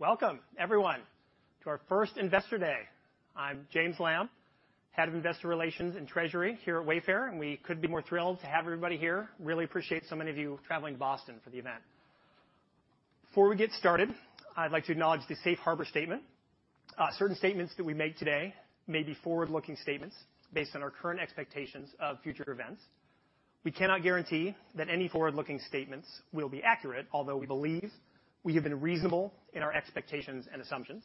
All right. Welcome, everyone, to our first Investor Day. I'm James Lamb, Head of Investor Relations and Treasury here at Wayfair. We couldn't be more thrilled to have everybody here. Really appreciate so many of you traveling to Boston for the event. Before we get started, I'd like to acknowledge the safe harbor statement. Certain statements that we make today may be forward-looking statements based on our current expectations of future events. We cannot guarantee that any forward-looking statements will be accurate, although we believe we have been reasonable in our expectations and assumptions,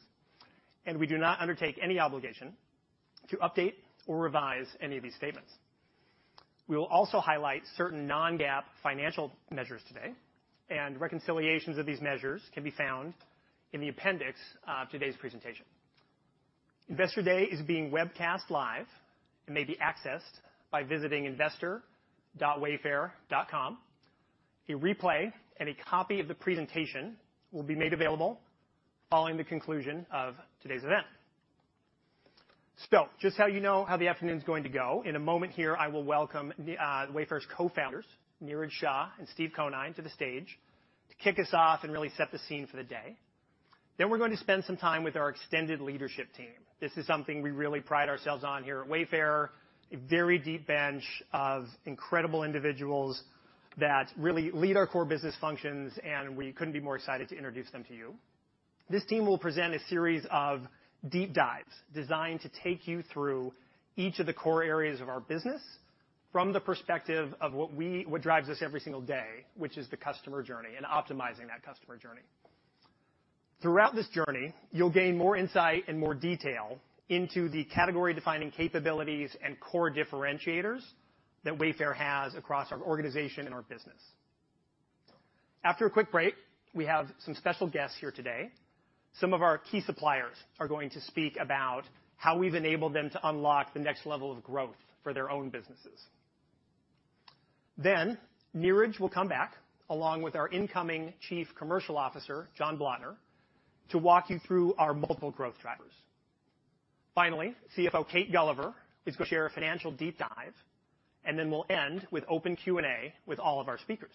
and we do not undertake any obligation to update or revise any of these statements. We will also highlight certain non-GAAP financial measures today, and reconciliations of these measures can be found in the appendix of today's presentation. Investor Day is being webcast live and may be accessed by visiting investor.wayfair. A replay and a copy of the presentation will be made available following the conclusion of today's event. Just how you know how the afternoon is going to go, in a moment here, I will welcome the Wayfair's co-founders, Niraj Shah and Steve Conine, to the stage to kick us off and really set the scene for the day. We're going to spend some time with our extended leadership team. This is something we really pride ourselves on here at Wayfair, a very deep bench of incredible individuals that really lead our core business functions, and we couldn't be more excited to introduce them to you. This team will present a series of deep dives designed to take you through each of the core areas of our business from the perspective of what drives us every single day, which is the customer journey and optimizing that customer journey. Throughout this journey, you'll gain more insight and more detail into the category-defining capabilities and core differentiators that Wayfair has across our organization and our business. After a quick break, we have some special guests here today. Some of our key suppliers are going to speak about how we've enabled them to unlock the next level of growth for their own businesses. Niraj will come back, along with our incoming Chief Commercial Officer, Jon Blotner, to walk you through our multiple growth drivers. Finally, CFO Kate Gulliver is going to share a financial deep dive, and then we'll end with open Q&A with all of our speakers.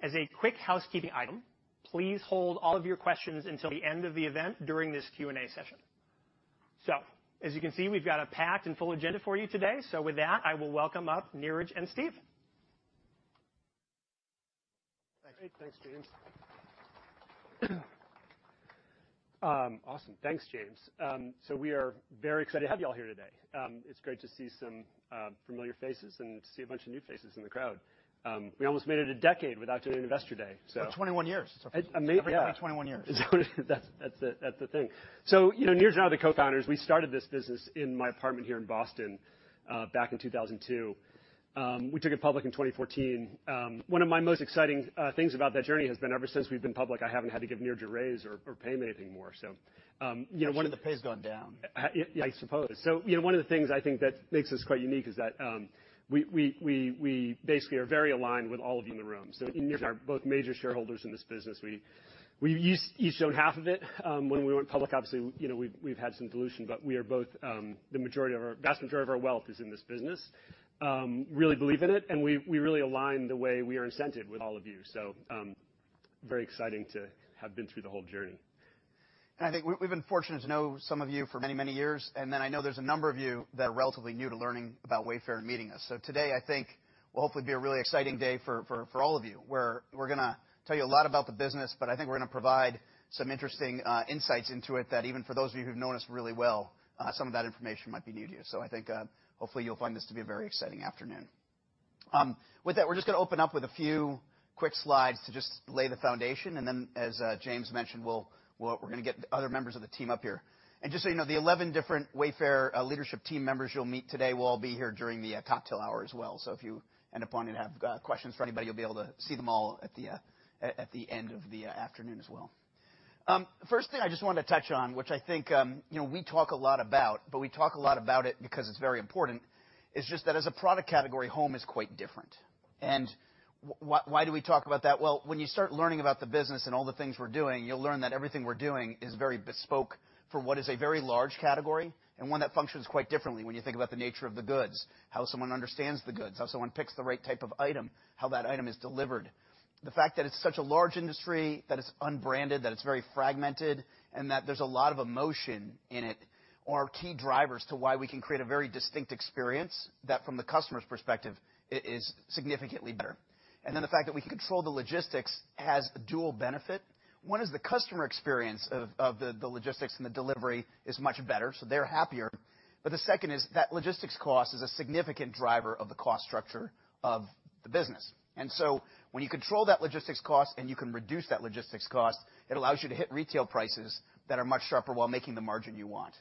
As a quick housekeeping item, please hold all of your questions until the end of the event during this Q&A session. As you can see, we've got a packed and full agenda for you today. With that, I will welcome up Niraj and Steve. Great. Thanks, James. Awesome. Thanks, James. We are very excited to have you all here today. It's great to see some familiar faces and to see a bunch of new faces in the crowd. We almost made it a decade without doing an Investor Day. 21 years. Amazing, yeah. Every 21 years. That's, that's the, that's the thing. You know, Niraj and I are the co-founders. We started this business in my apartment here in Boston, back in 2002. We took it public in 2014. One of my most exciting things about that journey has been, ever since we've been public, I haven't had to give Niraj a raise or, or pay him anything more. You know, one of the- The pay's gone down. I, yeah, I suppose so. You know, one of the things I think that makes us quite unique is that we basically are very aligned with all of you in the room. Niraj and I are both major shareholders in this business. We each own half of it. When we went public, obviously, you know, we've had some dilution, but we are both the vast majority of our wealth is in this business. Really believe in it, and we really align the way we are incented with all of you. Very exciting to have been through the whole journey. I think we, we've been fortunate to know some of you for many, many years, and then I know there's a number of you that are relatively new to learning about Wayfair and meeting us. Today, I think, will hopefully be a really exciting day for, for, for all of you, where we're gonna tell you a lot about the business, but I think we're gonna provide some interesting insights into it that even for those of you who've known us really well, some of that information might be new to you. I think, hopefully, you'll find this to be a very exciting afternoon. With that, we're just gonna open up with a few quick slides to just lay the foundation, and then, as James mentioned, we'll, we're gonna get other members of the team up here. Just so you know, the 11 different Wayfair leadership team members you'll meet today will all be here during the cocktail hour as well. If you end up wanting to have questions for anybody, you'll be able to see them all at the end of the afternoon as well. First thing I just wanted to touch on, which I think, you know, we talk a lot about, but we talk a lot about it because it's very important, is just that as a product category, home is quite different. Why do we talk about that? Well, when you start learning about the business and all the things we're doing, you'll learn that everything we're doing is very bespoke for what is a very large category, and one that functions quite differently when you think about the nature of the goods, how someone understands the goods, how someone picks the right type of item, how that item is delivered. The fact that it's such a large industry, that it's unbranded, that it's very fragmented, and that there's a lot of emotion in it, are key drivers to why we can create a very distinct experience that, from the customer's perspective, is significantly better. The fact that we control the logistics has a dual benefit. One is the customer experience of the logistics and the delivery is much better, so they're happier. The second is that logistics cost is a significant driver of the cost structure of the business. When you control that logistics cost and you can reduce that logistics cost, it allows you to hit retail prices that are much sharper while making the margin you want.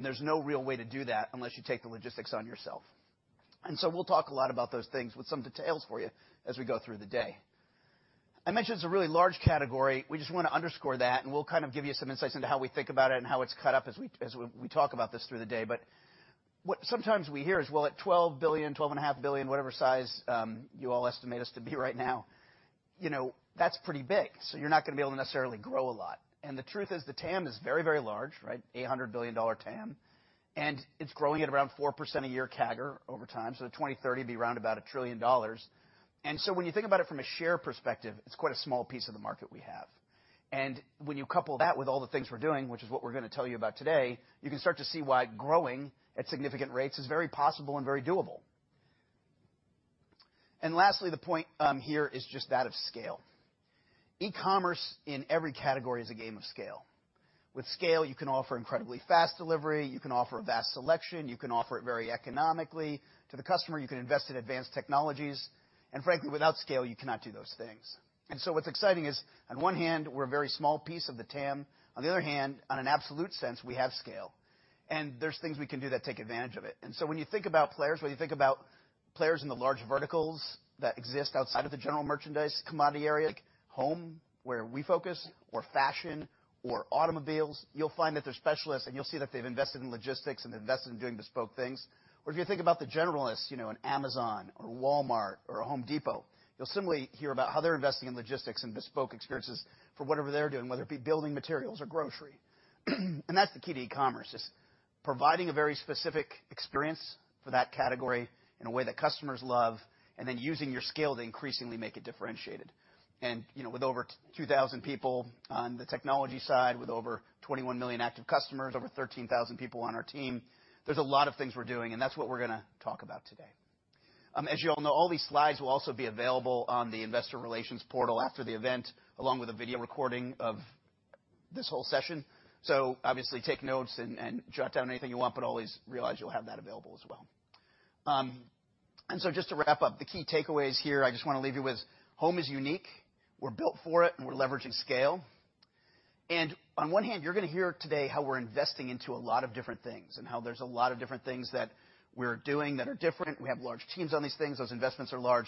There's no real way to do that unless you take the logistics on yourself. We'll talk a lot about those things with some details for you as we go through the day. I mentioned it's a really large category. We just want to underscore that, and we'll kind of give you some insights into how we think about it and how it's cut up as we talk about this through the day. What sometimes we hear is, well, at $12 billion, $12.5 billion, whatever size, you all estimate us to be right now, you know, that's pretty big, so you're not gonna be able to necessarily grow a lot. The truth is, the TAM is very, very large, right? $800 billion TAM, and it's growing at around 4% a year CAGR over time, so 2030, it'll be around about $1 trillion. So when you think about it from a share perspective, it's quite a small piece of the market we have. When you couple that with all the things we're doing, which is what we're gonna tell you about today, you can start to see why growing at significant rates is very possible and very doable. Lastly, the point here is just that of scale. E-commerce in every category is a game of scale. With scale, you can offer incredibly fast delivery, you can offer a vast selection, you can offer it very economically to the customer, you can invest in advanced technologies, and frankly, without scale, you cannot do those things. So what's exciting is, on one hand, we're a very small piece of the TAM. On the other hand, on an absolute sense, we have scale, and there's things we can do that take advantage of it. So when you think about players, when you think about players in the large verticals that exist outside of the general merchandise commodity area, like home, where we focus, or fashion or automobiles, you'll find that they're specialists, and you'll see that they've invested in logistics and invested in doing bespoke things. If you think about the generalists, you know, an Amazon or Walmart or The Home Depot, you'll similarly hear about how they're investing in logistics and bespoke experiences for whatever they're doing, whether it be building materials or grocery. That's the key to e-commerce, is providing a very specific experience for that category in a way that customers love, and then using your scale to increasingly make it differentiated. You know, with over 2,000 people on the technology side, with over 21 million active customers, over 13,000 people on our team, there's a lot of things we're doing, and that's what we're gonna talk about today. As you all know, all these slides will also be available on the Investor Relations portal after the event, along with a video recording of this whole session. Obviously, take notes and, and jot down anything you want, but always realize you'll have that available as well. Just to wrap up, the key takeaways here, I just wanna leave you with, home is unique. We're built for it, and we're leveraging scale. On one hand, you're gonna hear today how we're investing into a lot of different things, and how there's a lot of different things that we're doing that are different. We have large teams on these things. Those investments are large.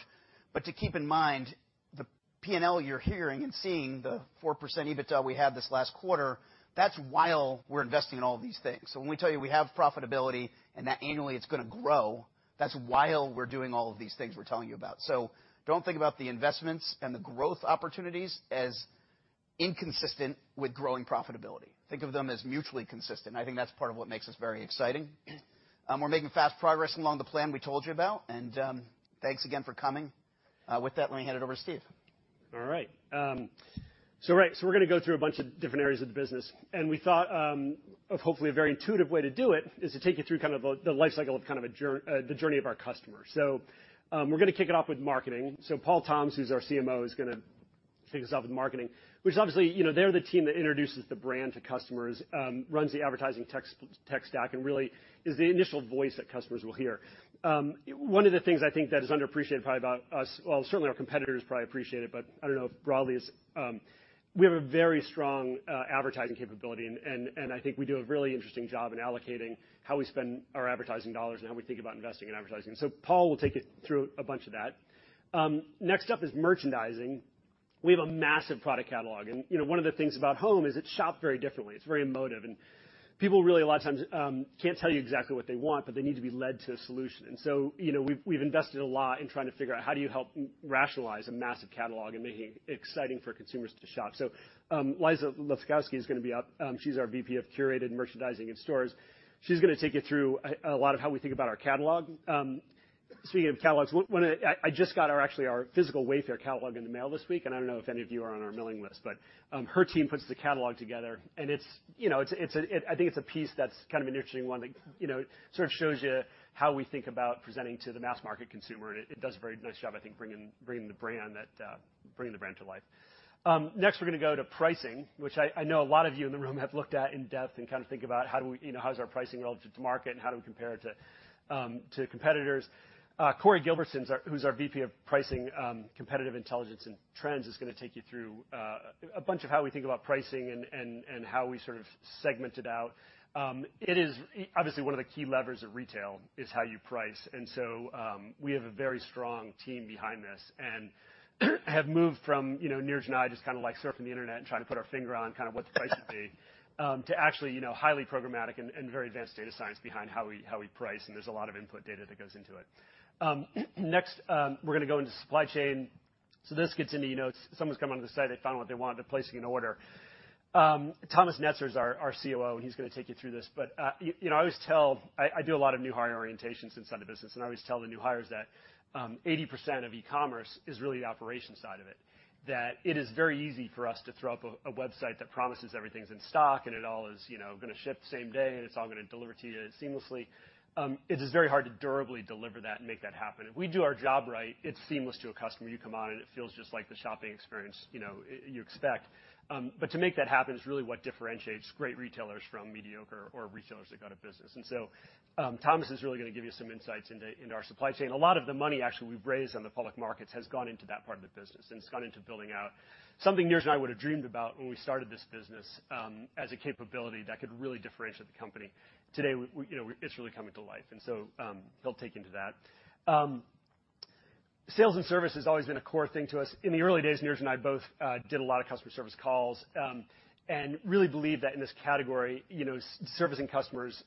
To keep in mind, the P&L you're hearing and seeing, the 4% EBITDA we had this last quarter, that's while we're investing in all of these things. When we tell you we have profitability and that annually it's gonna grow, that's while we're doing all of these things we're telling you about. Don't think about the investments and the growth opportunities as inconsistent with growing profitability. Think of them as mutually consistent, and I think that's part of what makes us very exciting. We're making fast progress along the plan we told you about, and thanks again for coming. With that, let me hand it over to Steve. All right, right, we're gonna go through a bunch of different areas of the business, and we thought of hopefully, a very intuitive way to do it is to take you through the life cycle of the journey of our customer. We're gonna kick it off with marketing. Paul Toms, who's our CMO, is gonna kick us off with marketing, which obviously, you know, they're the team that introduces the brand to customers, runs the advertising tech stack, and really is the initial voice that customers will hear. One of the things I think that is underappreciated probably about us... Well, certainly our competitors probably appreciate it, but I don't know if broadly is. We have a very strong advertising capability, and I think we do a really interesting job in allocating how we spend our advertising dollars and how we think about investing in advertising. Paul will take you through a bunch of that. Next up is merchandising. We have a massive product catalog, and, you know, one of the things about Home is it's shopped very differently. It's very emotive, and people really, a lot of times, can't tell you exactly what they want, but they need to be led to a solution. You know, we've invested a lot in trying to figure out how do you help rationalize a massive catalog and make it exciting for consumers to shop? Liza Lefkowski is gonna be up. She's our VP of Curated Merchandising and Stores. She's gonna take you through a lot of how we think about our catalog. Speaking of catalogs, I just got our, actually, our physical Wayfair catalog in the mail this week. I don't know if any of you are on our mailing list, but her team puts the catalog together, and it's, you know, it's a, I think it's a piece that's kind of an interesting one that, you know, sort of shows you how we think about presenting to the mass market consumer, and it does a very nice job, I think, bringing, bringing the brand that bringing the brand to life. Next, we're gonna go to pricing, which I, I know a lot of you in the room have looked at in depth and kind of think about how do we, you know, how is our pricing relative to market, and how do we compare it to competitors? Corey Gilbertson, our, who's our VP of Pricing, Competitive Intelligence and Trends, is gonna take you through a bunch of how we think about pricing and, and, and how we sort of segment it out. It is. Obviously, one of the key levers of retail is how you price, and so, we have a very strong team behind this and have moved from, you know, Niraj and I just kind of like surfing the internet and trying to put our finger on kind of what the price should be, to actually, you know, highly programmatic and, and very advanced data science behind how we, how we price, and there's a lot of input data that goes into it. Next, we're gonna go into supply chain. This gets into, you know, someone's come onto the site, they found what they want, they're placing an order. Thomas Netzer is our, our COO, and he's gonna take you through this. You know, I always tell. I do a lot of new hire orientations inside the business, and I always tell the new hires that 80% of e-commerce is really the operations side of it. It is very easy for us to throw up a website that promises everything's in stock, and it all is, you know, gonna ship the same day, and it's all gonna deliver to you seamlessly. It is very hard to durably deliver that and make that happen. If we do our job right, it's seamless to a customer. You come on, and it feels just like the shopping experience, you know, you expect. To make that happen is really what differentiates great retailers from mediocre or retailers that go out of business. Thomas is really gonna give you some insights into our supply chain. A lot of the money, actually, we've raised on the public markets has gone into that part of the business, and it's gone into building out something Niraj and I would have dreamed about when we started this business, as a capability that could really differentiate the company. Today, we, we, you know, it's really coming to life, he'll take you into that. Sales and service has always been a core thing to us. In the early days, Niraj and I both did a lot of customer service calls, and really believed that in this category, you know, servicing customers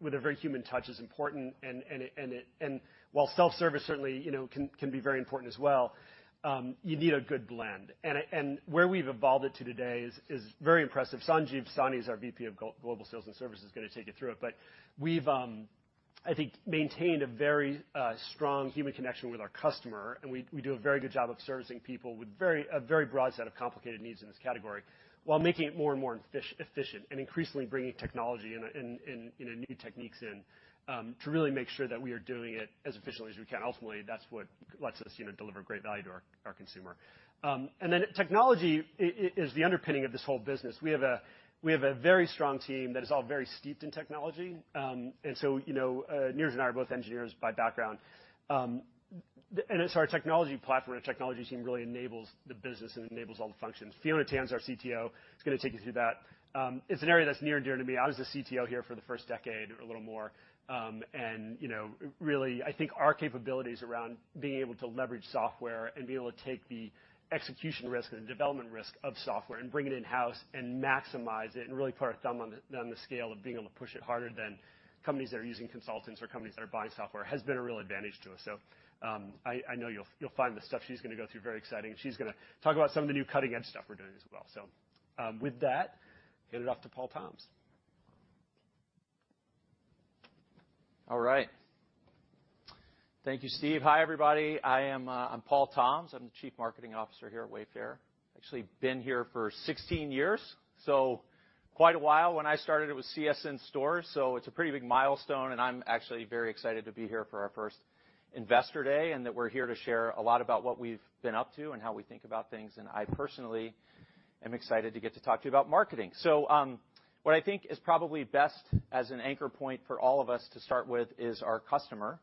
with a very human touch is important. While self-service certainly, you know, can be very important as well, you need a good blend. Where we've evolved it to today is, is very impressive. Sanjeev Sahni is our VP of Global Sales and Service, is gonna take you through it. We've, I think, maintained a very strong human connection with our customer, and we, we do a very good job of servicing people with very, a very broad set of complicated needs in this category, while making it more and more efficient and increasingly bringing technology and, and, and, you know, new techniques in to really make sure that we are doing it as efficiently as we can. Ultimately, that's what lets us, you know, deliver great value to our, our consumer. Then technology is the underpinning of this whole business. We have a, we have a very strong team that is all very steeped in technology. So, you know, Niraj and I are both engineers by background. It's our technology platform and our technology team really enables the business and enables all the functions. Fiona Tan's our CTO, is gonna take you through that. It's an area that's near and dear to me. I was the CTO here for the first 10 years or a little more. You know, really, I think our capabilities around being able to leverage software and being able to take the execution risk and development risk of software and bring it in-house and maximize it, and really put our thumb on the, on the scale of being able to push it harder than companies that are using consultants or companies that are buying software, has been a real advantage to us. I, I know you'll, you'll find the stuff she's gonna go through very exciting, and she's gonna talk about some of the new cutting-edge stuff we're doing as well. With that, hand it off to Paul Toms. All right. Thank you, Steve. Hi, everybody. I am, I'm Paul Toms. I'm the Chief Marketing Officer here at Wayfair. Actually, been here for 16 years, so quite a while. When I started, it was CSN Stores, so it's a pretty big milestone. I'm actually very excited to be here for our first Investor Day, and that we're here to share a lot about what we've been up to and how we think about things. I personally am excited to get to talk to you about marketing. What I think is probably best as an anchor point for all of us to start with is our customer,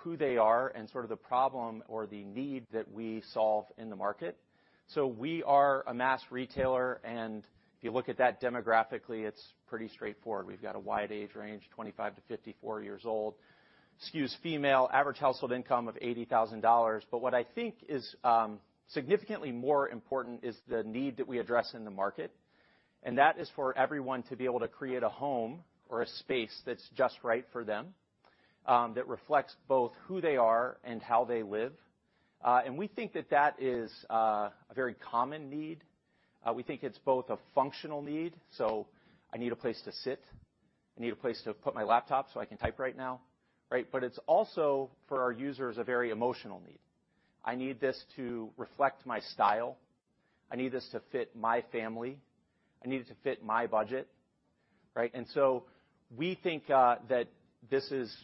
who they are, and sort of the problem or the need that we solve in the market. We are a mass retailer, and if you look at that demographically, it's pretty straightforward. We've got a wide age range, 25 to 54 years old. Skews female, average household income of $80,000. What I think is, significantly more important is the need that we address in the market, and that is for everyone to be able to create a home or a space that's just right for them, that reflects both who they are and how they live. We think that that is, a very common need. We think it's both a functional need, so I need a place to sit. I need a place to put my laptop, so I can type right now, right? It's also, for our users, a very emotional need. I need this to reflect my style. I need this to fit my family. I need it to fit my budget, right? We think, you know, that this is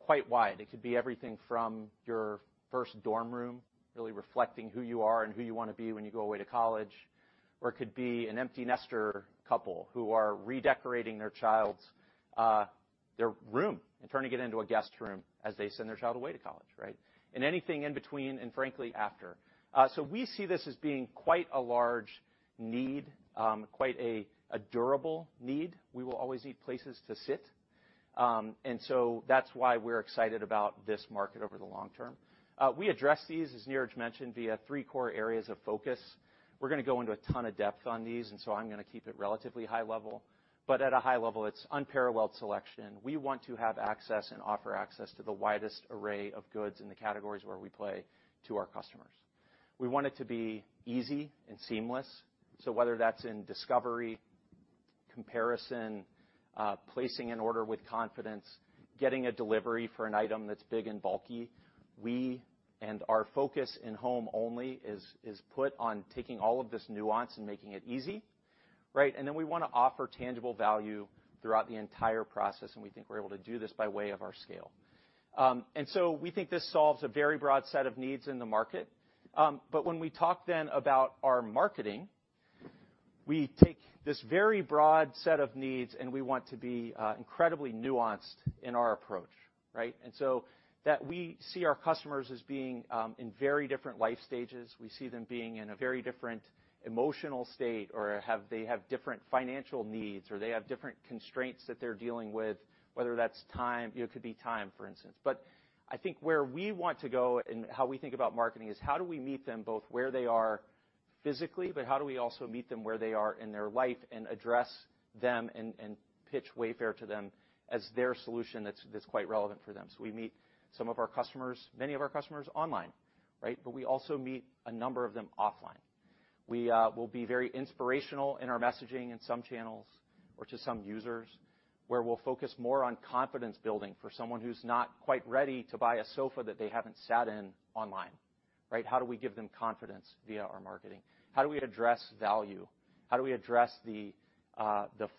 quite wide. It could be everything from your first dorm room, really reflecting who you are and who you wanna be when you go away to college, or it could be an empty nester couple who are redecorating their child's room and turning it into a guest room as they send their child away to college, right? Anything in between and frankly, after. We see this as being quite a large need, quite a durable need. We will always need places to sit, that's why we're excited about this market over the long term. We address these, as Niraj mentioned, via three core areas of focus. We're gonna go into a ton of depth on these, I'm gonna keep it relatively high level. At a high level, it's unparalleled selection. We want to have access and offer access to the widest array of goods in the categories where we play to our customers. We want it to be easy and seamless, so whether that's in discovery, comparison, placing an order with confidence, getting a delivery for an item that's big and bulky, we and our focus in home-only is put on taking all of this nuance and making it easy, right? Then we wanna offer tangible value throughout the entire process, and we think we're able to do this by way of our scale. So we think this solves a very broad set of needs in the market. When we talk then about our marketing, we take this very broad set of needs, and we want to be incredibly nuanced in our approach, right? That we see our customers as being in very different life stages. We see them being in a very different emotional state, or they have different financial needs, or they have different constraints that they're dealing with, whether that's time. It could be time, for instance. I think where we want to go and how we think about marketing is, how do we meet them both where they are physically, but how do we also meet them where they are in their life and address them and, and pitch Wayfair to them as their solution that's, that's quite relevant for them? We meet some of our customers, many of our customers online, right? We also meet a number of them offline. We will be very inspirational in our messaging in some channels or to some users, where we'll focus more on confidence building for someone who's not quite ready to buy a sofa that they haven't sat in online, right? How do we give them confidence via our marketing? How do we address value? How do we address the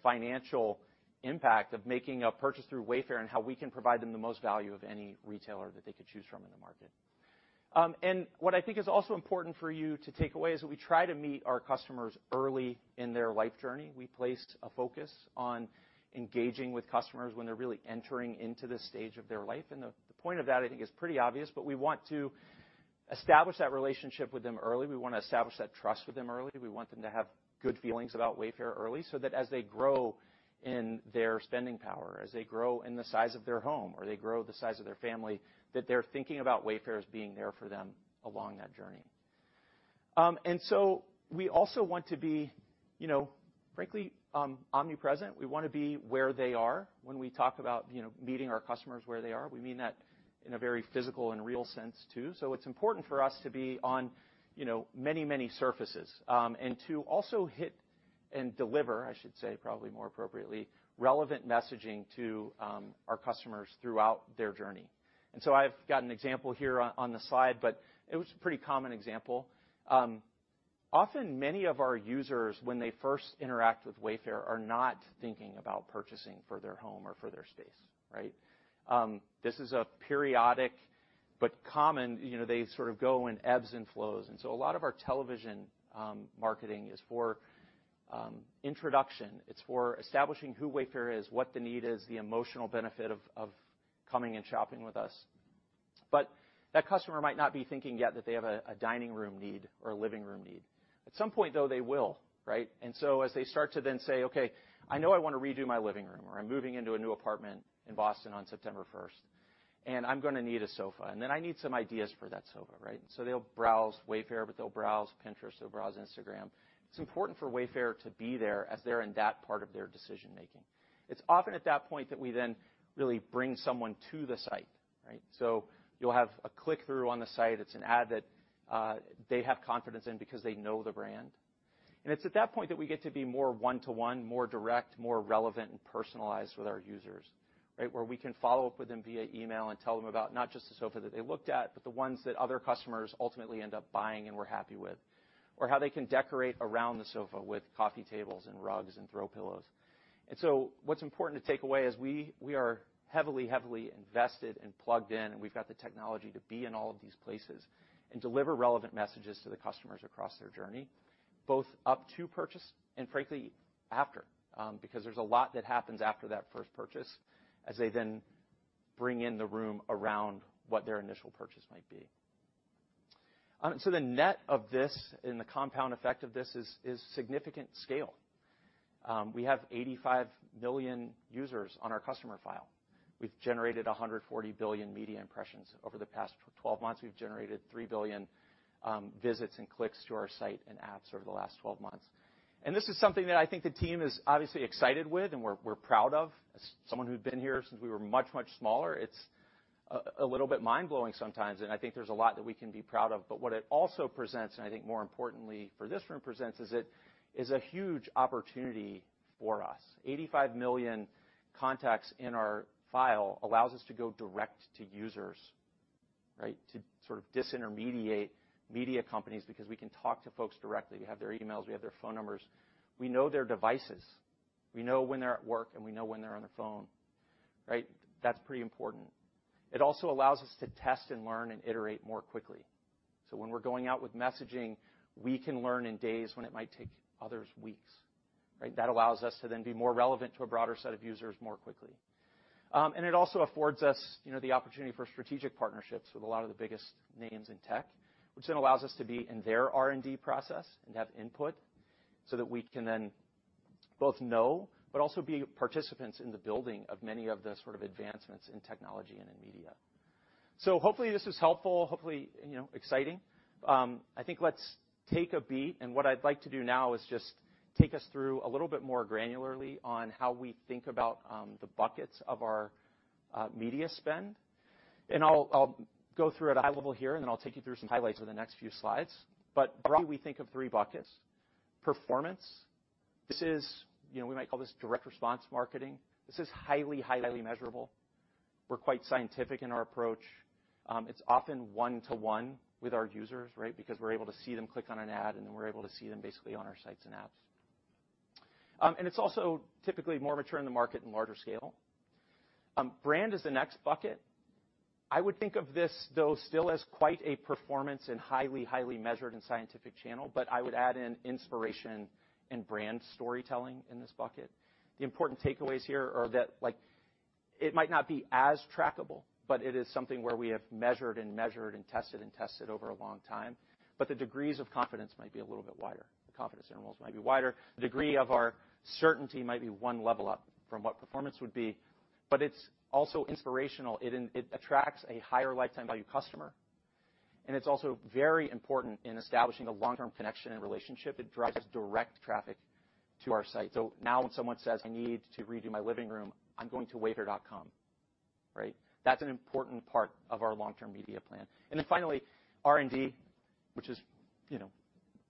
financial impact of making a purchase through Wayfair and how we can provide them the most value of any retailer that they could choose from in the market? What I think is also important for you to take away is that we try to meet our customers early in their life journey. We placed a focus on engaging with customers when they're really entering into this stage of their life, and the point of that, I think, is pretty obvious, but we want to establish that relationship with them early. We wanna establish that trust with them early. We want them to have good feelings about Wayfair early, so that as they grow in their spending power, as they grow in the size of their home, or they grow the size of their family, that they're thinking about Wayfair as being there for them along that journey. We also want to be, you know, frankly, omnipresent. We wanna be where they are. When we talk about, you know, meeting our customers where they are, we mean that in a very physical and real sense, too. It's important for us to be on, you know, many, many surfaces, and to also deliver, I should say, probably more appropriately, relevant messaging to our customers throughout their journey. I've got an example here on, on the slide, but it was a pretty common example. Often many of our users, when they first interact with Wayfair, are not thinking about purchasing for their home or for their space, right? This is a periodic but common, you know, they sort of go in ebbs and flows, and so a lot of our television, marketing is for introduction. It's for establishing who Wayfair is, what the need is, the emotional benefit of, of coming and shopping with us. That customer might not be thinking yet that they have a, a dining room need or a living room need. At some point, though, they will, right? So as they start to then say: Okay, I know I want to redo my living room, or I'm moving into a new apartment in Boston on September 1st, and I'm gonna need a sofa, and then I need some ideas for that sofa, right? They'll browse Wayfair, but they'll browse Pinterest, they'll browse Instagram. It's important for Wayfair to be there as they're in that part of their decision making. It's often at that point that we then really bring someone to the site, right? You'll have a click-through on the site. It's an ad that they have confidence in because they know the brand. It's at that point that we get to be more one-to-one, more direct, more relevant, and personalized with our users, right? Where we can follow up with them via email and tell them about not just the sofa that they looked at, but the ones that other customers ultimately end up buying and were happy with, or how they can decorate around the sofa with coffee tables and rugs and throw pillows. What's important to take away is we, we are heavily, heavily invested and plugged in, and we've got the technology to be in all of these places and deliver relevant messages to the customers across their journey, both up to purchase and frankly, after, because there's a lot that happens after that first purchase as they then bring in the room around what their initial purchase might be. So the net of this and the compound effect of this is, is significant scale. We have 85 million users on our customer file. We've generated 140 billion media impressions over the past 12 months. We've generated 3 billion visits and clicks to our site and apps over the last 12 months. This is something that I think the team is obviously excited with and we're proud of. As someone who'd been here since we were much, much smaller, it's a little bit mind-blowing sometimes, and I think there's a lot that we can be proud of. What it also presents, and I think more importantly for this room, presents, is it is a huge opportunity for us. 85 million contacts in our file allows us to go direct to users, right? To sort of disintermediate media companies because we can talk to folks directly. We have their emails, we have their phone numbers, we know their devices, we know when they're at work, and we know when they're on their phone, right? That's pretty important. It also allows us to test and learn and iterate more quickly. When we're going out with messaging, we can learn in days when it might take others weeks, right? That allows us to then be more relevant to a broader set of users more quickly. It also affords us, you know, the opportunity for strategic partnerships with a lot of the biggest names in tech, which then allows us to be in their R&D process and have input so that we can then both know but also be participants in the building of many of the sort of advancements in technology and in media. Hopefully, this is helpful, hopefully, you know, exciting. I think let's take a beat, and what I'd like to do now is just take us through a little bit more granularly on how we think about the buckets of our media spend. I'll, I'll go through at a high level here, and then I'll take you through some highlights over the next few slides. Broadly, we think of three buckets. Performance. This is, you know, we might call this direct response marketing. This is highly, highly measurable. We're quite scientific in our approach. It's often one-to-one with our users, right? Because we're able to see them click on an ad, and then we're able to see them basically on our sites and apps. And it's also typically more mature in the market and larger scale. Brand is the next bucket. I would think of this, though, still as quite a performance and highly, highly measured and scientific channel, but I would add in inspiration and brand storytelling in this bucket. The important takeaways here are that, like, it might not be as trackable, but it is something where we have measured and measured and tested and tested over a long time, but the degrees of confidence might be a little bit wider. The confidence intervals might be wider. The degree of our certainty might be 1 level up from what performance would be, but it's also inspirational. It attracts a higher lifetime value customer, and it's also very important in establishing a long-term connection and relationship. It drives direct traffic to our site. Now when someone says, "I need to redo my living room, I'm going to Wayfair," right? That's an important part of our long-term media plan. Then finally, R&D, which is, you know,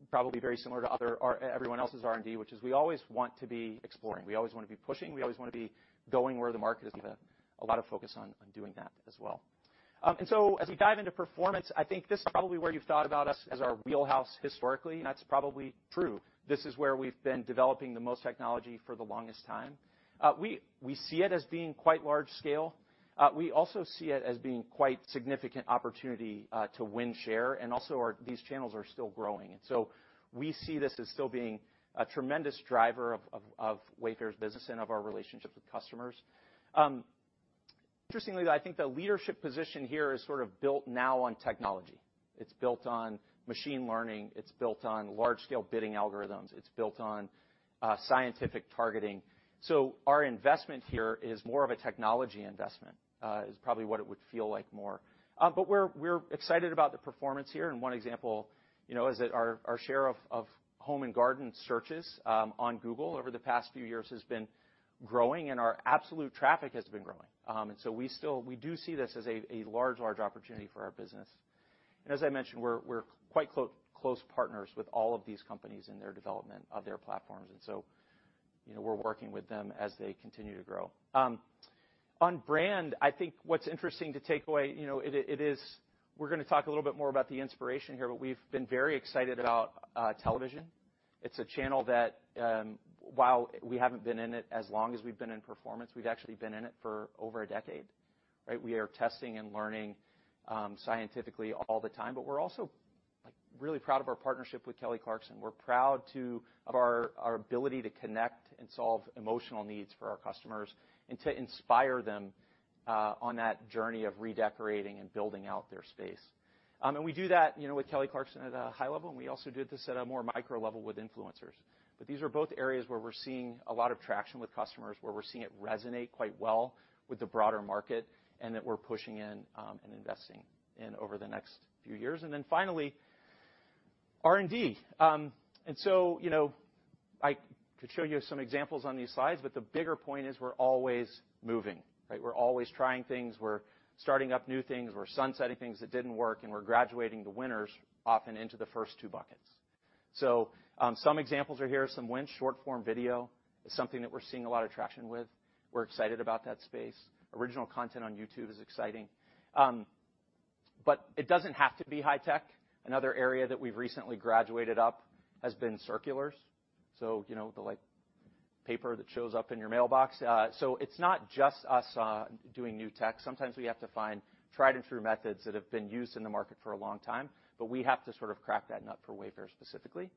probably very similar to everyone else's R&D, which is we always want to be exploring. We always want to be pushing, we always want to be going where the market is, with a lot of focus on doing that as well. So as we dive into performance, I think this is probably where you've thought about us as our wheelhouse historically, and that's probably true. This is where we've been developing the most technology for the longest time. We, we see it as being quite large scale. We also see it as being quite significant opportunity to win share, and also these channels are still growing. We see this as still being a tremendous driver of, of, of Wayfair's business and of our relationships with customers. Interestingly, I think the leadership position here is sort of built now on technology. It's built on machine learning, it's built on large-scale bidding algorithms, it's built on scientific targeting. Our investment here is more of a technology investment, is probably what it would feel like more. We're, we're excited about the performance here. One example, you know, is that our, our share of, of home and garden searches on Google over the past few years has been growing, and our absolute traffic has been growing. We still-- we do see this as a, a large, large opportunity for our business. As I mentioned, we're quite close partners with all of these companies in their development of their platforms, so, you know, we're working with them as they continue to grow. On brand, I think what's interesting to take away, you know, it, it is we're gonna talk a little bit more about the inspiration here, but we've been very excited about television. It's a channel that, while we haven't been in it as long as we've been in performance, we've actually been in it for over a decade, right? We are testing and learning scientifically all the time, but we're also, like, really proud of our partnership with Kelly Clarkson. We're proud of our ability to connect and solve emotional needs for our customers and to inspire them on that journey of redecorating and building out their space. We do that, you know, with Kelly Clarkson at a high level, and we also do this at a more micro level with influencers. These are both areas where we're seeing a lot of traction with customers, where we're seeing it resonate quite well with the broader market and that we're pushing in, and investing in over the next few years. Finally, R&D. You know, I could show you some examples on these slides, but the bigger point is, we're always moving, right? We're always trying things. We're starting up new things. We're sunsetting things that didn't work, and we're graduating the winners often into the first two buckets. Some examples are here, some winch short-form video is something that we're seeing a lot of traction with. We're excited about that space. Original content on YouTube is exciting. It doesn't have to be high tech. Another area that we've recently graduated up has been circulars, so, you know, the, like, paper that shows up in your mailbox. It's not just us doing new tech. Sometimes we have to find tried-and-true methods that have been used in the market for a long time, but we have to sort of crack that nut for Wayfair specifically,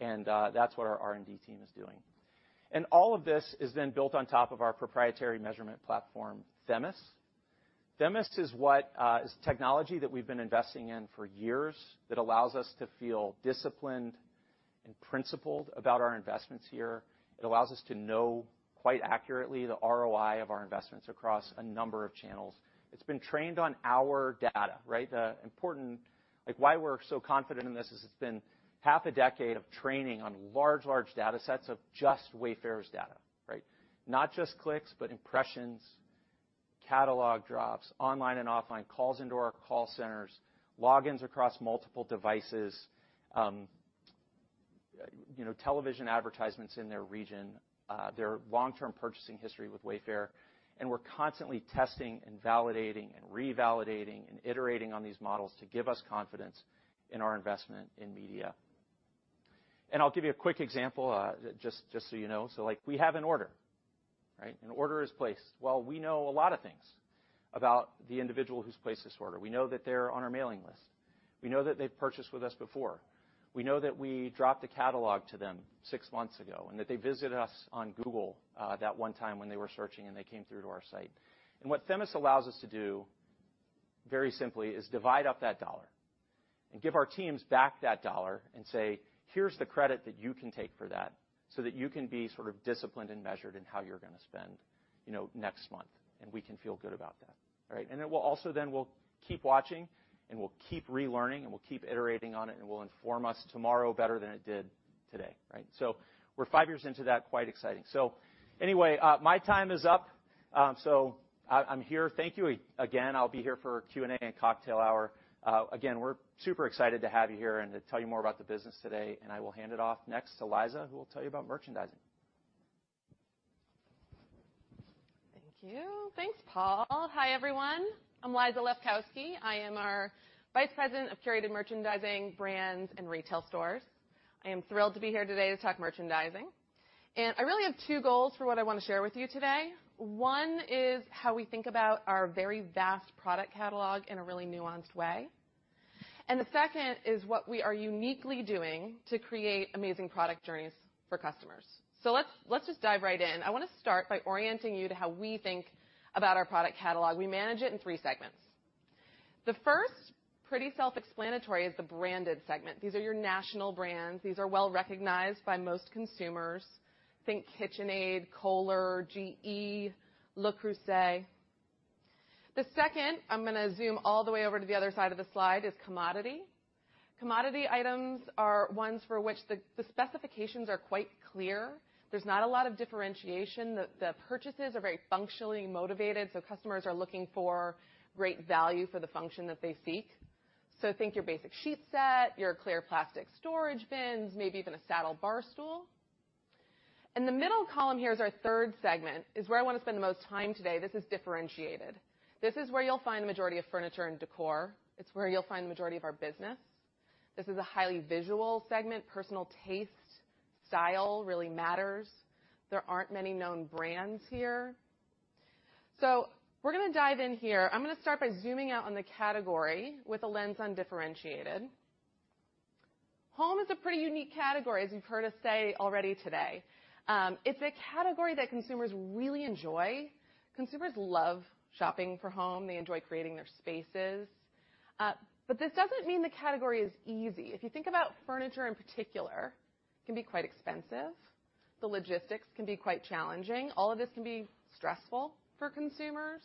that's what our R&D team is doing. All of this is then built on top of our proprietary measurement platform, Themis. Themis is what is technology that we've been investing in for years that allows us to feel disciplined and principled about our investments here. It allows us to know quite accurately the ROI of our investments across a number of channels. It's been trained on our data, right? The important... Like, why we're so confident in this is it's been half a decade of training on large, large datasets of just Wayfair's data, right? Not just clicks, but impressions, catalog drops, online and offline, calls into our call centers, logins across multiple devices, you know, television advertisements in their region, their long-term purchasing history with Wayfair, and we're constantly testing and validating and revalidating and iterating on these models to give us confidence in our investment in media. I'll give you a quick example, just, just so you know. Like, we have an order, right? An order is placed. Well, we know a lot of things about the individual who's placed this order. We know that they're on our mailing list. We know that they've purchased with us before. We know that we dropped a catalog to them six months ago, and that they visited us on Google, that one time when they were searching, and they came through to our site. What Themis allows us to do, very simply, is divide up that $1 and give our teams back that $1 and say, "Here's the credit that you can take for that, so that you can be sort of disciplined and measured in how you're gonna spend, you know, next month," and we can feel good about that, right? It will also then we'll keep watching, and we'll keep relearning, and we'll keep iterating on it, and it will inform us tomorrow better than it did today, right? We're five years into that. Quite exciting. Anyway, my time is up, so I, I'm here. Thank you again. I'll be here for Q&A and cocktail hour. Again, we're super excited to have you here and to tell you more about the business today. I will hand it off next to Liza, who will tell you about merchandising. Thank you. Thanks, Paul. Hi, everyone. I'm Liza Lefkowski. I am our Vice President of Curated Merchandising, Brands, and Retail Stores. I am thrilled to be here today to talk merchandising, and I really have two goals for what I want to share with you today. One is how we think about our very vast product catalog in a really nuanced way, and the second is what we are uniquely doing to create amazing product journeys for customers. Let's just dive right in. I want to start by orienting you to how we think about our product catalog. We manage it in three segments. The first, pretty self-explanatory, is the branded segment. These are your national brands. These are well recognized by most consumers. Think KitchenAid, Kohler, GE, Le Creuset. The second, I'm gonna zoom all the way over to the other side of the slide, is commodity. Commodity items are ones for which the specifications are quite clear. There's not a lot of differentiation. The purchases are very functionally motivated, so customers are looking for great value for the function that they seek. Think your basic sheet set, your clear plastic storage bins, maybe even a saddle bar stool. In the middle column here is our third segment, is where I want to spend the most time today. This is differentiated. This is where you'll find the majority of furniture and decor. It's where you'll find the majority of our business. This is a highly visual segment. Personal taste, style, really matters. There aren't many known brands here. We're gonna dive in here. I'm gonna start by zooming out on the category with a lens on differentiated. Home is a pretty unique category, as you've heard us say already today. It's a category that consumers really enjoy. Consumers love shopping for home. They enjoy creating their spaces. This doesn't mean the category is easy. If you think about furniture, in particular, it can be quite expensive. The logistics can be quite challenging. All of this can be stressful for consumers.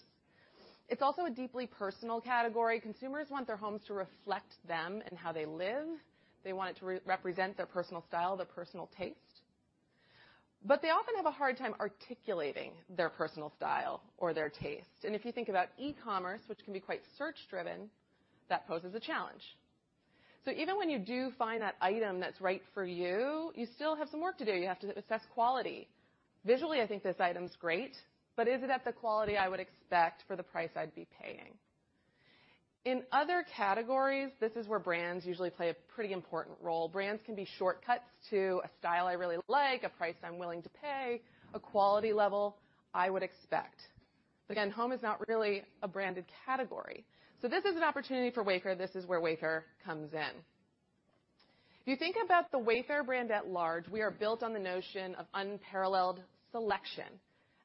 It's also a deeply personal category. Consumers want their homes to reflect them and how they live. They want it to represent their personal style, their personal taste. They often have a hard time articulating their personal style or their taste. If you think about e-commerce, which can be quite search-driven, that poses a challenge. Even when you do find that item that's right for you, you still have some work to do. You have to assess quality. Visually, I think this item's great, but is it at the quality I would expect for the price I'd be paying? In other categories, this is where brands usually play a pretty important role. Brands can be shortcuts to a style I really like, a price I'm willing to pay, a quality level I would expect. Again, home is not really a branded category. This is an opportunity for Wayfair. This is where Wayfair comes in. If you think about the Wayfair brand at large, we are built on the notion of unparalleled selection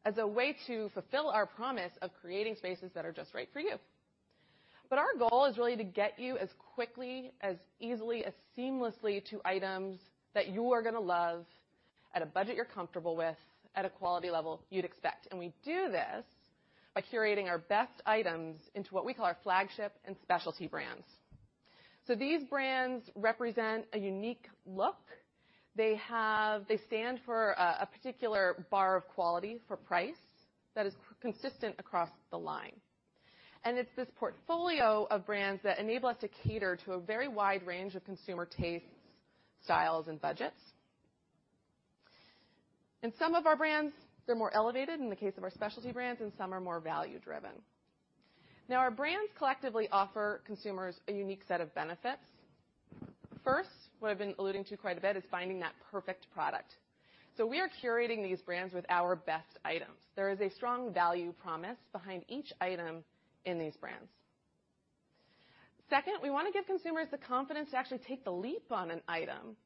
as a way to fulfill our promise of creating spaces that are just right for you. Our goal is really to get you as quickly, as easily, as seamlessly to items that you are gonna love at a budget you're comfortable with, at a quality level you'd expect. We do this by curating our best items into what we call our flagship and specialty brands. These brands represent a unique look. They stand for a particular bar of quality for price that is consistent across the line. It's this portfolio of brands that enable us to cater to a very wide range of consumer tastes, styles, and budgets. Some of our brands, they're more elevated in the case of our specialty brands, and some are more value-driven. Now, our brands collectively offer consumers a unique set of benefits. First, what I've been alluding to quite a bit, is finding that perfect product. We are curating these brands with our best items. There is a strong value promise behind each item in these brands. Second, we want to give consumers the confidence to actually take the leap on an item.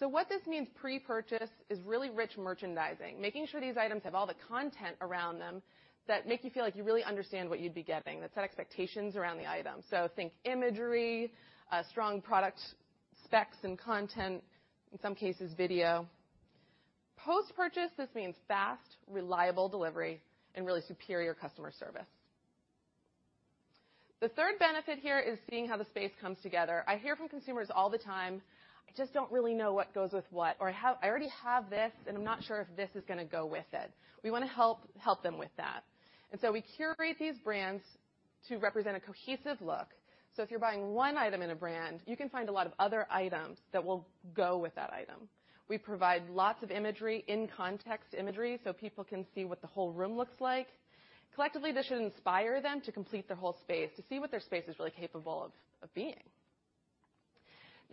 What this means pre-purchase is really rich merchandising, making sure these items have all the content around them that make you feel like you really understand what you'd be getting, that set expectations around the item. Think imagery, strong product specs and content, in some cases, video. Post-purchase, this means fast, reliable delivery and really superior customer service. The third benefit here is seeing how the space comes together. I hear from consumers all the time: "I just don't really know what goes with what," or "I already have this, and I'm not sure if this is gonna go with it." We want to help, help them with that. We curate these brands to represent a cohesive look. If you're buying one item in a brand, you can find a lot of other items that will go with that item. We provide lots of imagery, in-context imagery, so people can see what the whole room looks like. Collectively, this should inspire them to complete their whole space, to see what their space is really capable of, of being.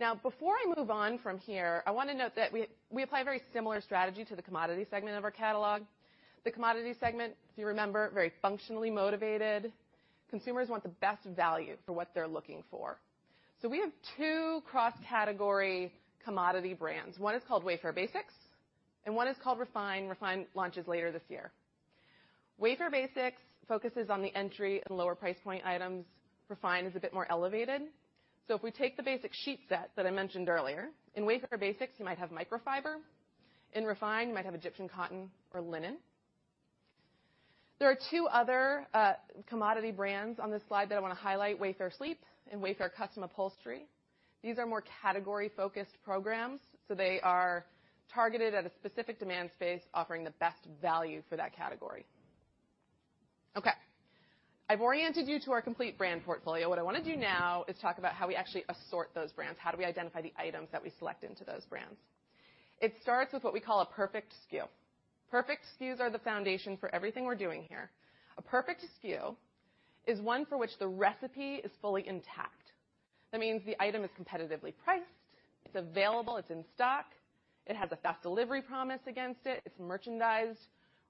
Now, before I move on from here, I want to note that we, we apply a very similar strategy to the commodity segment of our catalog. The commodity segment, if you remember, very functionally motivated. Consumers want the best value for what they're looking for. We have two cross-category commodity brands. One is called Wayfair Basics, and one is called Re/Fine. Re/Fine launches later this year. Wayfair Basics focuses on the entry and lower price point items. Re/Fine is a bit more elevated. If we take the basic sheet set that I mentioned earlier, in Wayfair Basics, you might have microfiber. In Re/Fine, you might have Egyptian cotton or linen. There are two other commodity brands on this slide that I want to highlight, Wayfair Sleep and Wayfair Custom Upholstery. These are more category-focused programs, so they are targeted at a specific demand space, offering the best value for that category. Okay, I've oriented you to our complete brand portfolio. What I want to do now is talk about how we actually assort those brands. How do we identify the items that we select into those brands? It starts with what we call a perfect SKU. Perfect SKUs are the foundation for everything we're doing here. A perfect SKU is one for which the recipe is fully intact. That means the item is competitively priced, it's available, it's in stock, it has a fast delivery promise against it, it's merchandised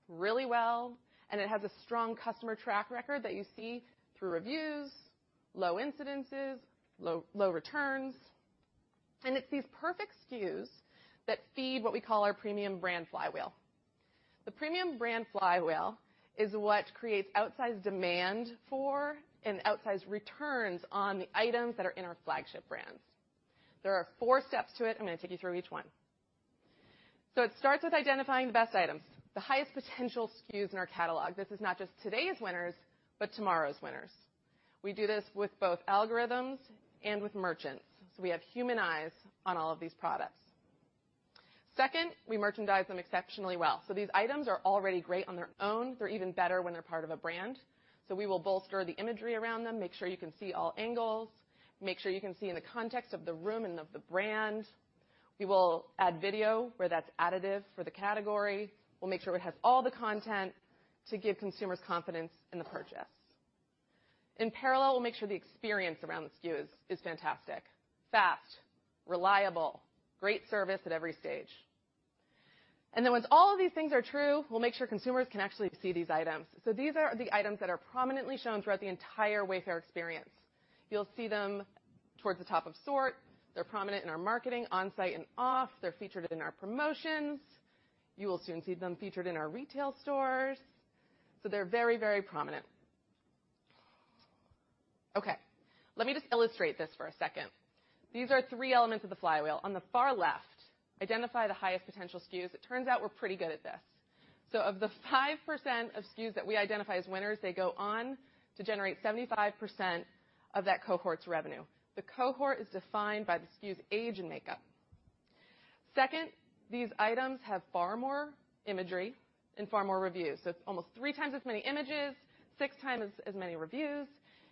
really well, and it has a strong customer track record that you see through reviews, low incidences, low, low returns. It's these Perfect SKUs that feed what we call our Premium Brand Flywheel. The Premium Brand Flywheel is what creates outsized demand for and outsized returns on the items that are in our flagship brands. There are four steps to it. I'm going to take you through each one. It starts with identifying the best items, the highest potential SKUs in our catalog. This is not just today's winners, but tomorrow's winners. We do this with both algorithms and with merchants, so we have human eyes on all of these products. Second, we merchandise them exceptionally well. These items are already great on their own. They're even better when they're part of a brand. We will bolster the imagery around them, make sure you can see all angles, make sure you can see in the context of the room and of the brand. We will add video where that's additive for the category. We'll make sure it has all the content to give consumers confidence in the purchase. In parallel, we'll make sure the experience around the SKUs is fantastic, fast, reliable, great service at every stage. Once all of these things are true, we'll make sure consumers can actually see these items. These are the items that are prominently shown throughout the entire Wayfair experience. You'll see them towards the top of sort. They're prominent in our marketing on-site and off. They're featured in our promotions. You will soon see them featured in our retail stores, they're very, very prominent. Okay, let me just illustrate this for a second. These are three elements of the flywheel. On the far left, identify the highest potential SKUs. It turns out we're pretty good at this.... Of the 5% of SKUs that we identify as winners, they go on to generate 75% of that cohort's revenue. The cohort is defined by the SKU's age and makeup. Second, these items have far more imagery and far more reviews. It's almost 3 times as many images, 6 times as, as many reviews,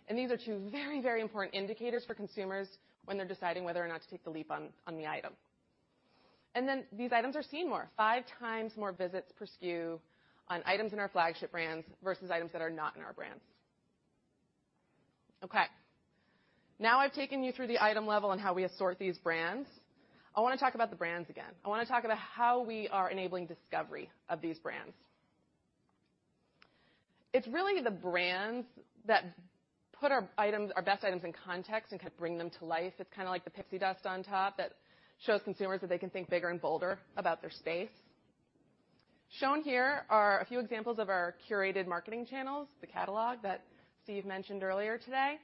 and these are two very, very important indicators for consumers when they're deciding whether or not to take the leap on, on the item. These items are seen more, five times more visits per SKU on items in our flagship brands versus items that are not in our brands. Okay, now I've taken you through the item level and how we assort these brands. I wanna talk about the brands again. I wanna talk about how we are enabling discovery of these brands. It's really the brands that put our items-- our best items in context and kind of bring them to life. It's kind of like the pixie dust on top that shows consumers that they can think bigger and bolder about their space. Shown here are a few examples of our curated marketing channels, the catalog that Steve mentioned earlier today.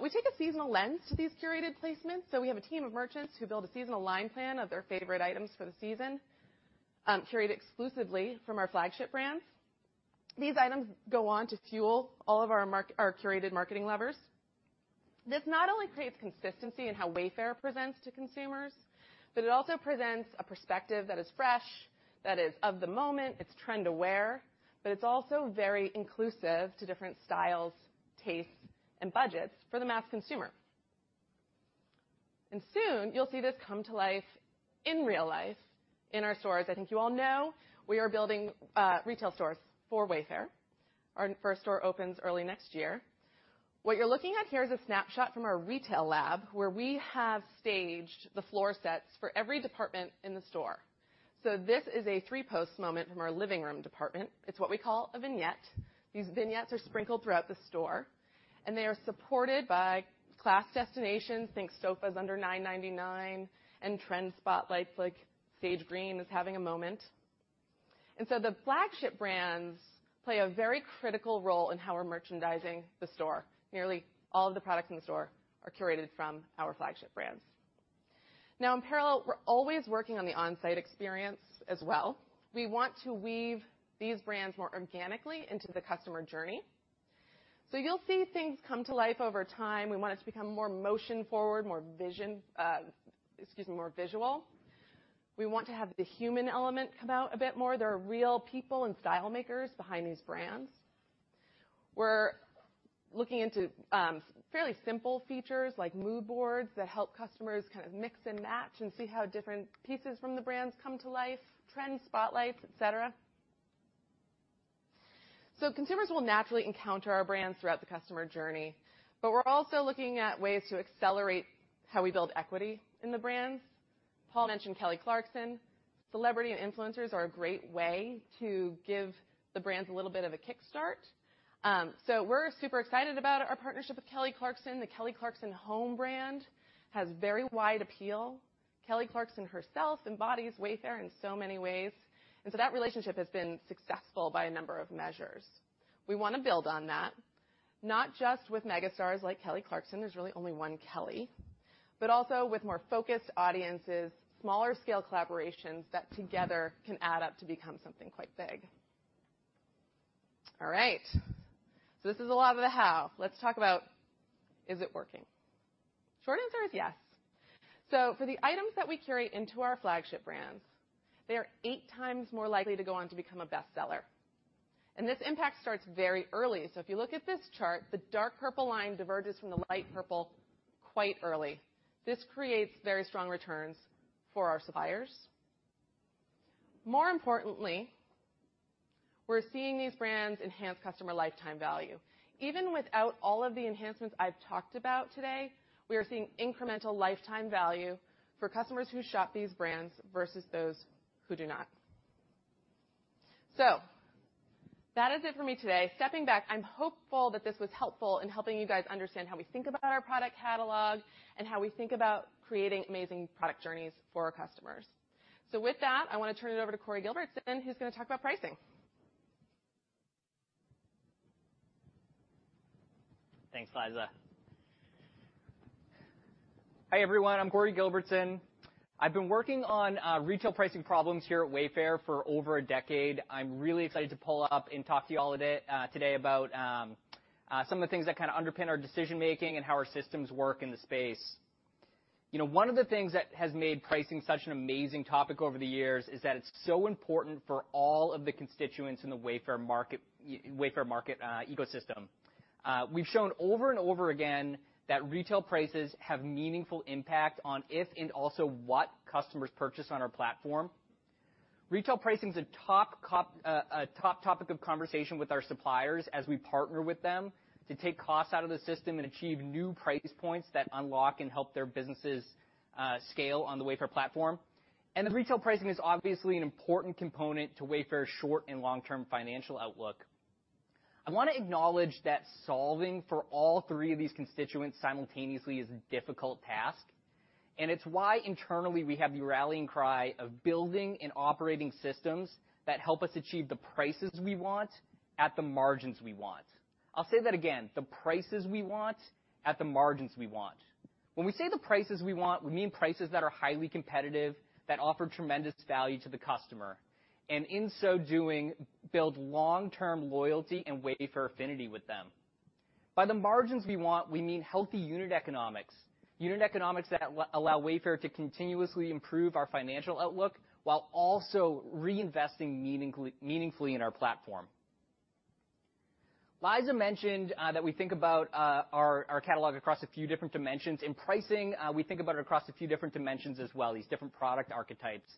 We take a seasonal lens to these curated placements, so we have a team of merchants who build a seasonal line plan of their favorite items for the season, curated exclusively from our flagship brands. These items go on to fuel all of our curated marketing levers. This not only creates consistency in how Wayfair presents to consumers, but it also presents a perspective that is fresh, that is of the moment, it's trend aware, but it's also very inclusive to different styles, tastes, and budgets for the mass consumer. Soon, you'll see this come to life in real life in our stores. I think you all know we are building retail stores for Wayfair. Our first store opens early next year. What you're looking at here is a snapshot from our retail lab, where we have staged the floor sets for every department in the store. This is a three-post moment from our living room department. It's what we call a vignette. These vignettes are sprinkled throughout the store, and they are supported by class destinations, think sofas under $999, and trend spotlights like sage green is having a moment. The flagship brands play a very critical role in how we're merchandising the store. Nearly all of the products in the store are curated from our flagship brands. In parallel, we're always working on the onsite experience as well. We want to weave these brands more organically into the customer journey. You'll see things come to life over time. We want it to become more motion forward, more vision, excuse me, more visual. We want to have the human element come out a bit more. There are real people and style makers behind these brands. We're looking into fairly simple features like mood boards that help customers kind of mix and match and see how different pieces from the brands come to life, trend spotlights, et cetera. Consumers will naturally encounter our brands throughout the customer journey, but we're also looking at ways to accelerate how we build equity in the brands. Paul mentioned Kelly Clarkson. Celebrity and influencers are a great way to give the brands a little bit of a kickstart. We're super excited about our partnership with Kelly Clarkson. The Kelly Clarkson Home brand has very wide appeal. Kelly Clarkson herself embodies Wayfair in so many ways, and so that relationship has been successful by a number of measures. We wanna build on that, not just with megastars like Kelly Clarkson, there's really only one Kelly, but also with more focused audiences, smaller scale collaborations that together can add up to become something quite big. All right. This is a lot of the how. Let's talk about, is it working? Short answer is yes. For the items that we curate into our flagship brands, they are 8 times more likely to go on to become a bestseller. This impact starts very early. If you look at this chart, the dark purple line diverges from the light purple quite early. This creates very strong returns for our suppliers. More importantly, we're seeing these brands enhance customer lifetime value. Even without all of the enhancements I've talked about today, we are seeing incremental lifetime value for customers who shop these brands versus those who do not. That is it for me today. Stepping back, I'm hopeful that this was helpful in helping you guys understand how we think about our product catalog and how we think about creating amazing product journeys for our customers. With that, I want to turn it over to Corey Gilbertson, who's going to talk about pricing. Thanks, Liza. Hi, everyone, I'm Corey Gilbertson. I've been working on retail pricing problems here at Wayfair for over a decade. I'm really excited to pull up and talk to you all today about some of the things that kind of underpin our decision-making and how our systems work in the space. You know, one of the things that has made pricing such an amazing topic over the years is that it's so important for all of the constituents in the Wayfair market ecosystem. We've shown over and over again that retail prices have meaningful impact on if and also what customers purchase on our platform. Retail pricing is a top cop... a top topic of conversation with our suppliers as we partner with them to take costs out of the system and achieve new price points that unlock and help their businesses scale on the Wayfair platform. The retail pricing is obviously an important component to Wayfair's short and long-term financial outlook. I want to acknowledge that solving for all three of these constituents simultaneously is a difficult task, and it's why internally, we have the rallying cry of building and operating systems that help us achieve the prices we want at the margins we want. I'll say that again, the prices we want at the margins we want. When we say the prices we want, we mean prices that are highly competitive, that offer tremendous value to the customer, and in so doing, build long-term loyalty and Wayfair affinity with them. By the margins we want, we mean healthy unit economics, unit economics that allow Wayfair to continuously improve our financial outlook while also reinvesting meaningfully in our platform. Liza mentioned that we think about our catalog across a few different dimensions. In pricing, we think about it across a few different dimensions as well, these different product archetypes.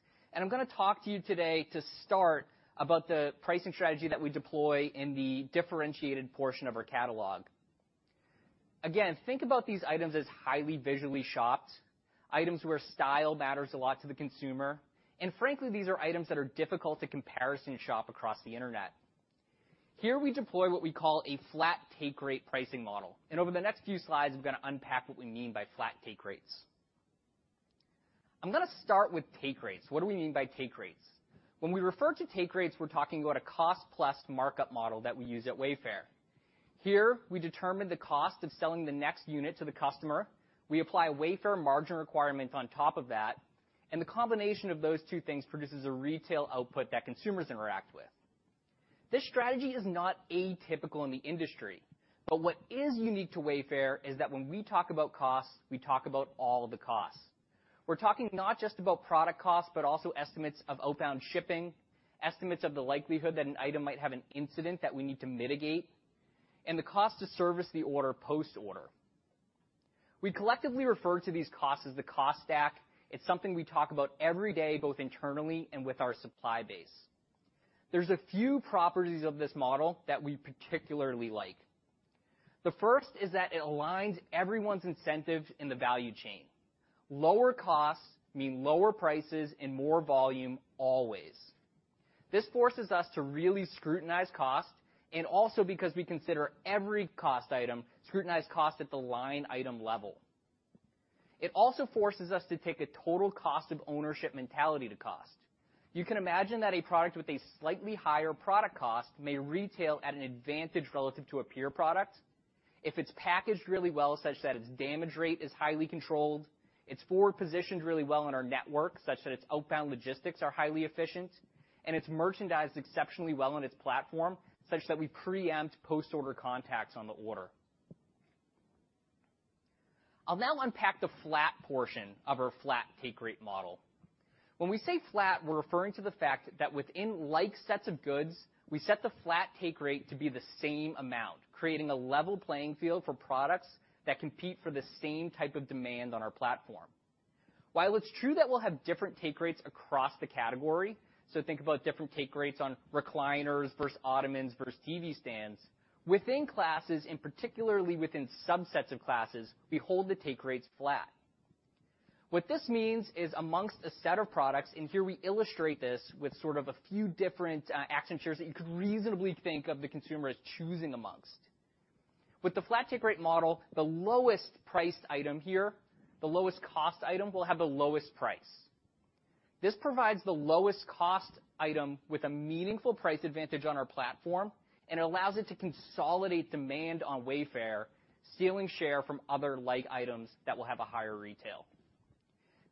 I'm gonna talk to you today to start, about the pricing strategy that we deploy in the differentiated portion of our catalog. Again, think about these items as highly visually shopped, items where style matters a lot to the consumer, and frankly, these are items that are difficult to comparison shop across the internet. Here we deploy what we call a flat take rate pricing model, and over the next few slides, I'm gonna unpack what we mean by flat take rates. I'm gonna start with take rates. What do we mean by take rates? When we refer to take rates, we're talking about a cost-plus markup model that we use at Wayfair. Here, we determine the cost of selling the next unit to the customer. We apply Wayfair margin requirements on top of that, and the combination of those 2 things produces a retail output that consumers interact with. This strategy is not atypical in the industry, but what is unique to Wayfair is that when we talk about costs, we talk about all the costs. We're talking not just about product costs, but also estimates of outbound shipping, estimates of the likelihood that an item might have an incident that we need to mitigate, and the cost to service the order post-order. We collectively refer to these costs as the cost stack. It's something we talk about every day, both internally and with our supply base. There's a few properties of this model that we particularly like. The first is that it aligns everyone's incentives in the value chain. Lower costs mean lower prices and more volume, always. This forces us to really scrutinize cost, and also because we consider every cost item, scrutinize cost at the line item level. It also forces us to take a total cost of ownership mentality to cost. You can imagine that a product with a slightly higher product cost may retail at an advantage relative to a peer product if it's packaged really well, such that its damage rate is highly controlled, it's forward-positioned really well in our network, such that its outbound logistics are highly efficient, and it's merchandised exceptionally well on its platform, such that we preempt post-order contacts on the order. I'll now unpack the flat portion of our flat take rate model. When we say flat, we're referring to the fact that within like sets of goods, we set the flat take rate to be the same amount, creating a level playing field for products that compete for the same type of demand on our platform. While it's true that we'll have different take rates across the category, so think about different take rates on recliners versus ottomans versus TV stands. Within classes, and particularly within subsets of classes, we hold the take rates flat. What this means is, amongst a set of products, and here we illustrate this with sort of a few different accent chairs that you could reasonably think of the consumer as choosing amongst. With the flat take rate model, the lowest priced item here, the lowest cost item, will have the lowest price. This provides the lowest cost item with a meaningful price advantage on our platform, it allows it to consolidate demand on Wayfair, stealing share from other like items that will have a higher retail.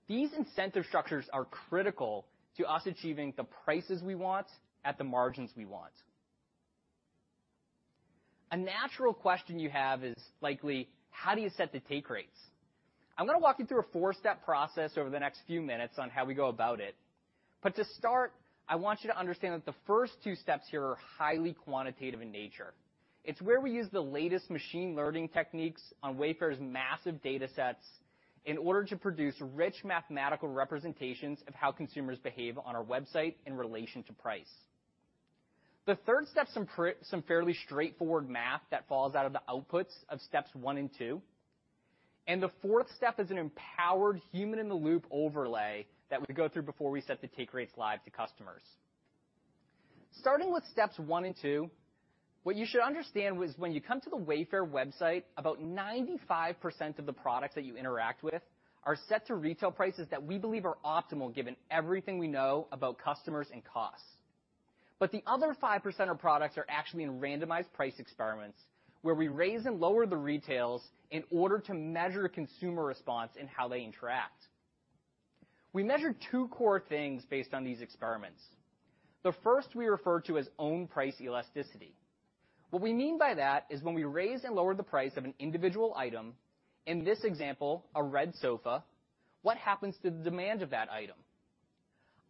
These incentive structures are critical to us achieving the prices we want at the margins we want. A natural question you have is likely: How do you set the take rates? I'm gonna walk you through a four-step process over the next few minutes on how we go about it. To start, I want you to understand that the first two steps here are highly quantitative in nature. It's where we use the latest machine learning techniques on Wayfair's massive data sets in order to produce rich mathematical representations of how consumers behave on our website in relation to price. The third step is some fairly straightforward math that falls out of the outputs of steps one and two. The fourth step is an empowered human-in-the-loop overlay that we go through before we set the take rates live to customers. Starting with steps one and two, what you should understand is when you come to the Wayfair website, about 95% of the products that you interact with are set to retail prices that we believe are optimal, given everything we know about customers and costs. The other 5% of products are actually in randomized price experiments, where we raise and lower the retails in order to measure consumer response and how they interact. We measure two core things based on these experiments. The first we refer to as own price elasticity. What we mean by that is when we raise and lower the price of an individual item, in this example, a red sofa, what happens to the demand of that item?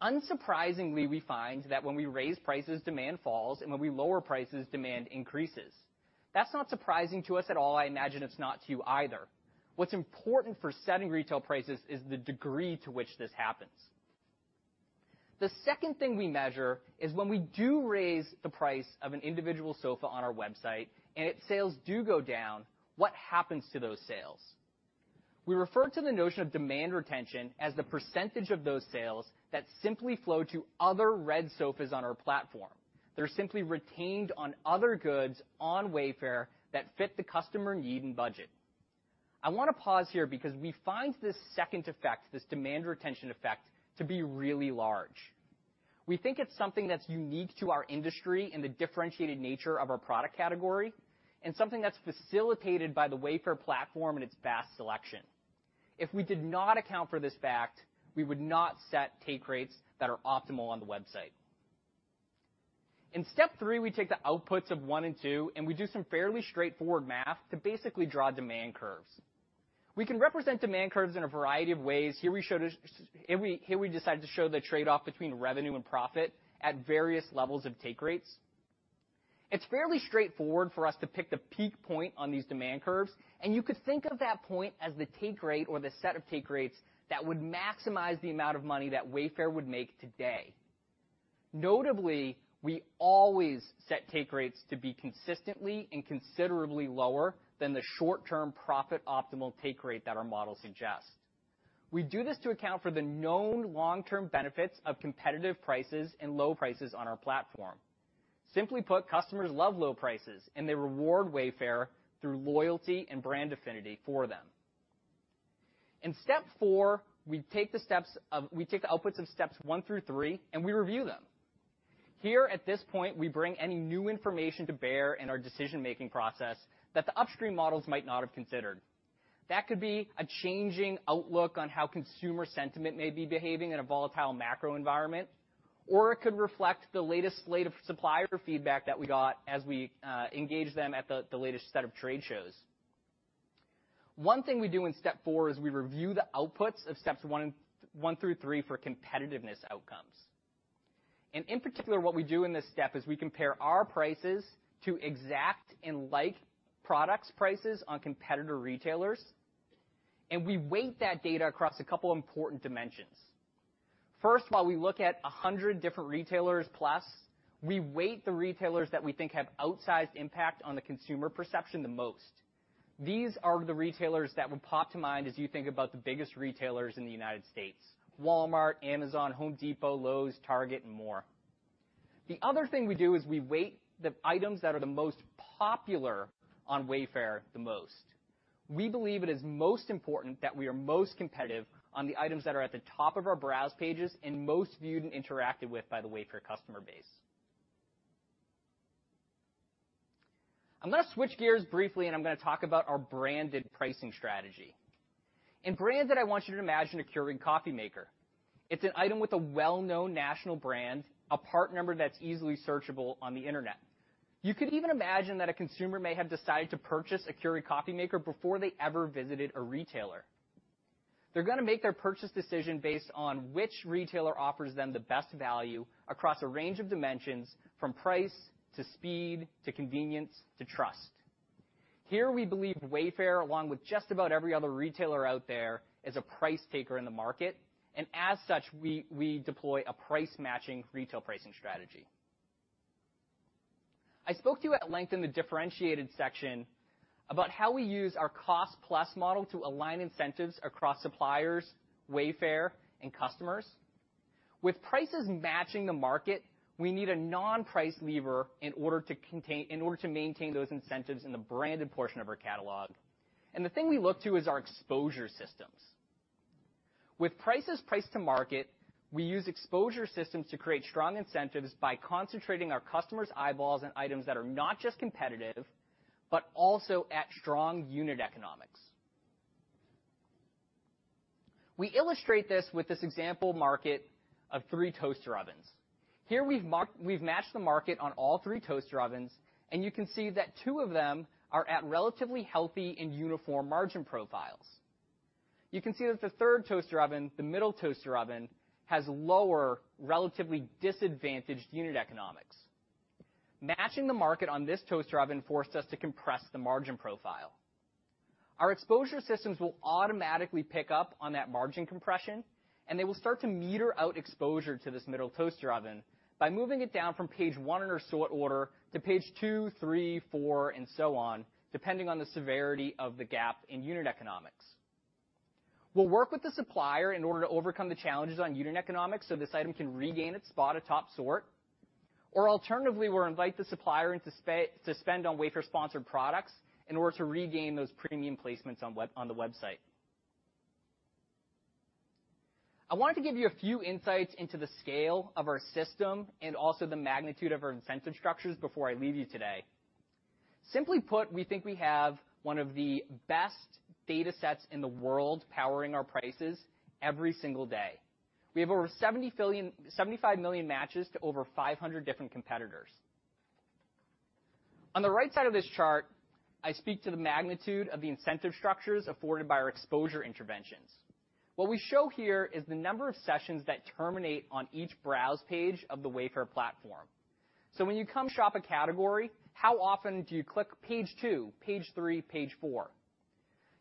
Unsurprisingly, we find that when we raise prices, demand falls, and when we lower prices, demand increases. That's not surprising to us at all. I imagine it's not to you either. What's important for setting retail prices is the degree to which this happens. The second thing we measure is when we do raise the price of an individual sofa on our website, and its sales do go down, what happens to those sales? We refer to the notion of demand retention as the % of those sales that simply flow to other red sofas on our platform. They're simply retained on other goods on Wayfair that fit the customer need and budget. I want to pause here because we find this second effect, this demand retention effect, to be really large. We think it's something that's unique to our industry and the differentiated nature of our product category, and something that's facilitated by the Wayfair platform and its vast selection. If we did not account for this fact, we would not set take rates that are optimal on the website. In step three, we take the outputs of one and two, and we do some fairly straightforward math to basically draw demand curves. We can represent demand curves in a variety of ways. Here, we decided to show the trade-off between revenue and profit at various levels of take rates. It's fairly straightforward for us to pick the peak point on these demand curves, and you could think of that point as the take rate or the set of take rates that would maximize the amount of money that Wayfair would make today. Notably, we always set take rates to be consistently and considerably lower than the short-term profit optimal take rate that our model suggests. We do this to account for the known long-term benefits of competitive prices and low prices on our platform. Simply put, customers love low prices, and they reward Wayfair through loyalty and brand affinity for them. In step 4, we take the outputs of steps 1 through 3, and we review them. Here, at this point, we bring any new information to bear in our decision-making process that the upstream models might not have considered. That could be a changing outlook on how consumer sentiment may be behaving in a volatile macro environment, or it could reflect the latest slate of supplier feedback that we got as we engaged them at the latest set of trade shows. One thing we do in step four is we review the outputs of steps one through three for competitiveness outcomes. In particular, what we do in this step is we compare our prices to exact and like products prices on competitor retailers, and we weight that data across a couple important dimensions. First, while we look at 100 different retailers, plus, we weight the retailers that we think have outsized impact on the consumer perception the most. These are the retailers that would pop to mind as you think about the biggest retailers in the United States, Walmart, Amazon, The Home Depot, Lowe's, Target, and more. The other thing we do is we weight the items that are the most popular on Wayfair the most. We believe it is most important that we are most competitive on the items that are at the top of our browse pages and most viewed and interacted with by the Wayfair customer base. I'm going to switch gears briefly, and I'm going to talk about our branded pricing strategy. In branded, I want you to imagine a Keurig coffee maker. It's an item with a well-known national brand, a part number that's easily searchable on the internet. You could even imagine that a consumer may have decided to purchase a Keurig coffee maker before they ever visited a retailer. They're going to make their purchase decision based on which retailer offers them the best value across a range of dimensions, from price, to speed, to convenience, to trust. Here, we believe Wayfair, along with just about every other retailer out there, is a price taker in the market, as such, we, we deploy a price-matching retail pricing strategy. I spoke to you at length in the differentiated section about how we use our cost-plus model to align incentives across suppliers, Wayfair, and customers. With prices matching the market, we need a non-price lever in order to maintain those incentives in the branded portion of our catalog, the thing we look to is our exposure systems. With prices priced to market, we use exposure systems to create strong incentives by concentrating our customers' eyeballs on items that are not just competitive, but also at strong unit economics. We illustrate this with this example market of three toaster ovens. Here we've matched the market on all three toaster ovens, and you can see that two of them are at relatively healthy and uniform margin profiles. You can see that the third toaster oven, the middle toaster oven, has lower, relatively disadvantaged unit economics. Matching the market on this toaster oven forced us to compress the margin profile. Our exposure systems will automatically pick up on that margin compression, they will start to meter out exposure to this middle toaster oven by moving it down from page one in our sort order to page two, three, four, and so on, depending on the severity of the gap in unit economics. We'll work with the supplier in order to overcome the challenges on unit economics, so this item can regain its spot atop sort. Alternatively, we'll invite the supplier in to spend on Wayfair Sponsored Products in order to regain those premium placements on the website. I wanted to give you a few insights into the scale of our system and also the magnitude of our incentive structures before I leave you today. Simply put, we think we have one of the best data sets in the world powering our prices every single day. We have over $75 million matches to over 500 different competitors. On the right side of this chart, I speak to the magnitude of the incentive structures afforded by our exposure interventions. What we show here is the number of sessions that terminate on each browse page of the Wayfair platform. When you come shop a category, how often do you click page 2, page 3, page 4?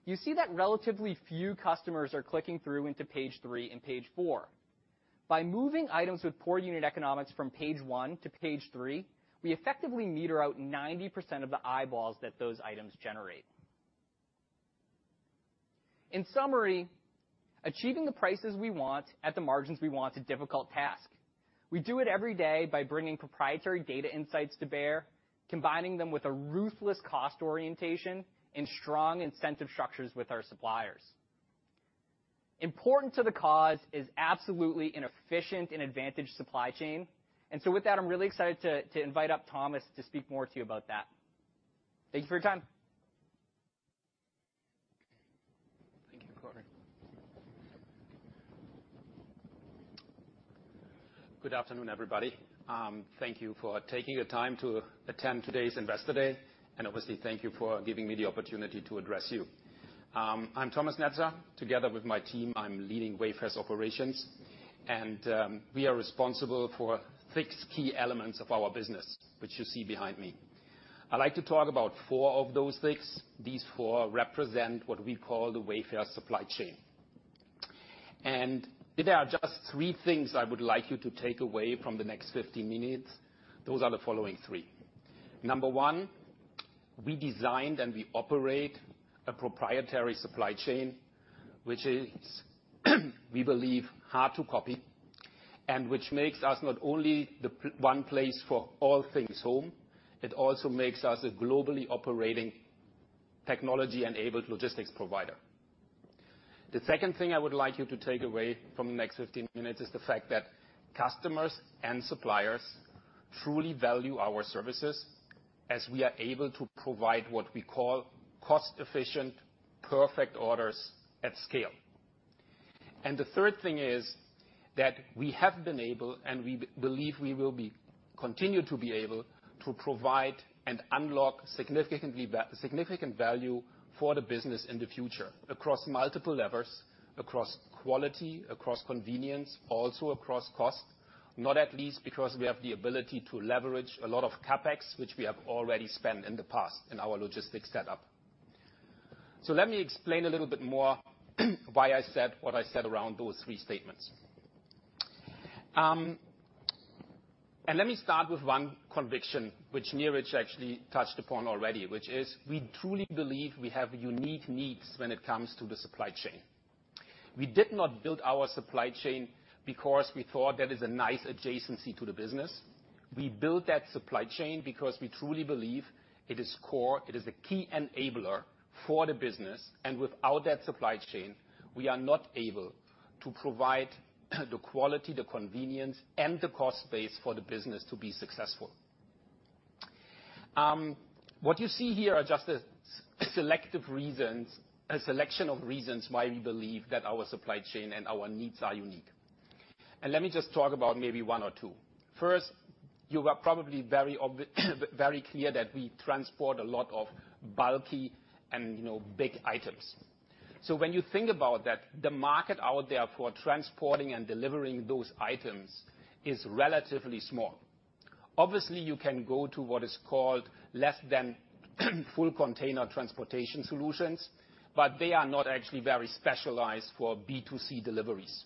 You see that relatively few customers are clicking through into page 3 and page 4. By moving items with poor unit economics from page 1 to page 3, we effectively meter out 90% of the eyeballs that those items generate. In summary, achieving the prices we want at the margins we want is a difficult task. We do it every day by bringing proprietary data insights to bear, combining them with a ruthless cost orientation and strong incentive structures with our suppliers. Important to the cause is absolutely an efficient and advantaged supply chain. So with that, I'm really excited to, to invite up Thomas to speak more to you about that. Thank you for your time! Thank you, Corey. Good afternoon, everybody. Thank you for taking the time to attend today's Investor Day. Obviously, thank you for giving me the opportunity to address you. I'm Thomas Netzer. Together with my team, I'm leading Wayfair's operations, and we are responsible for 6 key elements of our business, which you see behind me. I'd like to talk about 4 of those things. These 4 represent what we call the Wayfair supply chain. There are just 3 things I would like you to take away from the next 50 minutes. Those are the following 3: Number 1, we designed and we operate a proprietary supply chain, which is, we believe, hard to copy, and which makes us not only the one place for all things home, it also makes us a globally operating technology-enabled logistics provider. The second thing I would like you to take away from the next 15 minutes is the fact that customers and suppliers truly value our services, as we are able to provide what we call cost-efficient, perfect orders at scale. The third thing is that we have been able, and we believe we will continue to be able, to provide and unlock significantly significant value for the business in the future, across multiple levers, across quality, across convenience, also across cost. Not at least, because we have the ability to leverage a lot of CapEx, which we have already spent in the past in our logistics setup. Let me explain a little bit more, why I said what I said around those three statements. Let me start with one conviction, which Niraj actually touched upon already, which is we truly believe we have unique needs when it comes to the supply chain. We did not build our supply chain because we thought that is a nice adjacency to the business. We built that supply chain because we truly believe it is core, it is a key enabler for the business, and without that supply chain, we are not able to provide the quality, the convenience, and the cost base for the business to be successful. What you see here are just a selective reasons, a selection of reasons why we believe that our supply chain and our needs are unique. Let me just talk about maybe one or two. First, you are probably very clear that we transport a lot of bulky and, you know, big items. When you think about that, the market out there for transporting and delivering those items is relatively small. Obviously, you can go to what is called less than full container transportation solutions, but they are not actually very specialized for B2C deliveries.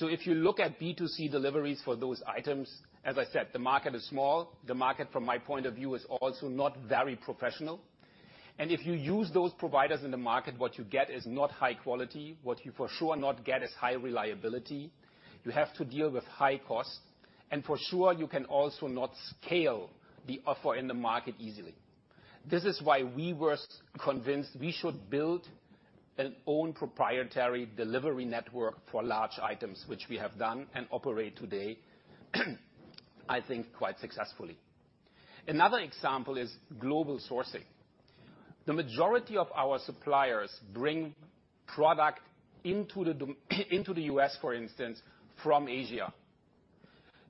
If you look at B2C deliveries for those items, as I said, the market is small. The market, from my point of view, is also not very professional. If you use those providers in the market, what you get is not high quality. What you for sure not get is high reliability. You have to deal with high cost, and for sure, you can also not scale the offer in the market easily. This is why we were convinced we should build an own proprietary delivery network for large items, which we have done and operate today, I think, quite successfully. Another example is global sourcing. The majority of our suppliers bring product into the U.S., for instance, from Asia.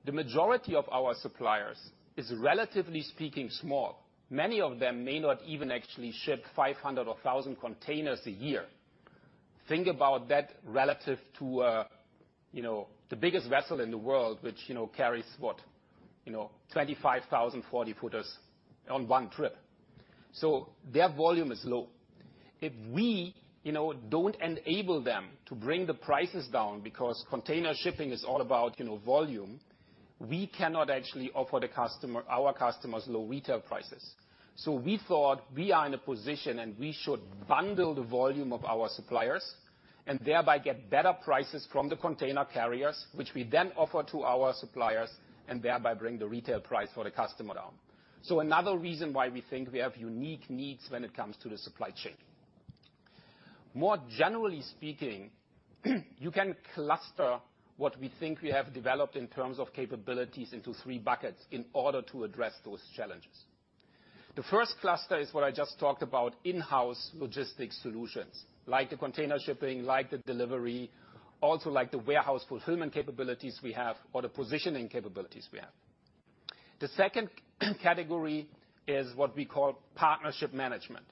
The majority of our suppliers is, relatively speaking, small. Many of them may not even actually ship 500 or 1,000 containers a year. Think about that relative to, you know, the biggest vessel in the world, which, you know, carries what? You know, 25,000 40-footers on one trip. Their volume is low. If we, you know, don't enable them to bring the prices down, because container shipping is all about, you know, volume, we cannot actually offer the customer, our customers, low retail prices. We thought we are in a position, and we should bundle the volume of our suppliers, and thereby get better prices from the container carriers, which we then offer to our suppliers, and thereby bring the retail price for the customer down. Another reason why we think we have unique needs when it comes to the supply chain. More generally speaking, you can cluster what we think we have developed in terms of capabilities into three buckets in order to address those challenges. The first cluster is what I just talked about, in-house logistics solutions, like the container shipping, like the delivery, also like the warehouse fulfillment capabilities we have, or the positioning capabilities we have. The second category is what we call partnership management.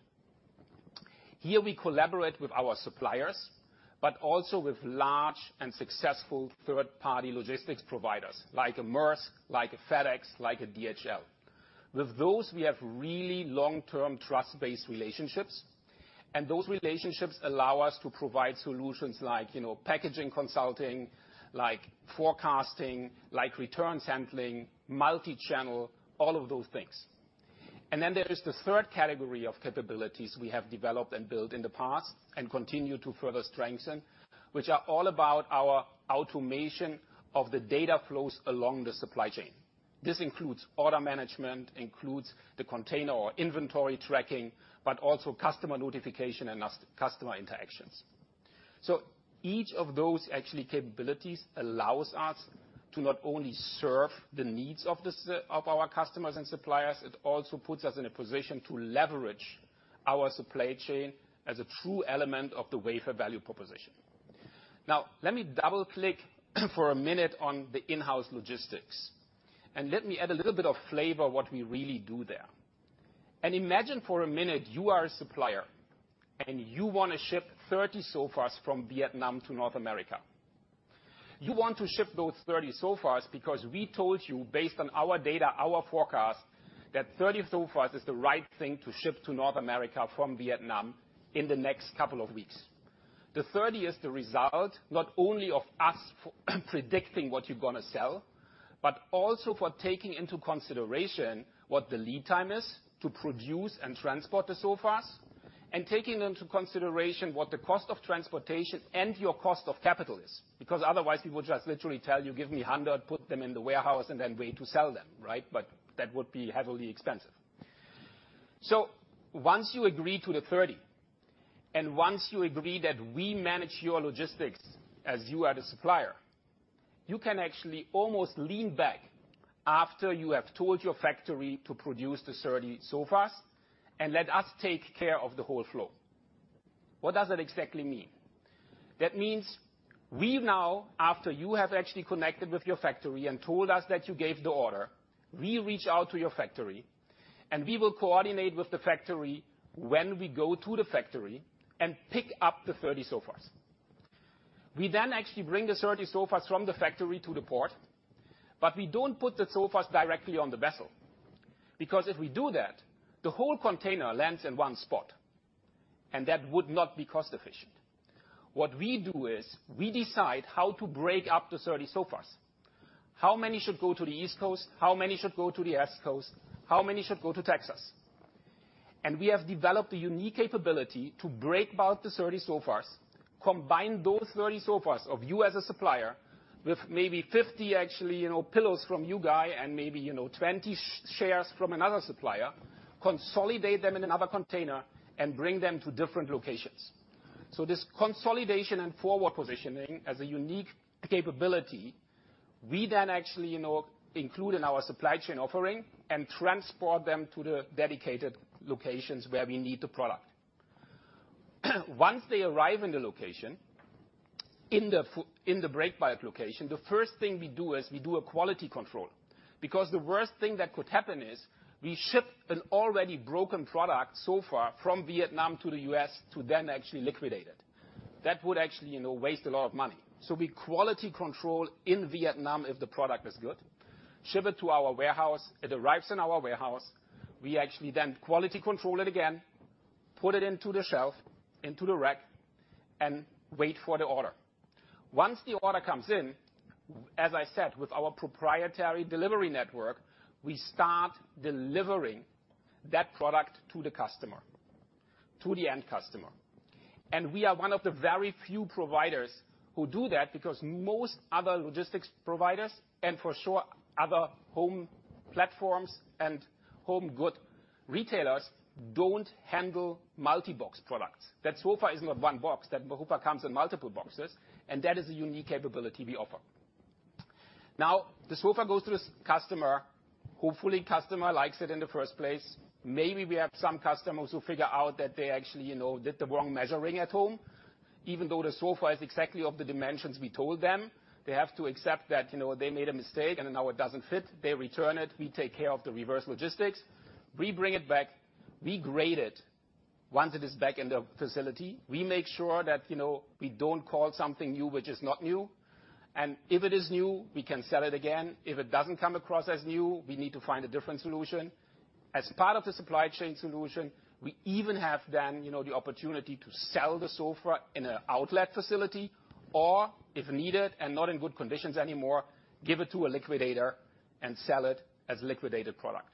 We collaborate with our suppliers, but also with large and successful third-party logistics providers like Maersk, like FedEx, like DHL. With those, we have really long-term, trust-based relationships, and those relationships allow us to provide solutions like, you know, packaging consulting, like forecasting, like returns handling, multi-channel, all of those things. There is the third category of capabilities we have developed and built in the past and continue to further strengthen, which are all about our automation of the data flows along the supply chain... This includes order management, includes the container or inventory tracking, but also customer notification and customer interactions. Each of those actually capabilities allows us to not only serve the needs of our customers and suppliers, it also puts us in a position to leverage our supply chain as a true element of the Wayfair value proposition. Now, let me double-click for a minute on the in-house logistics. Let me add a little bit of flavor what we really do there. Imagine for a minute, you are a supplier, and you want to ship 30 sofas from Vietnam to North America. You want to ship those 30 sofas because we told you, based on our data, our forecast, that 30 sofas is the right thing to ship to North America from Vietnam in the next couple of weeks. The 30 is the result not only of us predicting what you're gonna sell, but also for taking into consideration what the lead time is to produce and transport the sofas, and taking into consideration what the cost of transportation and your cost of capital is, because otherwise, we will just literally tell you, "Give me 100, put them in the warehouse, and then wait to sell them," right? That would be heavily expensive. Once you agree to the 30, and once you agree that we manage your logistics as you are the supplier, you can actually almost lean back after you have told your factory to produce the 30 sofas and let us take care of the whole flow. What does that exactly mean? That means we now, after you have actually connected with your factory and told us that you gave the order, we reach out to your factory, and we will coordinate with the factory when we go to the factory and pick up the 30 sofas. We then actually bring the 30 sofas from the factory to the port, but we don't put the sofas directly on the vessel, because if we do that, the whole container lands in one spot, and that would not be cost efficient. What we do is, we decide how to break up the 30 sofas. How many should go to the East Coast? How many should go to the West Coast? How many should go to Texas? We have developed a unique capability to break bulk the 30 sofas, combine those 30 sofas of you as a supplier with maybe 50, actually, you know, pillows from you guy and maybe, you know, 20 chairs from another supplier, consolidate them in another container and bring them to different locations. This consolidation and forward positioning as a unique capability, we then actually, you know, include in our supply chain offering and transport them to the dedicated locations where we need the product. Once they arrive in the location, in the break bulk location, the first thing we do is we do a quality control, because the worst thing that could happen is we ship an already broken product, sofa, from Vietnam to the U.S. to then actually liquidate it. That would actually, you know, waste a lot of money. We quality control in Vietnam if the product is good, ship it to our warehouse. It arrives in our warehouse. We actually then quality control it again, put it into the shelf, into the rack, and wait for the order. Once the order comes in, as I said, with our proprietary delivery network, we start delivering that product to the customer, to the end customer. We are one of the very few providers who do that, because most other logistics providers, and for sure, other home platforms and home good retailers, don't handle multi-box products. That sofa is not one box. That sofa comes in multiple boxes, and that is a unique capability we offer. The sofa goes to the customer. Hopefully, customer likes it in the first place. Maybe we have some customers who figure out that they actually, you know, did the wrong measuring at home, even though the sofa is exactly of the dimensions we told them. They have to accept that, you know, they made a mistake, and now it doesn't fit. They return it. We take care of the reverse logistics. We bring it back. We grade it once it is back in the facility. We make sure that, you know, we don't call something new, which is not new. If it is new, we can sell it again. If it doesn't come across as new, we need to find a different solution. As part of the supply chain solution, we even have then, you know, the opportunity to sell the sofa in an outlet facility, or if needed and not in good conditions anymore, give it to a liquidator and sell it as liquidated product.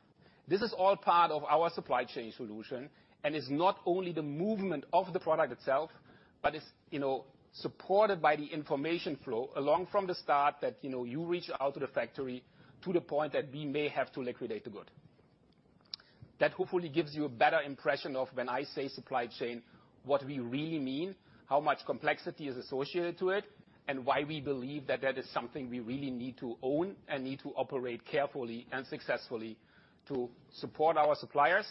This is all part of our supply chain solution and is not only the movement of the product itself, but it's, you know, supported by the information flow along from the start that, you know, you reach out to the factory, to the point that we may have to liquidate the good. That hopefully gives you a better impression of when I say supply chain, what we really mean, how much complexity is associated to it, and why we believe that that is something we really need to own and need to operate carefully and successfully to support our suppliers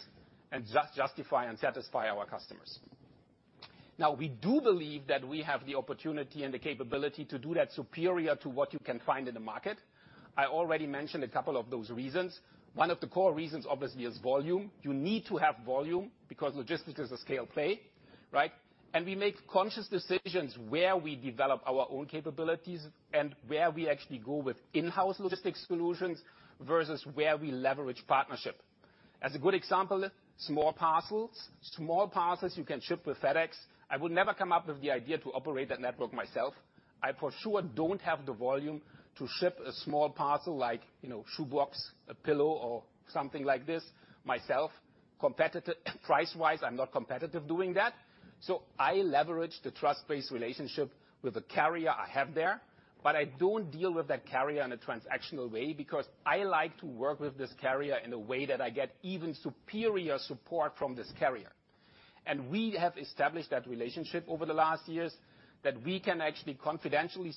and just-justify and satisfy our customers. Now, we do believe that we have the opportunity and the capability to do that superior to what you can find in the market. I already mentioned a couple of those reasons. One of the core reasons, obviously, is volume. You need to have volume, because logistics is a scale play, right? We make conscious decisions where we develop our own capabilities and where we actually go with in-house logistics solutions versus where we leverage partnership. As a good example, small parcels. Small parcels, you can ship with FedEx. I would never come up with the idea to operate that network myself. I, for sure, don't have the volume to ship a small parcel like, you know, shoe box, a pillow, or something like this myself. Price-wise, I'm not competitive doing that. I leverage the trust-based relationship with the carrier I have there, I don't deal with that carrier in a transactional way, because I like to work with this carrier in a way that I get even superior support from this carrier. We have established that relationship over the last years, that we can actually confidentially,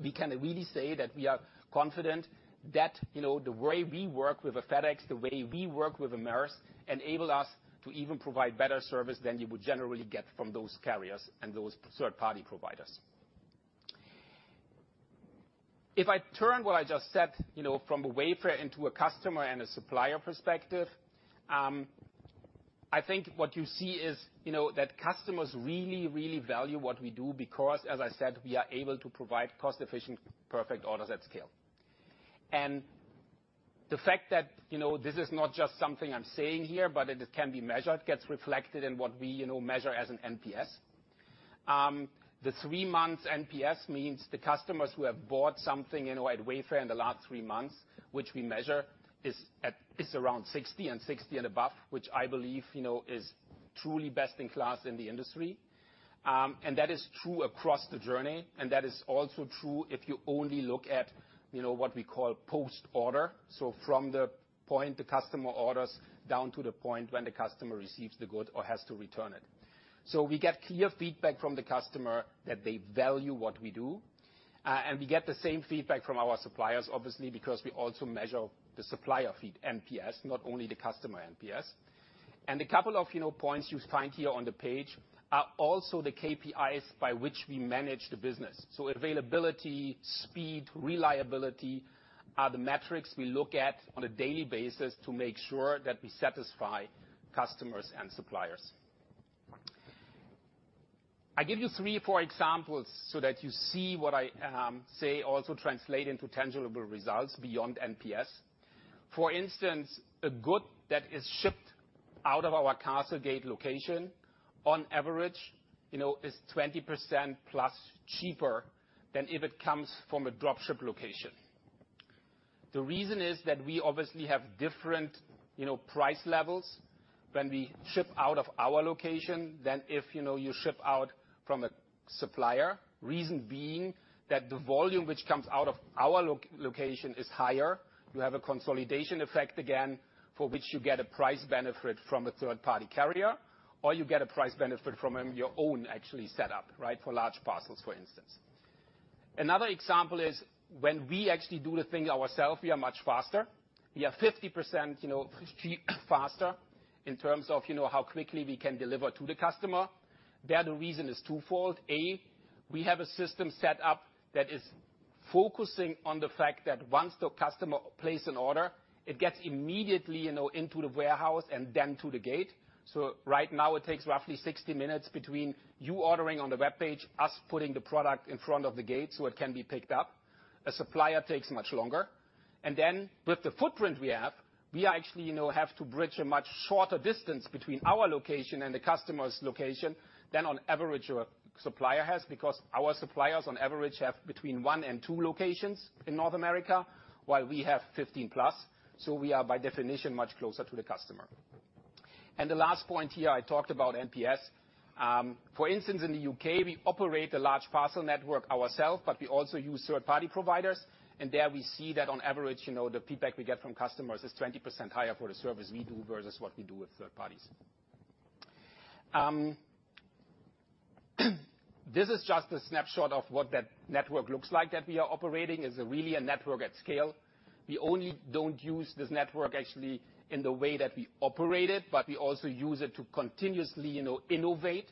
we can really say that we are confident that, you know, the way we work with a FedEx, the way we work with Maersk, enable us to even provide better service than you would generally get from those carriers and those third-party providers. If I turn what I just said, you know, from a Wayfair into a customer and a supplier perspective, I think what you see is, you know, that customers really, really value what we do, because, as I said, we are able to provide cost-efficient, perfect orders at scale. The fact that, you know, this is not just something I'm saying here, but it, it can be measured, gets reflected in what we, you know, measure as an NPS. The 3-month NPS means the customers who have bought something, you know, at Wayfair in the last 3 months, which we measure, is at, is around 60 and 60 and above, which I believe, you know, is truly best-in-class in the industry. That is true across the journey, and that is also true if you only look at, you know, what we call post-order, so from the point the customer orders, down to the point when the customer receives the good or has to return it. We get clear feedback from the customer that they value what we do, and we get the same feedback from our suppliers, obviously, because we also measure the supplier feed NPS, not only the customer NPS. A couple of, you know, points you find here on the page are also the KPIs by which we manage the business. Availability, speed, reliability are the metrics we look at on a daily basis to make sure that we satisfy customers and suppliers. I give you three, four examples so that you see what I say also translate into tangible results beyond NPS. For instance, a good that is shipped out of our CastleGate location, on average, you know, is 20%+ cheaper than if it comes from a drop-ship location. The reason is that we obviously have different, you know, price levels when we ship out of our location than if, you know, you ship out from a supplier. Reason being, that the volume which comes out of our location is higher. You have a consolidation effect again, for which you get a price benefit from a third-party carrier, or you get a price benefit from your own actually set up, right, for large parcels, for instance. Another example is when we actually do the thing ourself, we are much faster. We are 50%, you know, faster in terms of, you know, how quickly we can deliver to the customer. There, the reason is twofold: A, we have a system set up that is focusing on the fact that once the customer places an order, it gets immediately, you know, into the warehouse and then to the gate. Right now, it takes roughly 60 minutes between you ordering on the web page, us putting the product in front of the gate so it can be picked up. A supplier takes much longer. With the footprint we have, we actually, you know, have to bridge a much shorter distance between our location and the customer's location than on average a supplier has, because our suppliers, on average, have between 1 and 2 locations in North America, while we have 15+, so we are, by definition, much closer to the customer. The last point here, I talked about NPS. For instance, in the U.K., we operate a large parcel network ourself, but we also use third-party providers, and there we see that on average, you know, the feedback we get from customers is 20% higher for the service we do versus what we do with third parties. This is just a snapshot of what that network looks like that we are operating. It's really a network at scale. We only don't use this network actually in the way that we operate it, but we also use it to continuously, you know, innovate.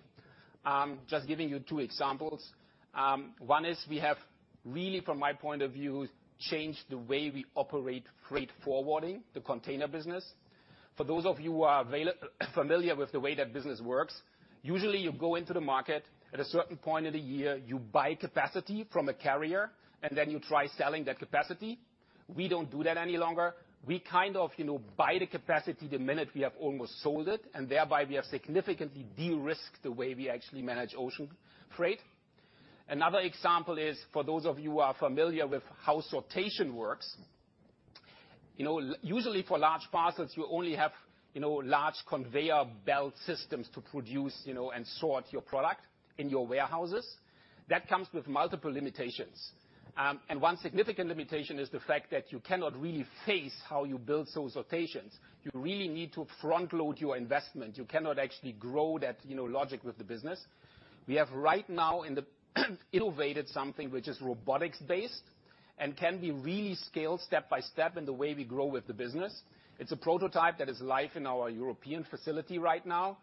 Just giving you two examples. One is we have really, from my point of view, changed the way we operate freight forwarding, the container business. For those of you who are familiar with the way that business works, usually you go into the market at a certain point of the year, you buy capacity from a carrier, and then you try selling that capacity. We don't do that any longer. We kind of, you know, buy the capacity the minute we have almost sold it, and thereby we have significantly de-risked the way we actually manage ocean freight. Another example is, for those of you who are familiar with how sortation works, you know, usually for large parcels, you only have, you know, large conveyor belt systems to produce, you know, and sort your product in your warehouses. That comes with multiple limitations. And one significant limitation is the fact that you cannot really face how you build those sortations. You really need to front-load your investment. You cannot actually grow that, you know, logic with the business. We have right now innovated something which is robotics-based and can be really scaled step by step in the way we grow with the business. It's a prototype that is live in our European facility right now,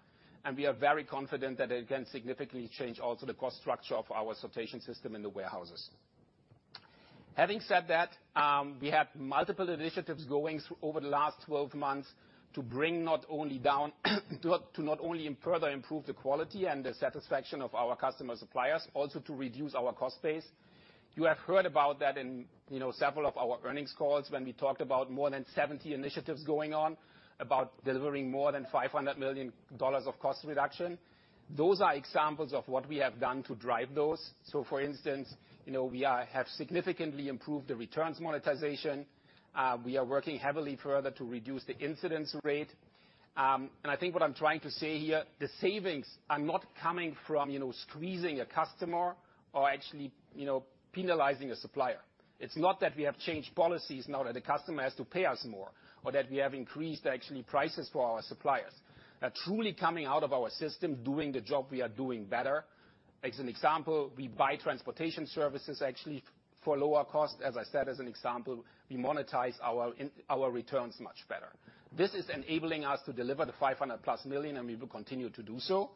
and we are very confident that it can significantly change also the cost structure of our sortation system in the warehouses. Having said that, we have multiple initiatives going over the last 12 months to bring not only down, to not only further improve the quality and the satisfaction of our customer suppliers, also to reduce our cost base. You have heard about that in, you know, several of our earnings calls when we talked about more than 70 initiatives going on, about delivering more than $500 million of cost reduction. Those are examples of what we have done to drive those. For instance, you know, we have significantly improved the returns monetization. We are working heavily further to reduce the incidence rate. And I think what I'm trying to say here, the savings are not coming from, you know, squeezing a customer or actually, you know, penalizing a supplier. It's not that we have changed policies now that the customer has to pay us more, or that we have increased actually prices for our suppliers. They're truly coming out of our system, doing the job we are doing better. As an example, we buy transportation services actually for lower cost. As I said, as an example, we monetize our returns much better. This is enabling us to deliver the $500+ million, and we will continue to do so.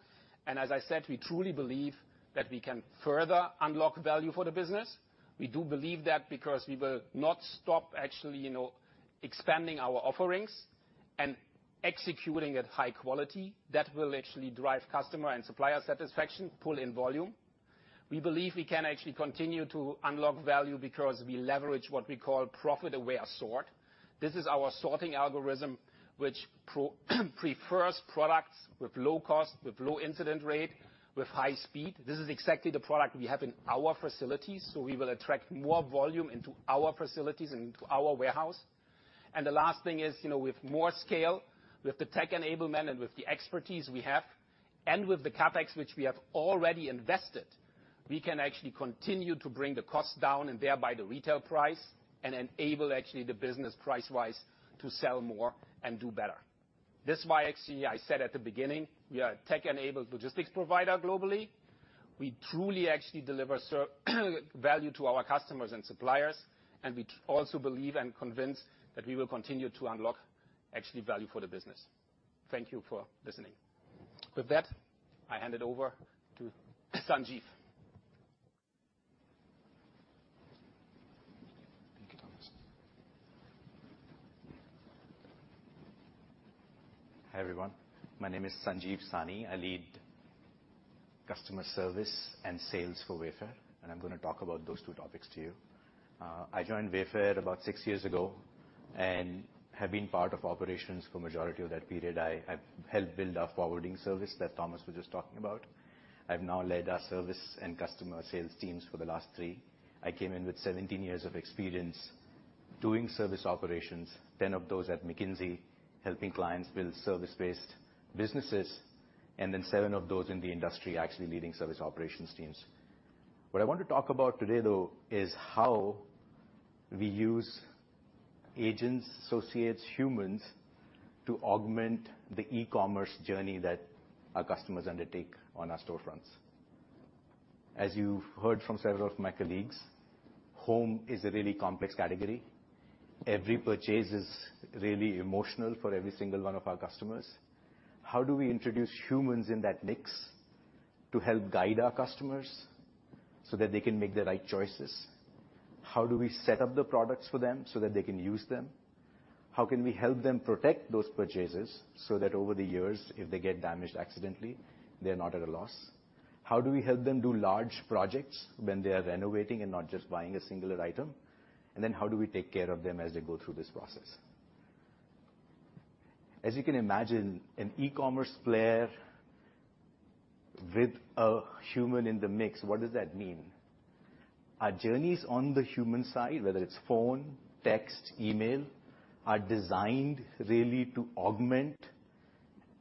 As I said, we truly believe that we can further unlock value for the business. We do believe that because we will not stop actually, you know, expanding our offerings and executing at high quality, that will actually drive customer and supplier satisfaction, pull in volume. We believe we can actually continue to unlock value because we leverage what we call profit-aware sort. This is our sorting algorithm, which prefers products with low cost, with low incident rate, with high speed. This is exactly the product we have in our facilities, so we will attract more volume into our facilities and into our warehouse. The last thing is, you know, with more scale, with the tech enablement and with the expertise we have, and with the CapEx, which we have already invested, we can actually continue to bring the cost down and thereby the retail price, and enable actually the business, price-wise, to sell more and do better. This is why actually I said at the beginning, we are a tech-enabled logistics provider globally. We truly actually deliver value to our customers and suppliers, and we also believe and convince that we will continue to unlock actually value for the business. Thank you for listening. With that, I hand it over to Sanjeev. Thank you, Thomas. Hi, everyone. My name is Sanjeev Sahni. I lead customer service and sales for Wayfair, and I'm gonna talk about those two topics to you. I joined Wayfair about six years ago and have been part of operations for majority of that period. I, I helped build our forwarding service that Thomas was just talking about. I've now led our service and customer sales teams for the last three. I came in with 17 years of experience doing service operations, 10 of those at McKinsey, helping clients build service-based businesses, and then seven of those in the industry, actually leading service operations teams. What I want to talk about today, though, is how we use agents, associates, humans, to augment the e-commerce journey that our customers undertake on our storefronts. As you've heard from several of my colleagues, home is a really complex category. Every purchase is really emotional for every single one of our customers. How do we introduce humans in that mix to help guide our customers so that they can make the right choices? How do we set up the products for them so that they can use them? How can we help them protect those purchases so that over the years, if they get damaged accidentally, they're not at a loss? How do we help them do large projects when they are renovating and not just buying a singular item? And then how do we take care of them as they go through this process? As you can imagine, an e-commerce player with a human in the mix, what does that mean? Our journeys on the human side, whether it's phone, text, email, are designed really to augment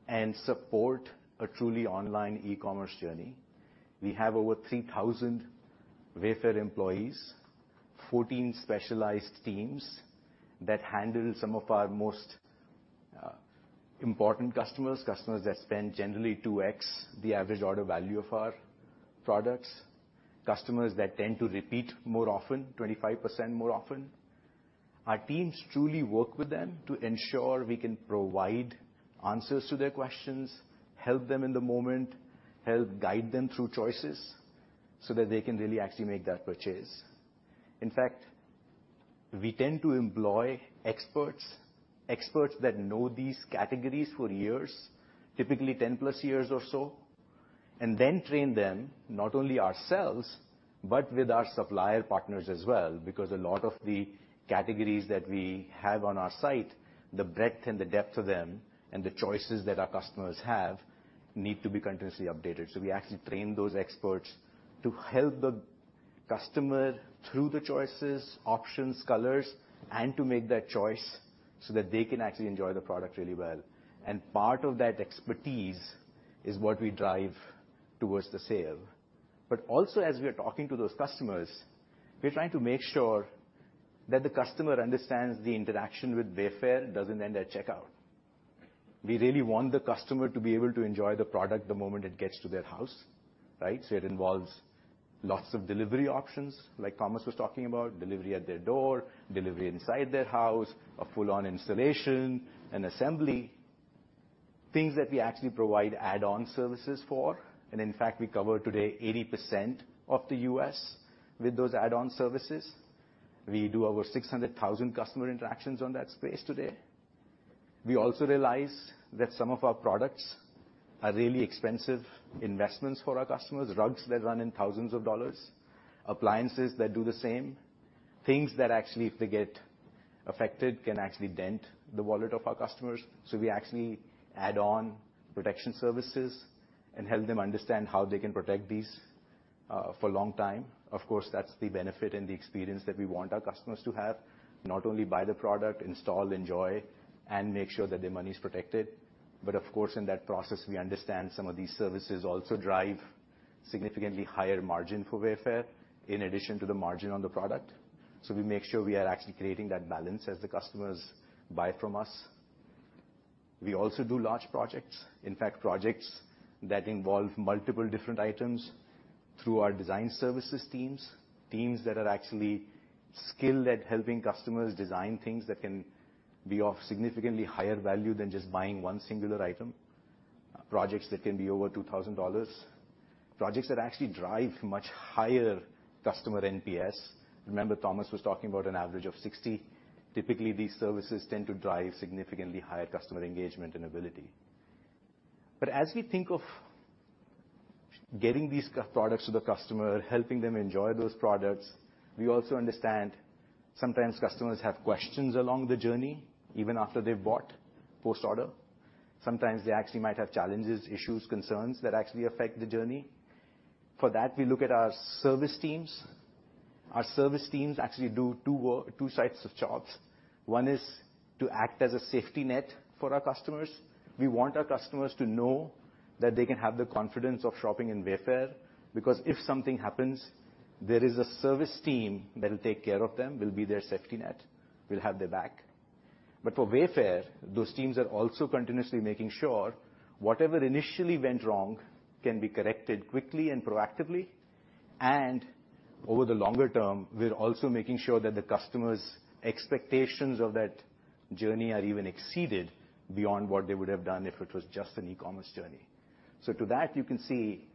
and support a truly online e-commerce journey. We have over 3,000 Wayfair employees, 14 specialized teams that handle some of our most important customers, customers that spend generally 2x the average order value of our products, customers that tend to repeat more often, 25% more often. Our teams truly work with them to ensure we can provide answers to their questions, help them in the moment, help guide them through choices so that they can really actually make that purchase. In fact, we tend to employ experts, experts that know these categories for years, typically 10+ years or so, and then train them, not only ourselves, but with our supplier partners as well, because a lot of the categories that we have on our site, the breadth and the depth of them and the choices that our customers have, need to be continuously updated. We actually train those experts to help the customer through the choices, options, colors, and to make that choice so that they can actually enjoy the product really well. Part of that expertise is what we drive towards the sale. Also as we are talking to those customers, we're trying to make sure that the customer understands the interaction with Wayfair doesn't end at checkout. We really want the customer to be able to enjoy the product the moment it gets to their house, right? It involves lots of delivery options, like Thomas was talking about, delivery at their door, delivery inside their house, a full-on installation and assembly, things that we actually provide add-on services for. In fact, we cover today 80% of the U.S. with those add-on services. We do over 600,000 customer interactions on that space today. We also realize that some of our products are really expensive investments for our customers. Rugs that run in thousands of dollars, appliances that do the same. Things that actually, if they get affected, can actually dent the wallet of our customers. We actually add on protection services and help them understand how they can protect these for a long time. Of course, that's the benefit and the experience that we want our customers to have, not only buy the product, install, enjoy, and make sure that their money is protected. Of course, in that process, we understand some of these services also drive significantly higher margin for Wayfair, in addition to the margin on the product. We make sure we are actually creating that balance as the customers buy from us. We also do large projects, in fact, projects that involve multiple different items through our design services teams. Teams that are actually skilled at helping customers design things that can be of significantly higher value than just buying one singular item. Projects that can be over $2,000. Projects that actually drive much higher customer NPS. Remember, Thomas was talking about an average of 60. Typically, these services tend to drive significantly higher customer engagement and ability. As we think of getting these products to the customer, helping them enjoy those products, we also understand sometimes customers have questions along the journey, even after they've bought, post-order. Sometimes they actually might have challenges, issues, concerns that actually affect the journey. For that, we look at our service teams. Our service teams actually do two sets of jobs. One is to act as a safety net for our customers. We want our customers to know that they can have the confidence of shopping in Wayfair, because if something happens, there is a service team that will take care of them, will be their safety net, will have their back. For Wayfair, those teams are also continuously making sure whatever initially went wrong can be corrected quickly and proactively. Over the longer term, we're also making sure that the customer's expectations of that journey are even exceeded beyond what they would have done if it was just an e-commerce journey. To that, you can see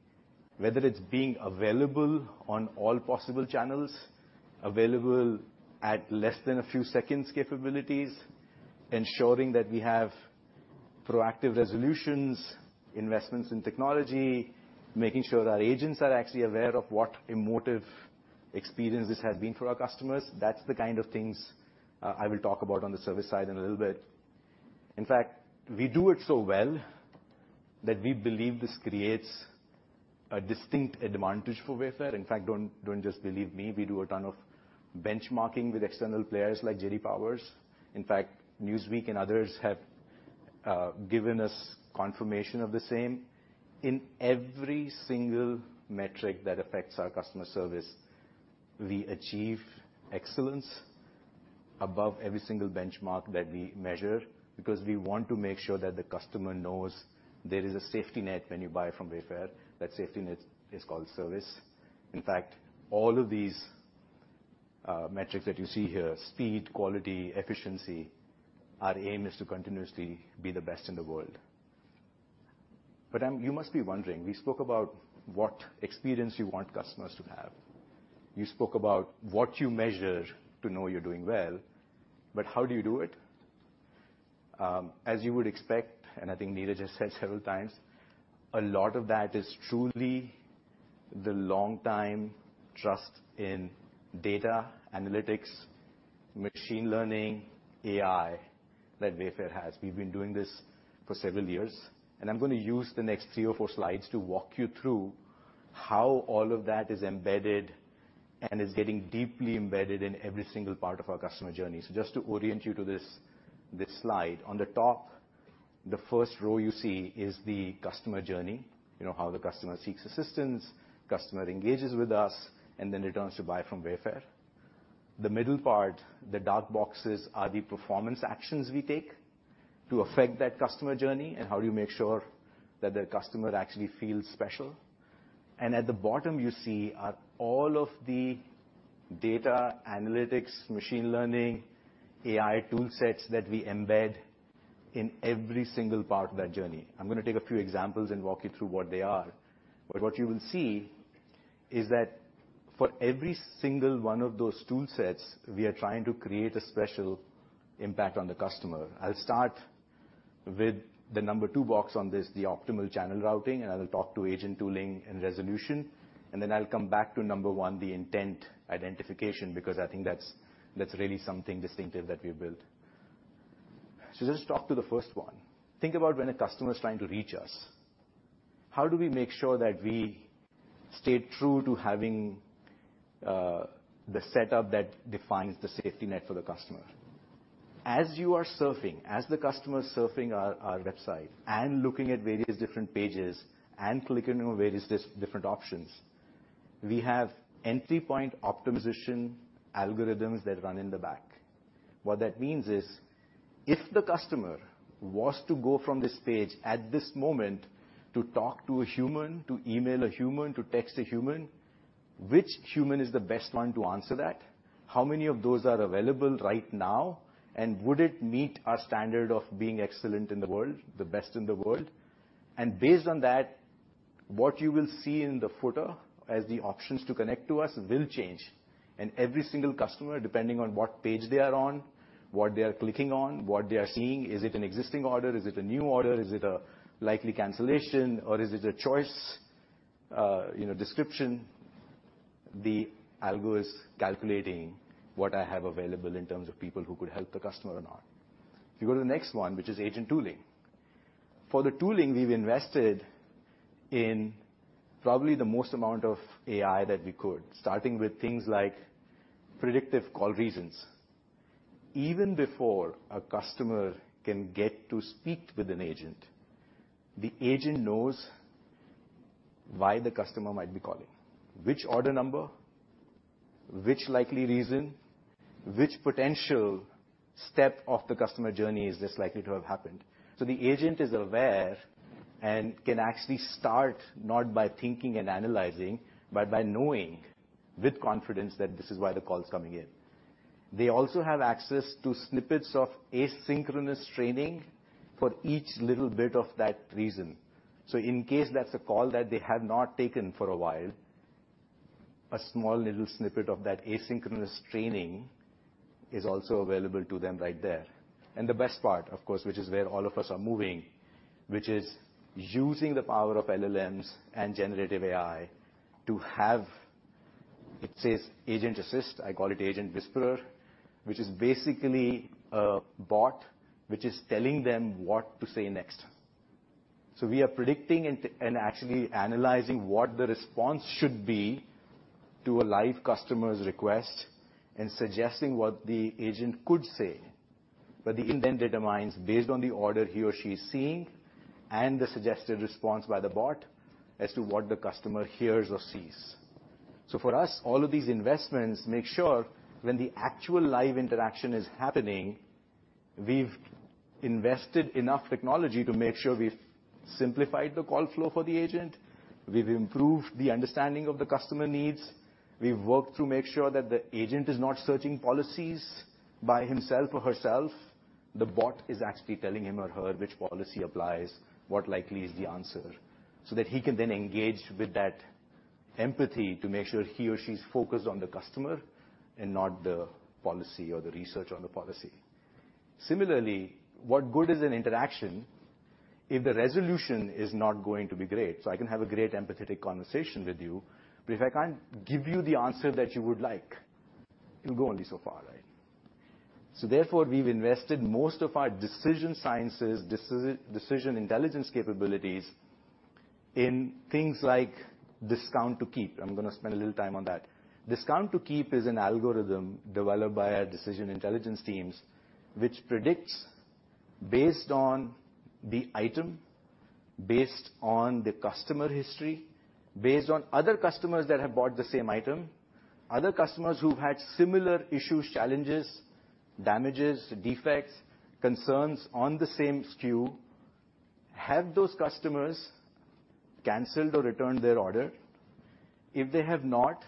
whether it's being available on all possible channels, available at less than a few seconds capabilities, ensuring that we have proactive resolutions, investments in technology, making sure that our agents are actually aware of what emotive experiences have been for our customers. That's the kind of things I will talk about on the service side in a little bit. In fact, we do it so well that we believe this creates a distinct advantage for Wayfair. In fact, don't, don't just believe me. We do a ton of benchmarking with external players like J.D. Power. In fact, Newsweek and others have given us confirmation of the same. In every single metric that affects our customer service, we achieve excellence above every single benchmark that we measure, because we want to make sure that the customer knows there is a safety net when you buy from Wayfair. That safety net is called service. In fact, all of these metrics that you see here, speed, quality, efficiency, our aim is to continuously be the best in the world. I'm-- you must be wondering, we spoke about what experience you want customers to have. You spoke about what you measure to know you're doing well, but how do you do it? As you would expect, and I think Niraj just said several times, a lot of that is truly the long time trust in data analytics, machine learning, AI, that Wayfair has. We've been doing this for several years, and I'm gonna use the next 3 or 4 slides to walk you through how all of that is embedded and is getting deeply embedded in every single part of our customer journey. Just to orient you to this, this slide, on the top, the first row you see is the customer journey. You know how the customer seeks assistance, customer engages with us, and then returns to buy from Wayfair. The middle part, the dark boxes, are the performance actions we take to affect that customer journey, and how do you make sure that the customer actually feels special. At the bottom, you see are all of the data analytics, machine learning, AI toolsets that we embed in every single part of that journey. I'm gonna take a few examples and walk you through what they are. What you will see is that for every single one of those toolsets, we are trying to create a special impact on the customer. I'll start with the 2 box on this, the optimal channel routing, and I will talk to agent tooling and resolution, and then I'll come back to 1, the intent identification, because I think that's, that's really something distinctive that we built. Let's talk to the first one. Think about when a customer is trying to reach us. How do we make sure that we stay true to having the setup that defines the safety net for the customer? As you are surfing, as the customer is surfing our, our website and looking at various different pages and clicking on various different options, we have entry point optimization algorithms that run in the back. What that means is, if the customer was to go from this page at this moment to talk to a human, to email a human, to text a human, which human is the best one to answer that? How many of those are available right now? Would it meet our standard of being excellent in the world, the best in the world? Based on that, what you will see in the footer as the options to connect to us will change. Every single customer, depending on what page they are on, what they are clicking on, what they are seeing, is it an existing order? Is it a new order? Is it a likely cancellation, or is it a choice? You know, description, the algo is calculating what I have available in terms of people who could help the customer or not. If you go to the next one, which is agent tooling. For the tooling, we've invested in probably the most amount of AI that we could, starting with things like predictive call reasons. Even before a customer can get to speak with an agent, the agent knows why the customer might be calling, which order number, which likely reason, which potential step of the customer journey is this likely to have happened. The agent is aware and can actually start not by thinking and analyzing, but by knowing with confidence that this is why the call's coming in. They also have access to snippets of asynchronous training for each little bit of that reason. In case that's a call that they have not taken for a while, a small little snippet of that asynchronous training is also available to them right there. The best part, of course, which is where all of us are moving, which is using the power of LLMs and generative AI to have... It says Agent Co-pilot, I call it Agent Whisperer, which is basically a bot, which is telling them what to say next. We are predicting and actually analyzing what the response should be to a live customer's request and suggesting what the agent could say. The intent determines, based on the order he or she is seeing and the suggested response by the bot, as to what the customer hears or sees. For us, all of these investments make sure when the actual live interaction is happening, we've invested enough technology to make sure we've simplified the call flow for the agent, we've improved the understanding of the customer needs, we've worked to make sure that the agent is not searching policies by himself or herself. The bot is actually telling him or her which policy applies, what likely is the answer, so that he can then engage with that empathy to make sure he or she's focused on the customer and not the policy or the research on the policy. Similarly, what good is an interaction if the resolution is not going to be great? I can have a great empathetic conversation with you, but if I can't give you the answer that you would like, it'll go only so far, right? Therefore, we've invested most of our decision sciences, decision intelligence capabilities in things like discount to keep. I'm gonna spend a little time on that. Discount to keep is an algorithm developed by our decision intelligence teams, which predicts based on the item, based on the customer history, based on other customers that have bought the same item, other customers who've had similar issues, challenges, damages, defects, concerns on the same SKU. Have those customers canceled or returned their order? If they have not,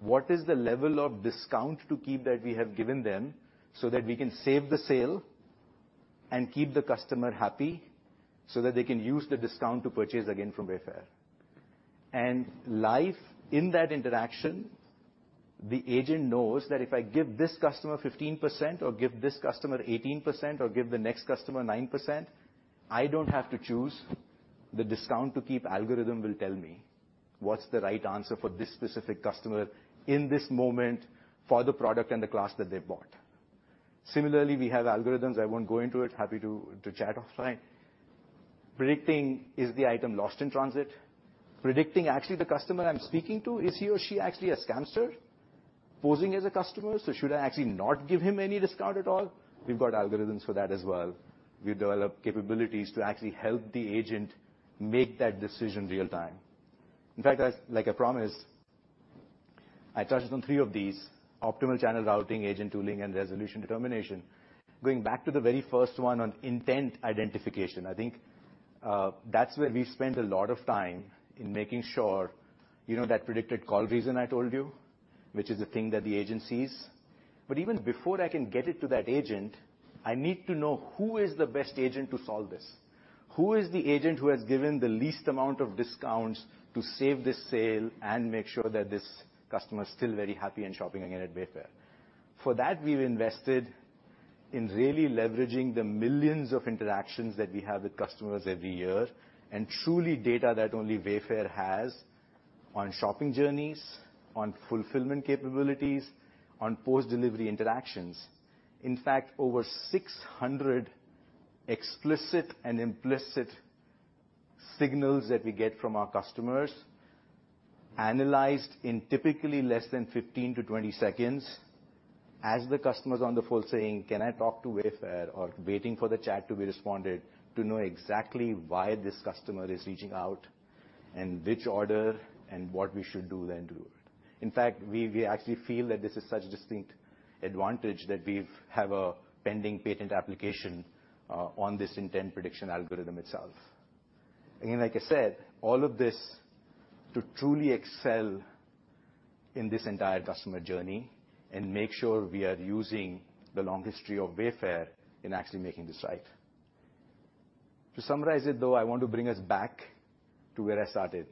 what is the level of discount to keep that we have given them so that we can save the sale and keep the customer happy, so that they can use the discount to purchase again from Wayfair? Live in that interaction, the agent knows that if I give this customer 15%, or give this customer 18%, or give the next customer 9%, I don't have to choose. The discount to keep algorithm will tell me what's the right answer for this specific customer in this moment for the product and the class that they've bought. Similarly, we have algorithms, I won't go into it, happy to chat offline. Predicting, is the item lost in transit? Predicting, actually, the customer I'm speaking to, is he or she actually a scamster posing as a customer, so should I actually not give him any discount at all? We've got algorithms for that as well. We've developed capabilities to actually help the agent make that decision real time. In fact, like I promised, I touched on three of these: optimal channel routing, agent tooling, and resolution determination. Going back to the very first one on intent identification, I think that's where we've spent a lot of time in making sure... You know that predicted call reason I told you, which is a thing that the agent sees? Even before I can get it to that agent, I need to know who is the best agent to solve this. Who is the agent who has given the least amount of discounts to save this sale and make sure that this customer is still very happy and shopping again at Wayfair? For that, we've invested in really leveraging the millions of interactions that we have with customers every year, and truly data that only Wayfair has on shopping journeys, on fulfillment capabilities, on post-delivery interactions. In fact, over 600 explicit and implicit signals that we get from our customers, analyzed in typically less than 15 to 20 seconds as the customer's on the phone saying, "Can I talk to Wayfair?" Or waiting for the chat to be responded, to know exactly why this customer is reaching out and which order, and what we should do then do. In fact, we, we actually feel that this is such a distinct advantage that we've have a pending patent application on this intent prediction algorithm itself. Again, like I said, all of this to truly excel in this entire customer journey and make sure we are using the long history of Wayfair in actually making this right. To summarize it, though, I want to bring us back to where I started.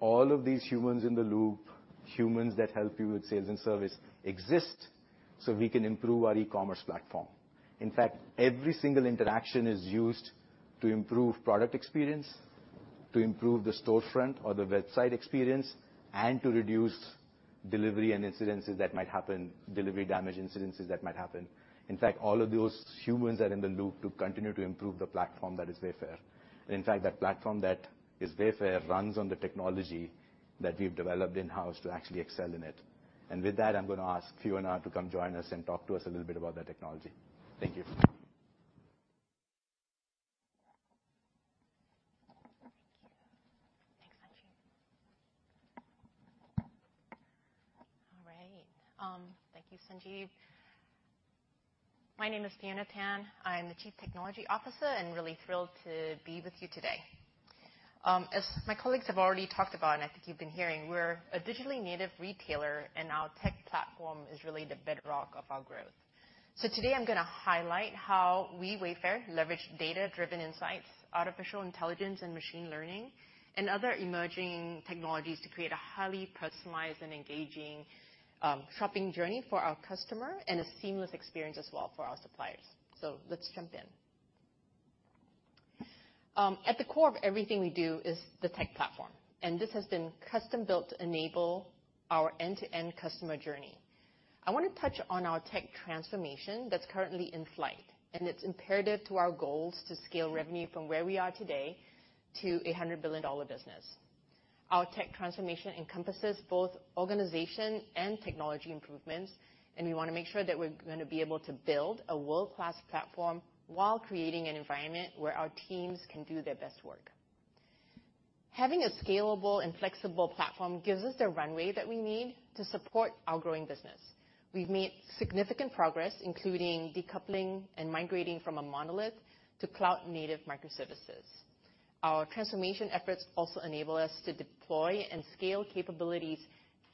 All of these humans in the loop, humans that help you with sales and service, so we can improve our e-commerce platform. In fact, every single interaction is used to improve product experience, to improve the storefront or the website experience, and to reduce delivery and incidences that might happen, delivery damage incidences that might happen. In fact, all of those humans are in the loop to continue to improve the platform that is Wayfair. In fact, that platform that is Wayfair runs on the technology that we've developed in-house to actually excel in it. With that, I'm going to ask Fiona now to come join us and talk to us a little bit about that technology. Thank you. Thank you. Thanks, Sanjeev. All right. Thank you, Sanjeev. My name is Fiona Tan. I am the Chief Technology Officer and really thrilled to be with you today. As my colleagues have already talked about, and I think you've been hearing, we're a digitally native retailer, and our tech platform is really the bedrock of our growth. Today I'm gonna highlight how we, Wayfair, leverage data-driven insights, artificial intelligence, and machine learning, and other emerging technologies to create a highly personalized and engaging shopping journey for our customer and a seamless experience as well for our suppliers. Let's jump in. At the core of everything we do is the tech platform, and this has been custom-built to enable our end-to-end customer journey. I want to touch on our tech transformation that's currently in flight, and it's imperative to our goals to scale revenue from where we are today to a $100 billion business. Our tech transformation encompasses both organization and technology improvements, and we want to make sure that we're gonna be able to build a world-class platform while creating an environment where our teams can do their best work. Having a scalable and flexible platform gives us the runway that we need to support our growing business. We've made significant progress, including decoupling and migrating from a monolith to cloud-native microservices. Our transformation efforts also enable us to deploy and scale capabilities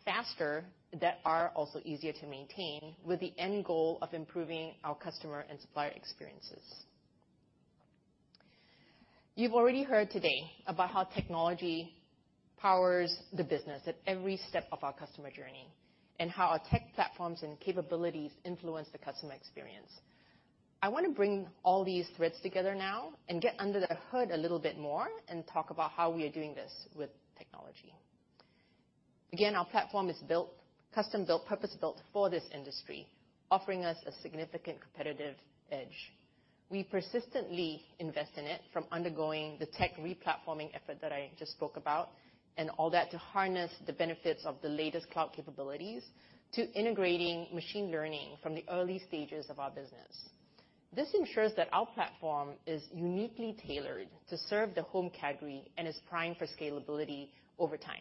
faster that are also easier to maintain, with the end goal of improving our customer and supplier experiences. You've already heard today about how technology powers the business at every step of our customer journey and how our tech platforms and capabilities influence the customer experience. I want to bring all these threads together now and get under the hood a little bit more and talk about how we are doing this with technology. Again, our platform is built, custom-built, purpose-built for this industry, offering us a significant competitive edge. We persistently invest in it, from undergoing the tech re-platforming effort that I just spoke about, and all that to harness the benefits of the latest cloud capabilities, to integrating machine learning from the early stages of our business. This ensures that our platform is uniquely tailored to serve the home category and is primed for scalability over time.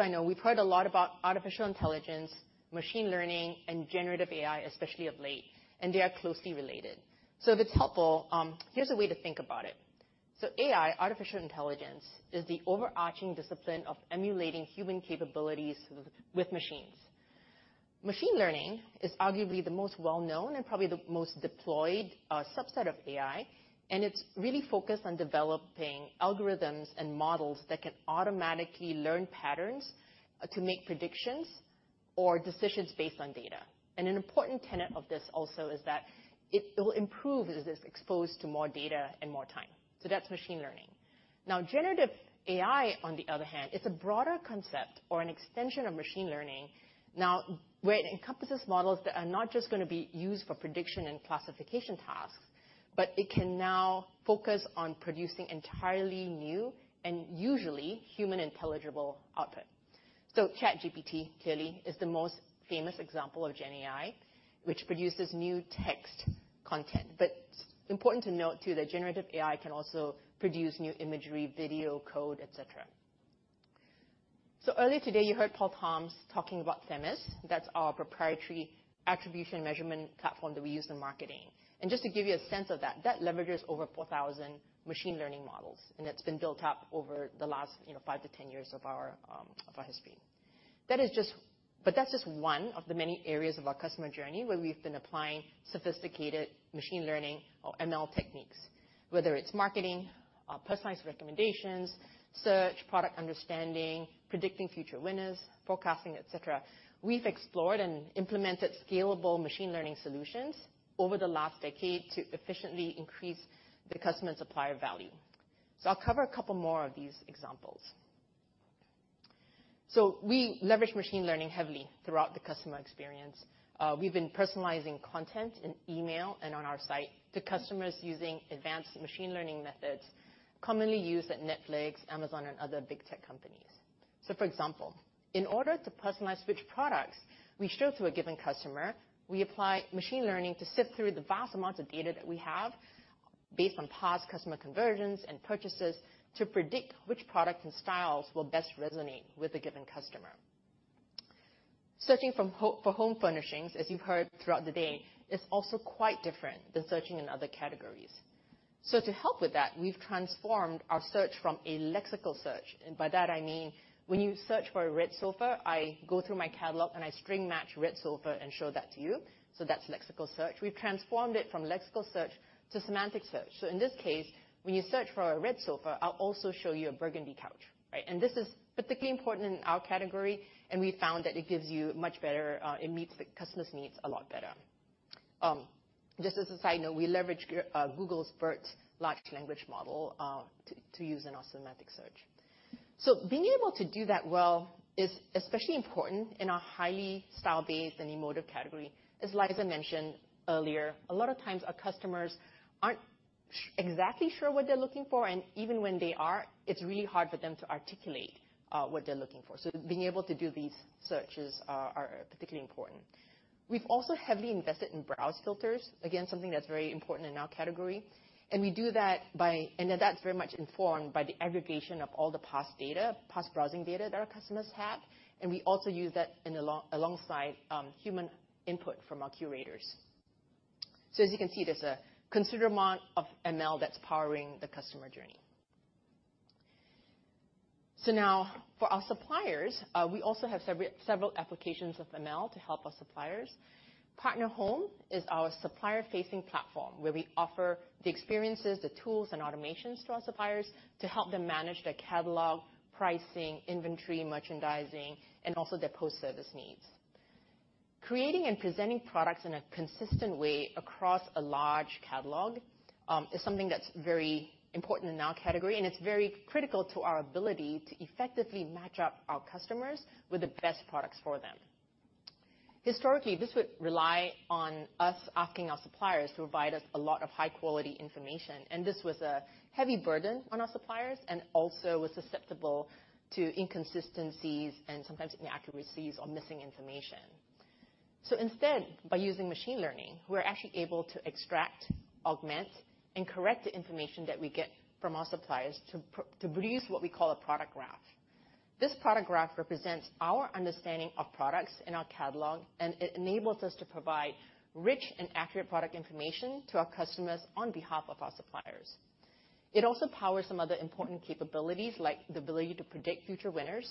I know we've heard a lot about artificial intelligence, machine learning, and generative AI, especially of late, and they are closely related. If it's helpful, here's a way to think about it. AI, artificial intelligence, is the overarching discipline of emulating human capabilities with, with machines. Machine learning is arguably the most well-known and probably the most deployed subset of AI, and it's really focused on developing algorithms and models that can automatically learn patterns to make predictions or decisions based on data. An important tenet of this also is that it will improve as it's exposed to more data and more time. That's machine learning. Now, generative AI, on the other hand, is a broader concept or an extension of machine learning now, where it encompasses models that are not just gonna be used for prediction and classification tasks, but it can now focus on producing entirely new and usually human intelligible output. ChatGPT, clearly, is the most famous example of gen AI, which produces new text content. It's important to note, too, that generative AI can also produce new imagery, video, code, et cetera. Earlier today, you heard Paul Toms talking about Themis. That's our proprietary attribution measurement platform that we use in marketing. Just to give you a sense of that, that leverages over 4,000 machine learning models, and that's been built up over the last, you know, 5-10 years of our of our history. That is just... That's just one of the many areas of our customer journey where we've been applying sophisticated machine learning or ML techniques, whether it's marketing, personalized recommendations, search, product understanding, predicting future winners, forecasting, et cetera. We've explored and implemented scalable machine learning solutions over the last decade to efficiently increase the customer and supplier value. I'll cover a couple more of these examples. We leverage machine learning heavily throughout the customer experience. We've been personalizing content in email and on our site to customers using advanced machine learning methods commonly used at Netflix, Amazon, and other big tech companies. For example, in order to personalize which products we show to a given customer, we apply machine learning to sift through the vast amounts of data that we have based on past customer conversions and purchases to predict which products and styles will best resonate with a given customer. Searching for home furnishings, as you've heard throughout the day, is also quite different than searching in other categories. To help with that, we've transformed our search from a lexical search, and by that I mean when you search for a red sofa, I go through my catalog, and I string match red sofa and show that to you. That's lexical search. We've transformed it from lexical search to semantic search. In this case, when you search for a red sofa, I'll also show you a burgundy couch, right? This is particularly important in our category, and we found that it gives you much better, it meets the customer's needs a lot better. Just as a side note, we leverage Google's BERT large language model to use in our semantic search. Being able to do that well is especially important in a highly style-based and emotive category. As Liza mentioned earlier, a lot of times our customers aren't exactly sure what they're looking for, and even when they are, it's really hard for them to articulate what they're looking for. Being able to do these searches are particularly important. We've also heavily invested in browse filters. Something that's very important in our category, and that's very much informed by the aggregation of all the past data, past browsing data that our customers have, and we also use that alongside human input from our curators. As you can see, there's a considerable amount of ML that's powering the customer journey. Now, for our suppliers, we also have several applications of ML to help our suppliers. Partner Home is our supplier-facing platform, where we offer the experiences, the tools, and automations to our suppliers to help them manage their catalog, pricing, inventory, merchandising, and also their post-service needs. Creating and presenting products in a consistent way across a large catalog is something that's very important in our category, and it's very critical to our ability to effectively match up our customers with the best products for them. Historically, this would rely on us asking our suppliers to provide us a lot of high-quality information, and this was a heavy burden on our suppliers and also was susceptible to inconsistencies and sometimes inaccuracies or missing information. Instead, by using machine learning, we're actually able to extract, augment, and correct the information that we get from our suppliers to produce what we call a product graph. This product graph represents our understanding of products in our catalog, and it enables us to provide rich and accurate product information to our customers on behalf of our suppliers. It also powers some other important capabilities, like the ability to predict future winners,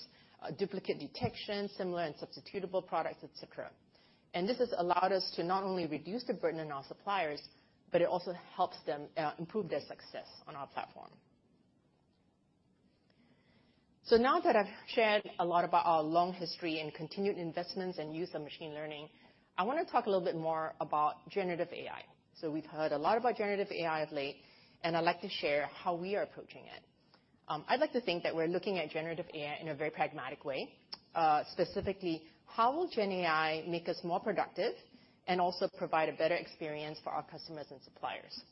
duplicate detection, similar and substitutable products, et cetera. This has allowed us to not only reduce the burden on our suppliers, but it also helps them improve their success on our platform. Now that I've shared a lot about our long history and continued investments and use of machine learning, I want to talk a little bit more about generative AI. We've heard a lot about generative AI of late, and I'd like to share how we are approaching it. I'd like to think that we're looking at generative AI in a very pragmatic way. Specifically, how will gen AI make us more productive and also provide a better experience for our customers and suppliers?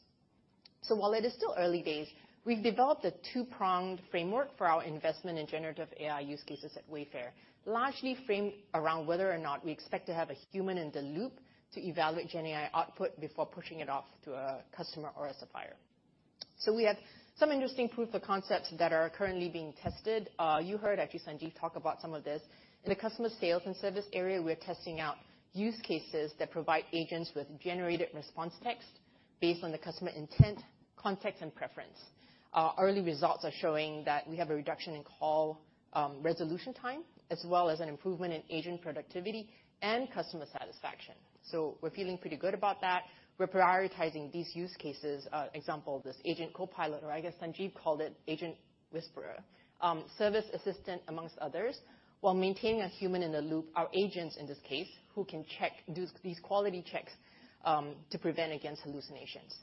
While it is still early days, we've developed a 2-pronged framework for our investment in generative AI use cases at Wayfair, largely framed around whether or not we expect to have a human in the loop to evaluate gen AI output before pushing it off to a customer or a supplier. We have some interesting proof of concepts that are currently being tested. You heard actually Sanjeev talk about some of this. In the customer sales and service area, we're testing out use cases that provide agents with generated response text based on the customer intent, context, and preference. Our early results are showing that we have a reduction in call resolution time, as well as an improvement in agent productivity and customer satisfaction. We're feeling pretty good about that. We're prioritizing these use cases. Example, this Agent Co-pilot, or I guess Sanjeev called it Agent Whisperer, service assistant, amongst others, while maintaining a human in the loop, our agents in this case, who can check, do these quality checks, to prevent against hallucinations.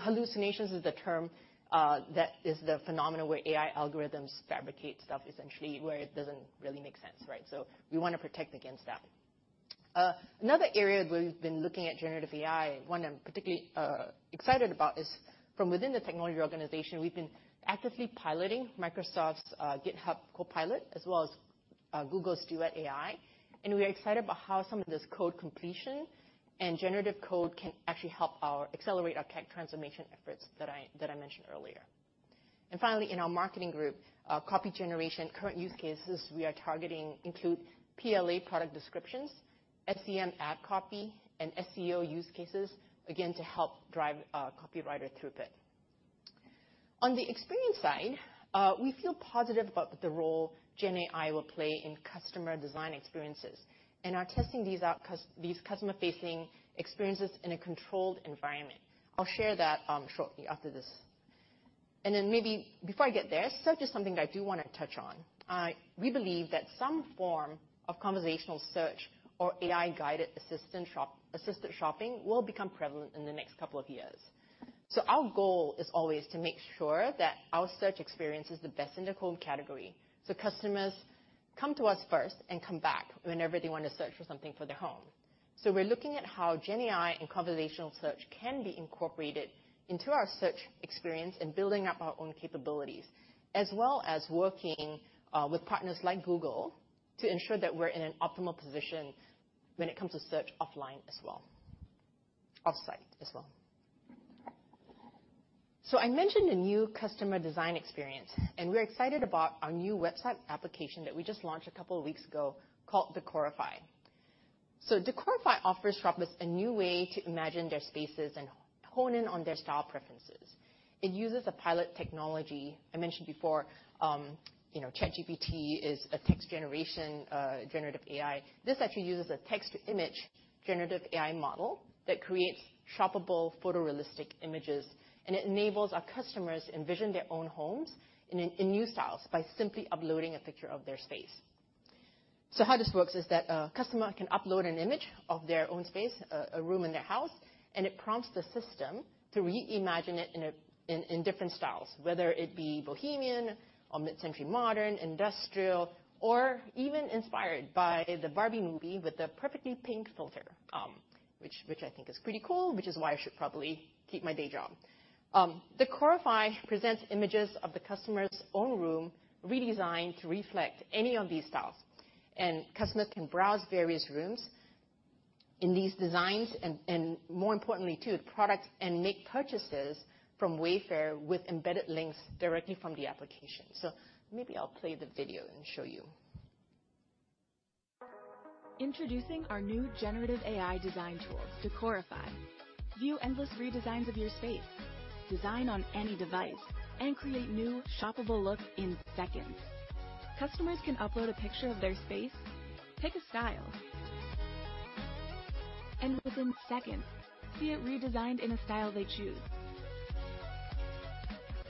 Hallucinations is the term that is the phenomenon where AI algorithms fabricate stuff, essentially, where it doesn't really make sense, right? We want to protect against that. Another area where we've been looking at generative AI, one I'm particularly excited about, is from within the technology organization, we've been actively piloting Microsoft's GitHub Copilot, as well as Google's Duet AI. We are excited about how some of this code completion and generative code can actually help accelerate our tech transformation efforts that I, that I mentioned earlier. Finally, in our marketing group, copy generation, current use cases we are targeting include PLA product descriptions, SEM ad copy, and SEO use cases, again, to help drive our copywriter throughput. On the experience side, we feel positive about the role gen AI will play in customer design experiences and are testing these out these customer-facing experiences in a controlled environment. I'll share that shortly after this. Then maybe before I get there, search is something I do want to touch on. We believe that some form of conversational search or AI-guided assisted shopping will become prevalent in the next couple of years. Our goal is always to make sure that our search experience is the best in the home category, so customers come to us first and come back whenever they want to search for something for their home. We're looking at how gen AI and conversational search can be incorporated into our search experience and building up our own capabilities, as well as working with partners like Google to ensure that we're in an optimal position when it comes to search offline as well-- offsite as well. I mentioned a new customer design experience, and we're excited about our new website application that we just launched a couple of weeks ago called Decorify. Decorify offers shoppers a new way to imagine their spaces and hone in on their style preferences. It uses a pilot technology. I mentioned before, you know, ChatGPT is a text generation, generative AI. This actually uses a text-to-image generative AI model that creates shoppable, photorealistic images, and it enables our customers to envision their own homes in new styles by simply uploading a picture of their space. How this works is that a customer can upload an image of their own space, a room in their house, and it prompts the system to reimagine it in different styles, whether it be bohemian or mid-century, modern, industrial, or even inspired by the Barbie movie with the perfectly pink filter, which, which I think is pretty cool, which is why I should probably keep my day job. Decorify presents images of the customer's own room, redesigned to reflect any of these styles, and customers can browse various rooms in these designs and, more importantly, too, the products, and make purchases from Wayfair with embedded links directly from the application. Maybe I'll play the video and show you. Introducing our new generative AI design tool, Decorify. View endless redesigns of your space, design on any device, and create new shoppable looks in seconds. Customers can upload a picture of their space, pick a style, and within seconds, see it redesigned in a style they choose.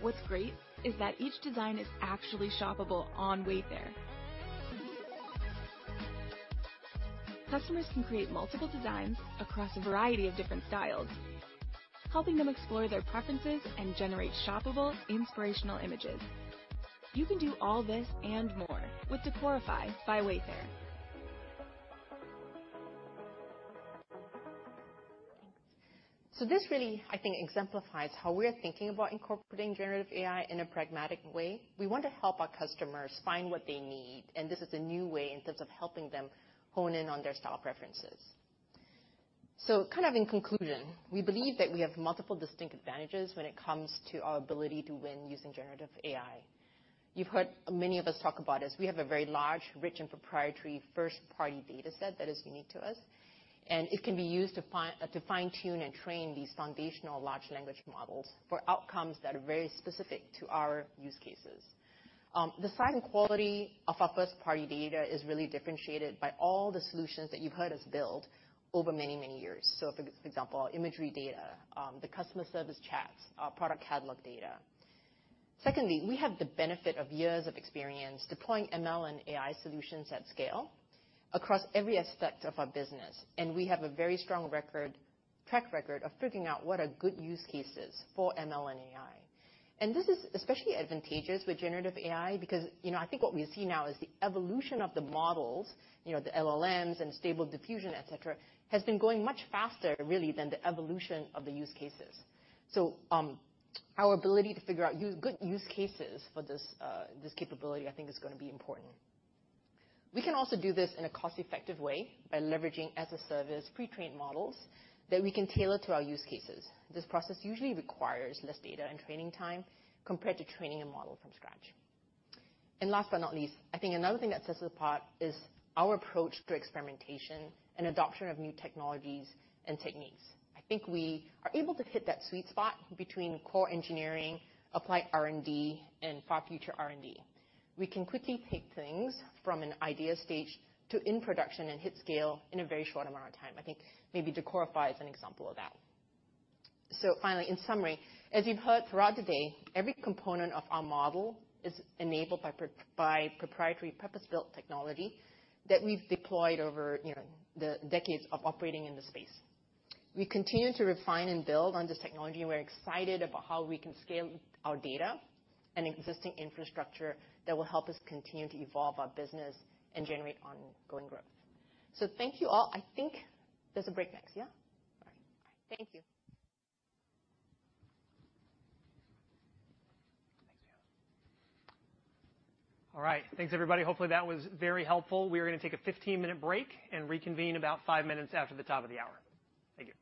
What's great is that each design is actually shoppable on Wayfair. Customers can create multiple designs across a variety of different styles, helping them explore their preferences and generate shoppable, inspirational images. You can do all this and more with Decorify by Wayfair. This really, I think, exemplifies how we're thinking about incorporating generative AI in a pragmatic way. We want to help our customers find what they need, and this is a new way in terms of helping them hone in on their style preferences. Kind of in conclusion, we believe that we have multiple distinct advantages when it comes to our ability to win using generative AI. You've heard many of us talk about this. We have a very large, rich, and proprietary first-party data set that is unique to us, and it can be used to fine-tune and train these foundational large language models for outcomes that are very specific to our use cases. The size and quality of our first-party data is really differentiated by all the solutions that you've heard us build over many, many years. For ex-example, imagery data, the customer service chats, our product catalog data. Secondly, we have the benefit of years of experience deploying ML and AI solutions at scale across every aspect of our business, and we have a very strong record-- track record of figuring out what are good use cases for ML and AI. This is especially advantageous with generative AI, because, you know, I think what we see now is the evolution of the models, you know, the LLMs and Stable Diffusion, et cetera, has been going much faster, really, than the evolution of the use cases. Our ability to figure out u-- good use cases for this, this capability, I think is gonna be important. We can also do this in a cost-effective way by leveraging as-a-service pre-trained models that we can tailor to our use cases. This process usually requires less data and training time compared to training a model from scratch. Last but not least, I think another thing that sets us apart is our approach to experimentation and adoption of new technologies and techniques. I think we are able to hit that sweet spot between core engineering, applied R&D, and far future R&D. We can quickly take things from an idea stage to in production and hit scale in a very short amount of time. I think maybe Decorify is an example of that. Finally, in summary, as you've heard throughout the day, every component of our model is enabled by proprietary, purpose-built technology that we've deployed over, you know, the decades of operating in the space. We continue to refine and build on this technology, and we're excited about how we can scale our data and existing infrastructure that will help us continue to evolve our business and generate ongoing growth. Thank you all. I think there's a break next, yeah? All right. Thank you. All right. Thanks, everybody. Hopefully, that was very helpful. We are gonna take a 15-minute break and reconvene about five minutes after the top of the hour. Thank you.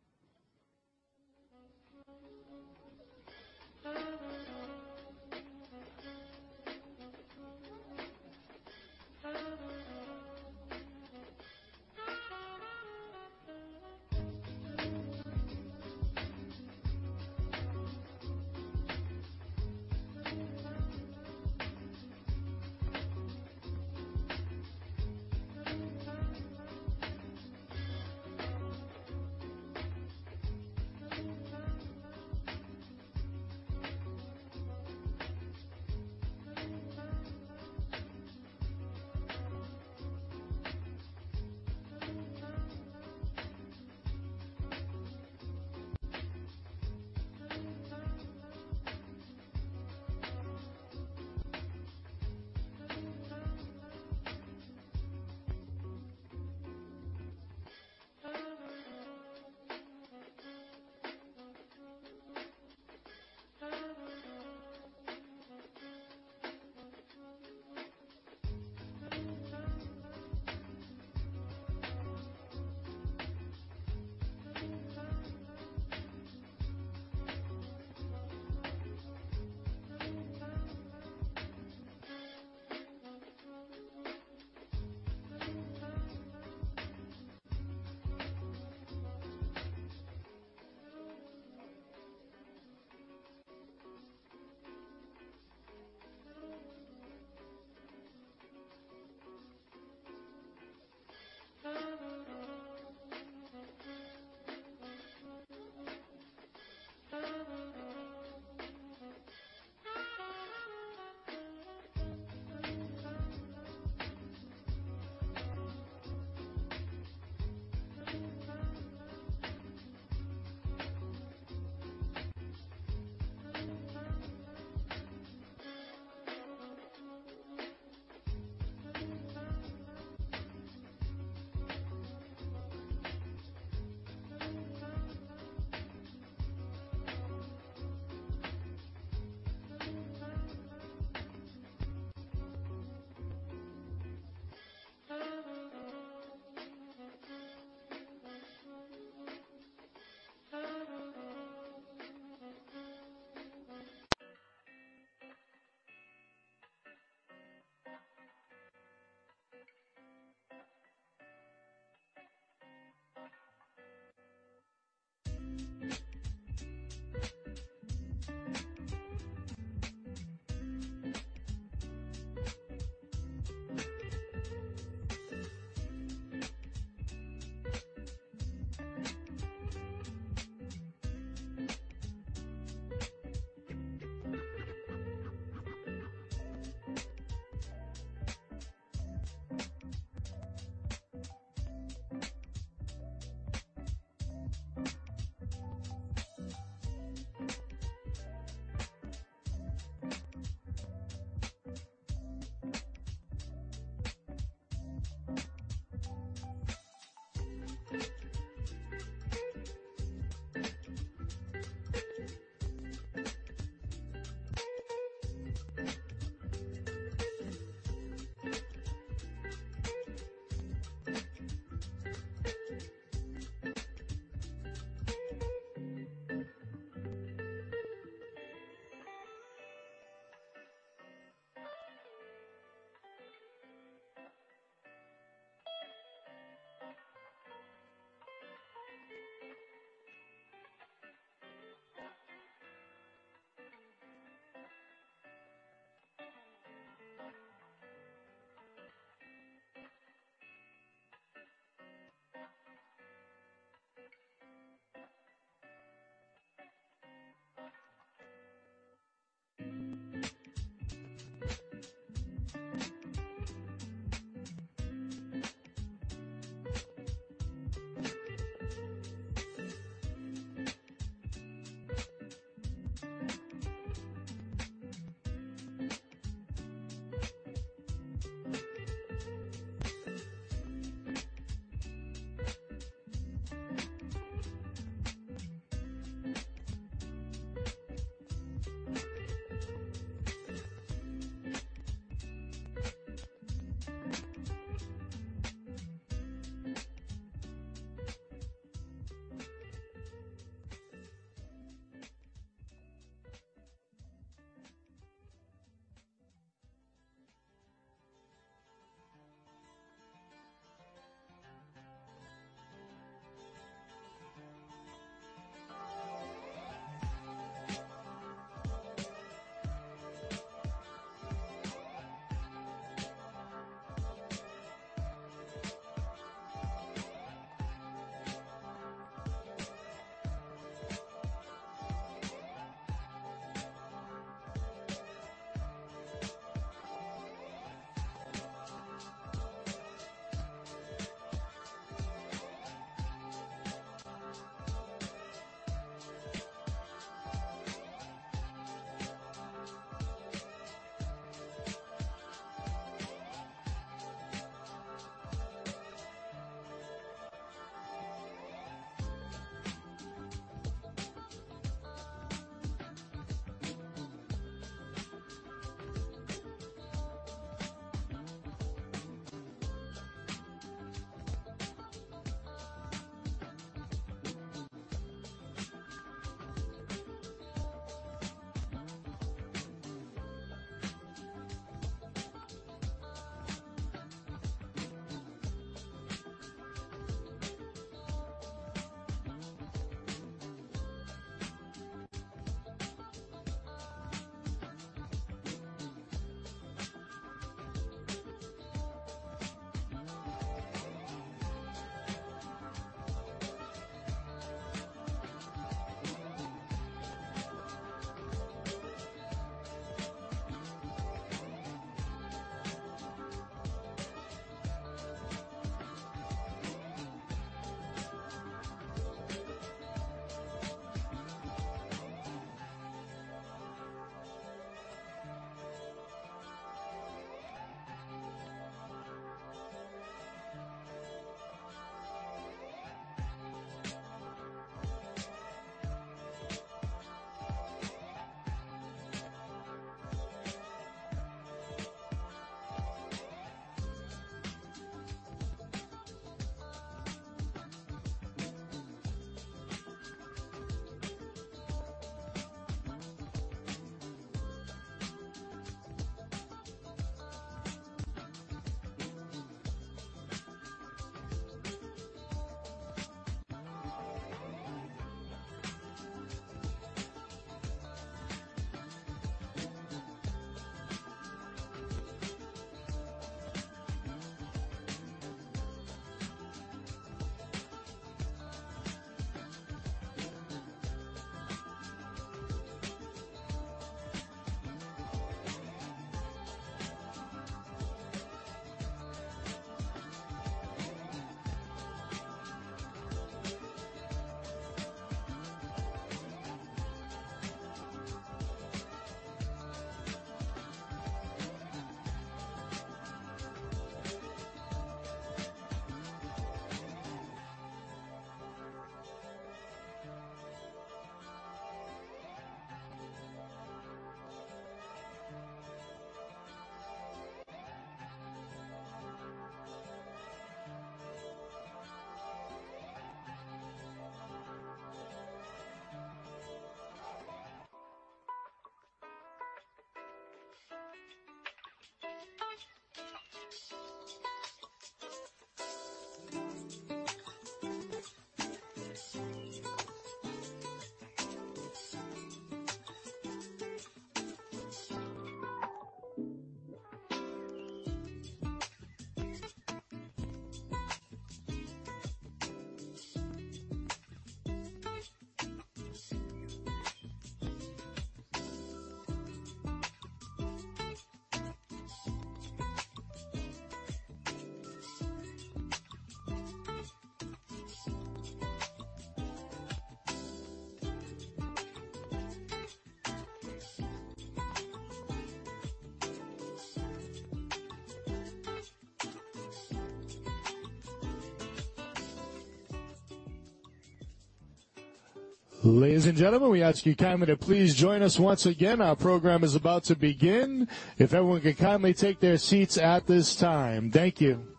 Ladies and gentlemen, we ask you kindly to please join us once again. Our program is about to begin. If everyone could kindly take their seats at this time. Thank you.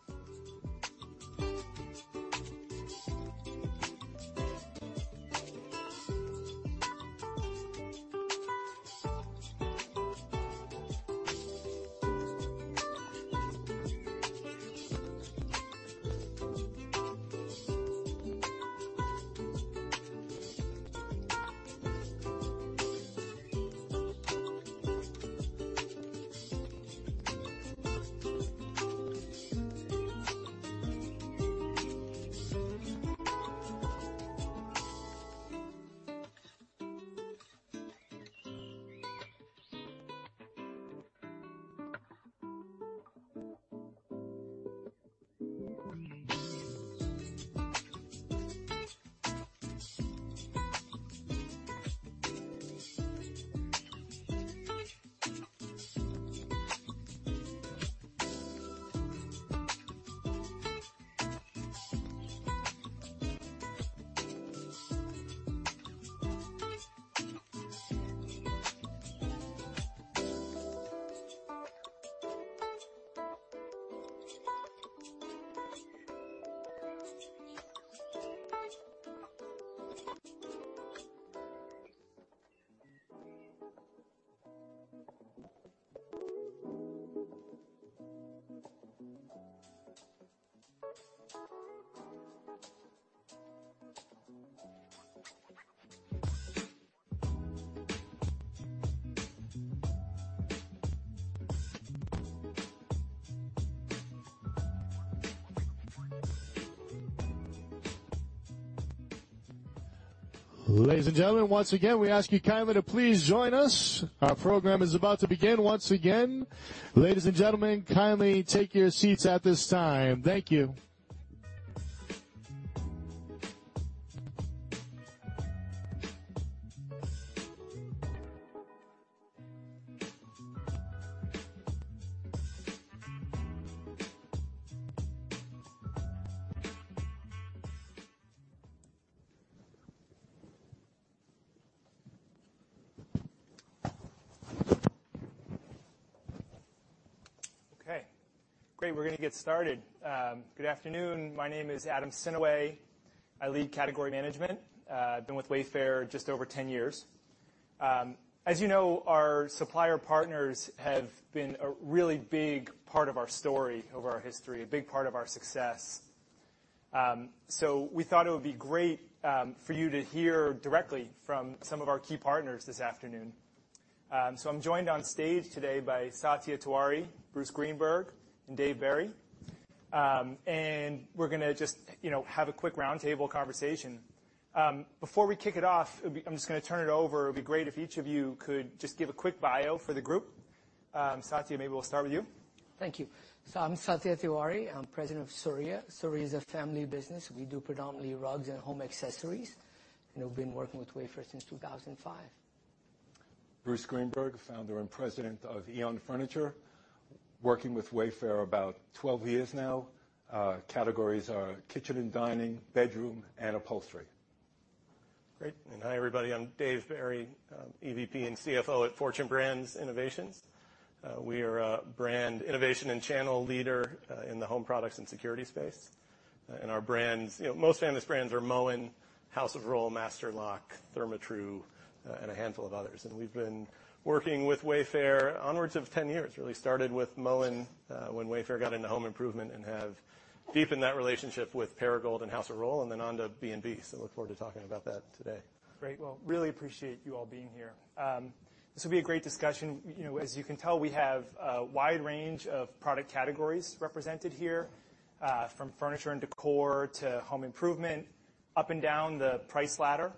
Ladies and gentlemen, once again, we ask you kindly to please join us. Our program is about to begin once again. Ladies and gentlemen, kindly take your seats at this time. Thank you. Okay, great. We're going to get started. Good afternoon. My name is Adam Sinoway. I lead category management. I've been with Wayfair just over 10 years. As you know, our supplier partners have been a really big part of our story, of our history, a big part of our success. We thought it would be great, for you to hear directly from some of our key partners this afternoon. I'm joined on stage today by Satya Tiwari, Bruce Greenberg, and Dave Barry. We're gonna just, you know, have a quick roundtable conversation. Before we kick it off, it'll be-- I'm just gonna turn it over. It'd be great if each of you could just give a quick bio for the group. Satya, maybe we'll start with you. Thank you. I'm Satya Tiwari. I'm president of Surya. Surya is a family business. We do predominantly rugs and home accessories, and we've been working with Wayfair since 2005. Bruce Greenberg, founder and president of Aeon Furniture, working with Wayfair about 12 years now. Categories are kitchen and dining, bedroom, and upholstery. Great! Hi, everybody. I'm Dave Barry, EVP and CFO at Fortune Brands Innovations. We are a brand innovation and channel leader in the home products and security space. Our brands... You know, most famous brands are Moen, House of Rohl, Master Lock, Therma-Tru, and a handful of others. We've been working with Wayfair onwards of 10 years. Really started with Moen when Wayfair got into home improvement, and have deepened that relationship with Perigold and House of Rohl and then on to B&B. Look forward to talking about that today. Great. Well, really appreciate you all being here. This will be a great discussion. You know, as you can tell, we have a wide range of product categories represented here, from furniture and decor to home improvement, up and down the price ladder.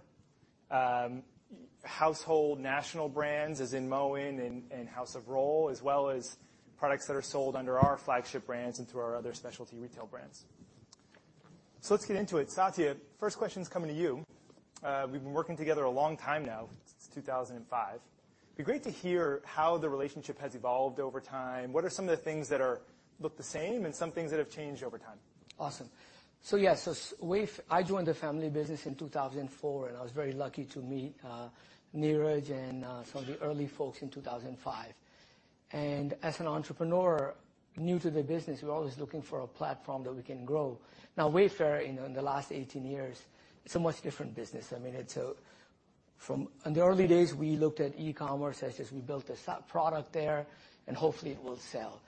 household national brands, as in Moen and House of Rohl, as well as products that are sold under our flagship brands and through our other specialty retail brands. Let's get into it. Satya, first question is coming to you. We've been working together a long time now, since 2005. It'd be great to hear how the relationship has evolved over time. What are some of the things that look the same, and some things that have changed over time? Awesome. Yes, I joined the family business in 2004, and I was very lucky to meet, Niraj and some of the early folks in 2005. As an entrepreneur, new to the business, we're always looking for a platform that we can grow. Wayfair, you know, in the last 18 years, it's a much different business. I mean, from in the early days, we looked at e-commerce as just we built a stock product there, and hopefully it will sell.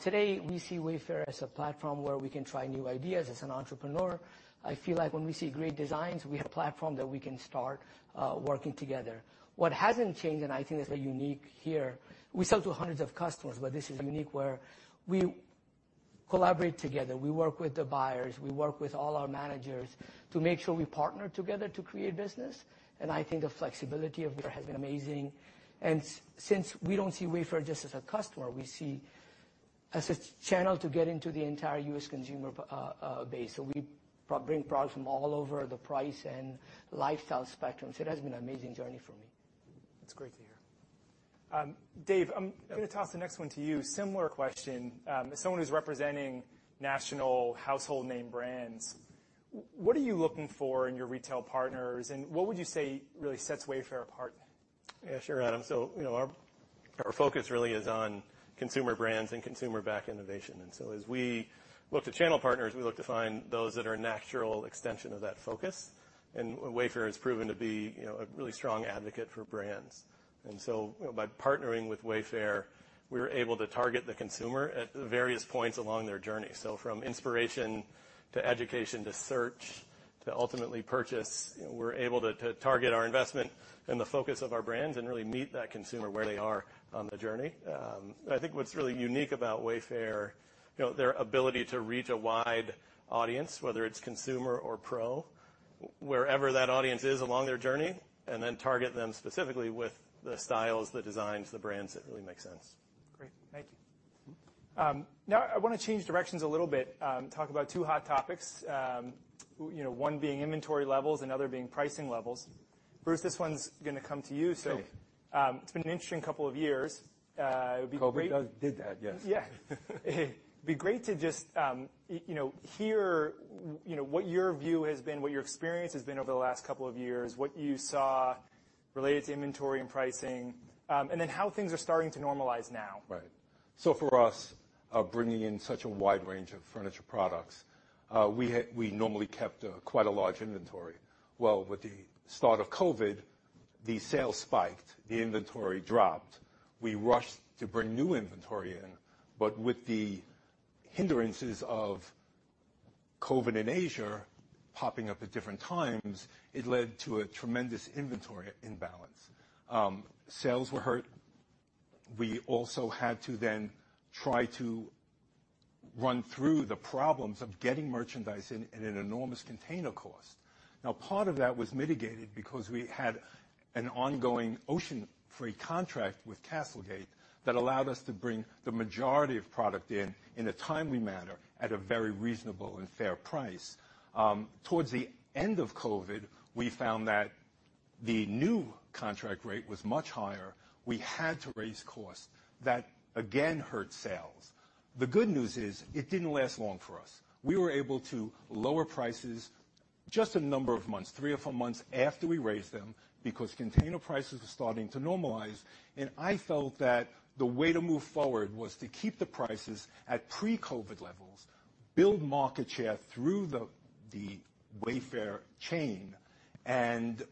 Today, we see Wayfair as a platform where we can try new ideas. As an entrepreneur, I feel like when we see great designs, we have a platform that we can start working together. What hasn't changed, and I think that's unique here, we sell to hundreds of customers, but this is unique, where we collaborate together. We work with the buyers, we work with all our managers to make sure we partner together to create business. I think the flexibility of Wayfair has been amazing, since we don't see Wayfair just as a customer, we see as a channel to get into the entire U.S. consumer base. We bring products from all over the price and lifestyle spectrum. It has been an amazing journey for me. That's great to hear. Dave, I'm gonna toss the next one to you. Similar question. As someone who's representing national household name brands, what are you looking for in your retail partners, and what would you say really sets Wayfair apart? Yeah, sure, Adam. You know, our, our focus really is on consumer brands and consumer-backed innovation. As we look to channel partners, we look to find those that are a natural extension of that focus, and Wayfair has proven to be, you know, a really strong advocate for brands. By partnering with Wayfair, we're able to target the consumer at various points along their journey. From inspiration, to education, to search, to ultimately purchase, we're able to, to target our investment and the focus of our brands and really meet that consumer where they are on the journey. I think what's really unique about Wayfair, you know, their ability to reach a wide audience, whether it's consumer or pro, wherever that audience is along their journey, and then target them specifically with the styles, the designs, the brands, that really make sense. Great, thank you. Now I want to change directions a little bit, talk about two hot topics. You know, one being inventory levels, another being pricing levels. Bruce, this one's gonna come to you. Okay. It's been an interesting couple of years, it would be great- COVID did that, yes. Yeah. It'd be great to just, you know, hear, you know, what your view has been, what your experience has been over the last couple of years, what you saw related to inventory and pricing, and then how things are starting to normalize now. Right. For us, bringing in such a wide range of furniture products, we normally kept quite a large inventory. Well, with the start of COVID, the sales spiked, the inventory dropped. We rushed to bring new inventory in. With the hindrances of COVID in Asia popping up at different times, it led to a tremendous inventory imbalance. Sales were hurt. We also had to then try to run through the problems of getting merchandise in at an enormous container cost. Part of that was mitigated because we had an ongoing ocean freight contract with CastleGate that allowed us to bring the majority of product in in a timely manner at a very reasonable and fair price. Towards the end of COVID, we found that the new contract rate was much higher. We had to raise costs. That, again, hurt sales. The good news is, it didn't last long for us. We were able to lower prices just a number of months, three or four months after we raised them, because container prices were starting to normalize. I felt that the way to move forward was to keep the prices at pre-COVID levels, build market share through the, the Wayfair chain.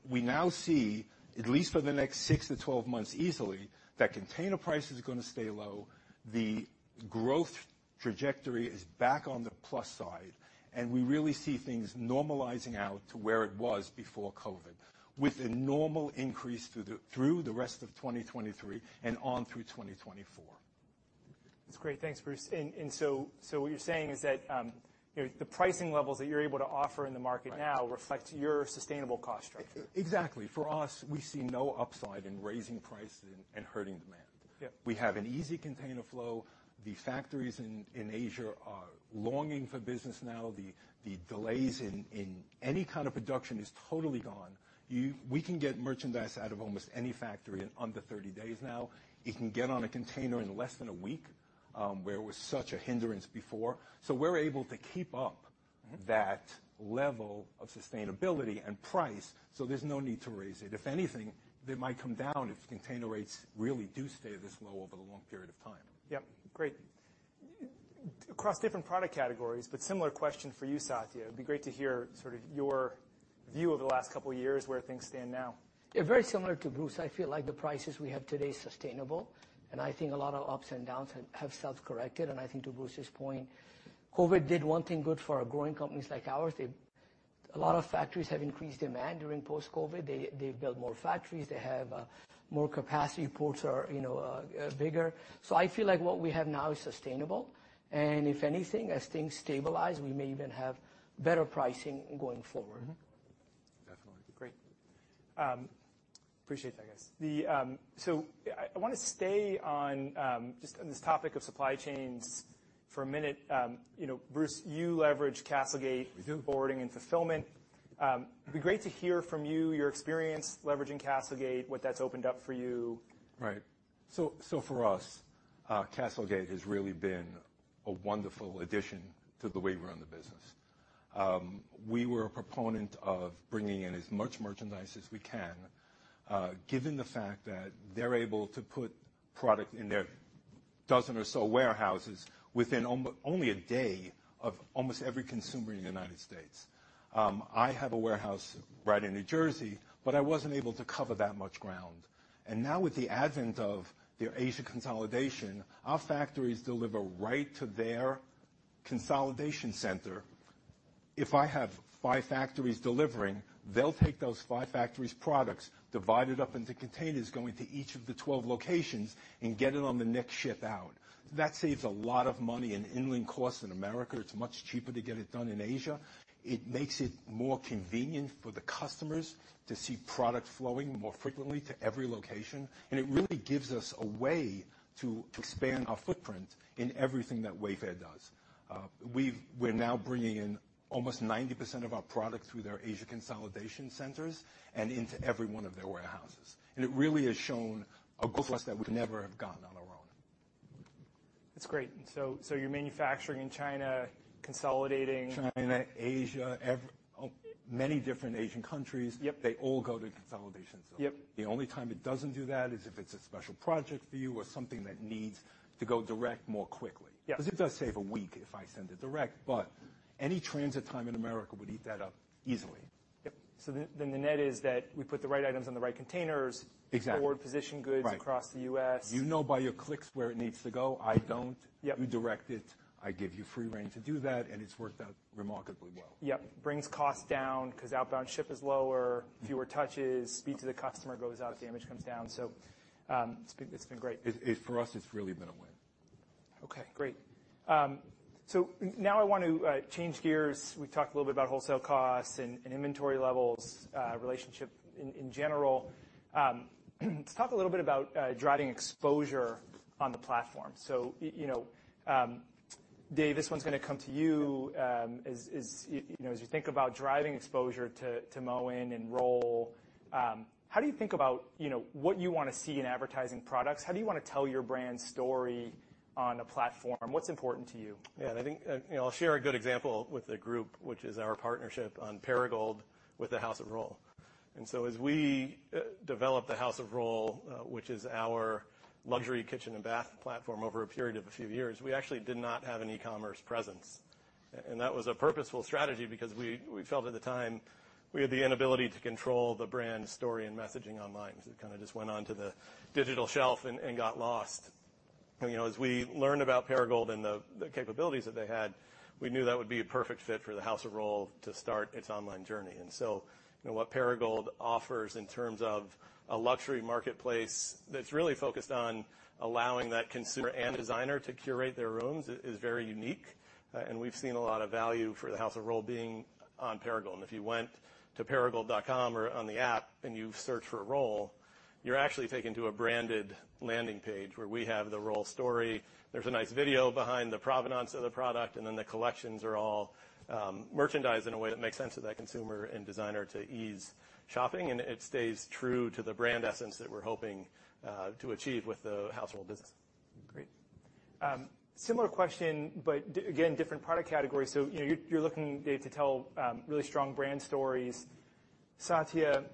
We now see, at least for the next 6 to 12 months easily, that container prices are going to stay low, the growth trajectory is back on the plus side, and we really see things normalizing out to where it was before COVID, with a normal increase through the, through the rest of 2023 and on through 2024. That's great. Thanks, Bruce. what you're saying is that, you know, the pricing levels that you're able to offer in the market now- Right. Reflect your sustainable cost structure. Exactly. For us, we see no upside in raising prices and, and hurting demand. Yep. We have an easy container flow. The factories in, in Asia are longing for business now. The, the delays in, in any kind of production is totally gone. We can get merchandise out of almost any factory in under 30 days now. It can get on a container in less than a week, where it was such a hindrance before. We're able to keep up- Mm-hmm That level of sustainability and price, so there's no need to raise it. If anything, they might come down if container rates really do stay this low over a long period of time. Yep, great. Across different product categories, but similar question for you, Satya. It'd be great to hear sort of your view of the last couple of years, where things stand now. Yeah, very similar to Bruce, I feel like the prices we have today is sustainable, and I think a lot of ups and downs have, have self-corrected. I think to Bruce's point, COVID did one thing good for a growing companies like ours. A lot of factories have increased demand during post-COVID. They've built more factories, they have more capacity, ports are, you know, bigger. I feel like what we have now is sustainable, and if anything, as things stabilize, we may even have better pricing going forward. Great. Appreciate that, guys. I, I want to stay on just on this topic of supply chains for a minute. You know, Bruce, you leverage CastleGate- We do. For boarding and fulfillment. It'd be great to hear from you, your experience leveraging CastleGate, what that's opened up for you. Right. For us, CastleGate has really been a wonderful addition to the way we run the business. We were a proponent of bringing in as much merchandise as we can, given the fact that they're able to put product in their 12 or so warehouses within only a day of almost every consumer in the United States. I have a warehouse right in New Jersey, I wasn't able to cover that much ground. Now, with the advent of their Asia consolidation, our factories deliver right to their consolidation center. If I have 5 factories delivering, they'll take those 5 factories' products, divide it up into containers, going to each of the 12 locations, and get it on the next ship out. That saves a lot of money in inland costs in America. It's much cheaper to get it done in Asia. It makes it more convenient for the customers to see product flowing more frequently to every location, and it really gives us a way to, to expand our footprint in everything that Wayfair does. We're now bringing in almost 90% of our product through their Asia consolidation centers and into every one of their warehouses, and it really has shown a growth for us that we never have gotten on our own. That's great. So you're manufacturing in China, consolidating-. China, Asia, many different Asian countries. Yep. They all go to consolidation. Yep. The only time it doesn't do that is if it's a special project for you or something that needs to go direct more quickly. Yes. It does save a week if I send it direct, but any transit time in America would eat that up easily. Yep. Then, then the net is that we put the right items on the right containers- Exactly. Forward-position goods- Right Across the U.S. You know, by your clicks, where it needs to go. I don't. Yep. You direct it. I give you free rein to do that, and it's worked out remarkably well. Yep. Brings costs down because outbound ship is lower, fewer touches, speed to the customer goes up, damage comes down. It's been, it's been great. It, it, for us, it's really been a win. Okay, great. So n- now I want to change gears. We've talked a little bit about wholesale costs and, and inventory levels, relationship in, in general. Let's talk a little bit about driving exposure on the platform. Y- you know, Dave, this one's gonna come to you. As, as y- you know, as you think about driving exposure to, to Moen and Rohl, how do you think about, you know, what you want to see in advertising products? How do you want to tell your brand story on a platform? What's important to you? Yeah, I think, you know, I'll share a good example with the group, which is our partnership on Perigold with the House of Rohl. So as we developed the House of Rohl, which is our luxury kitchen and bath platform, over a period of a few years, we actually did not have an e-commerce presence. That was a purposeful strategy because we, we felt at the time we had the inability to control the brand story and messaging online. It kind of just went on to the digital shelf and, and got lost. You know, as we learned about Perigold and the capabilities that they had, we knew that would be a perfect fit for the House of Rohl to start its online journey. You know, what Perigold offers in terms of a luxury marketplace that's really focused on allowing that consumer and designer to curate their rooms is very unique, and we've seen a lot of value for the House of Rohl being on Perigold. If you went to Perigold.com or on the app, and you search for Rohl, you're actually taken to a branded landing page where we have the Rohl story. There's a nice video behind the provenance of the product, and then the collections are all merchandised in a way that makes sense to that consumer and designer to ease shopping, and it stays true to the brand essence that we're hoping to achieve with the House of Rohl business. Great. Similar question, but again, different product categories. You know, you're, you're looking, Dave, to tell really strong brand stories. Satya,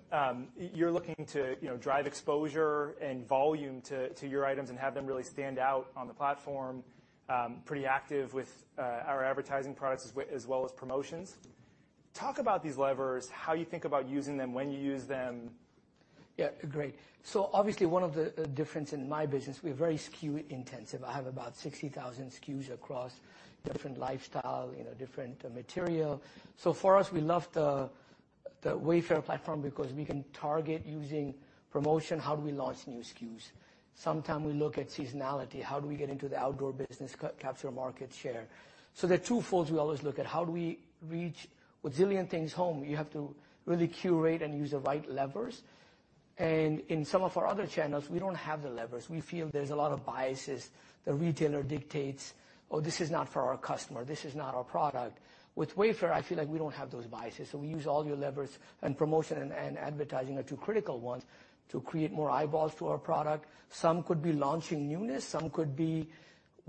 you're looking to, you know, drive exposure and volume to, to your items and have them really stand out on the platform, pretty active with our advertising products as well as promotions. Talk about these levers, how you think about using them, when you use them. Yeah, great. Obviously, one of the difference in my business, we're very SKU intensive. I have about 60,000 SKUs across different lifestyle, you know, different, material. For us, we love the, the Wayfair platform because we can target using promotion, how do we launch new SKUs? Sometimes we look at seasonality, how do we get into the outdoor business, capture market share? There are two folds we always look at: How do we reach... With zillion things home, you have to really curate and use the right levers. In some of our other channels, we don't have the levers. We feel there's a lot of biases. The retailer dictates, "Oh, this is not for our customer, this is not our product." With Wayfair, I feel like we don't have those biases, so we use all your levers, and promotion and advertising are two critical ones to create more eyeballs to our product. Some could be launching newness, some could be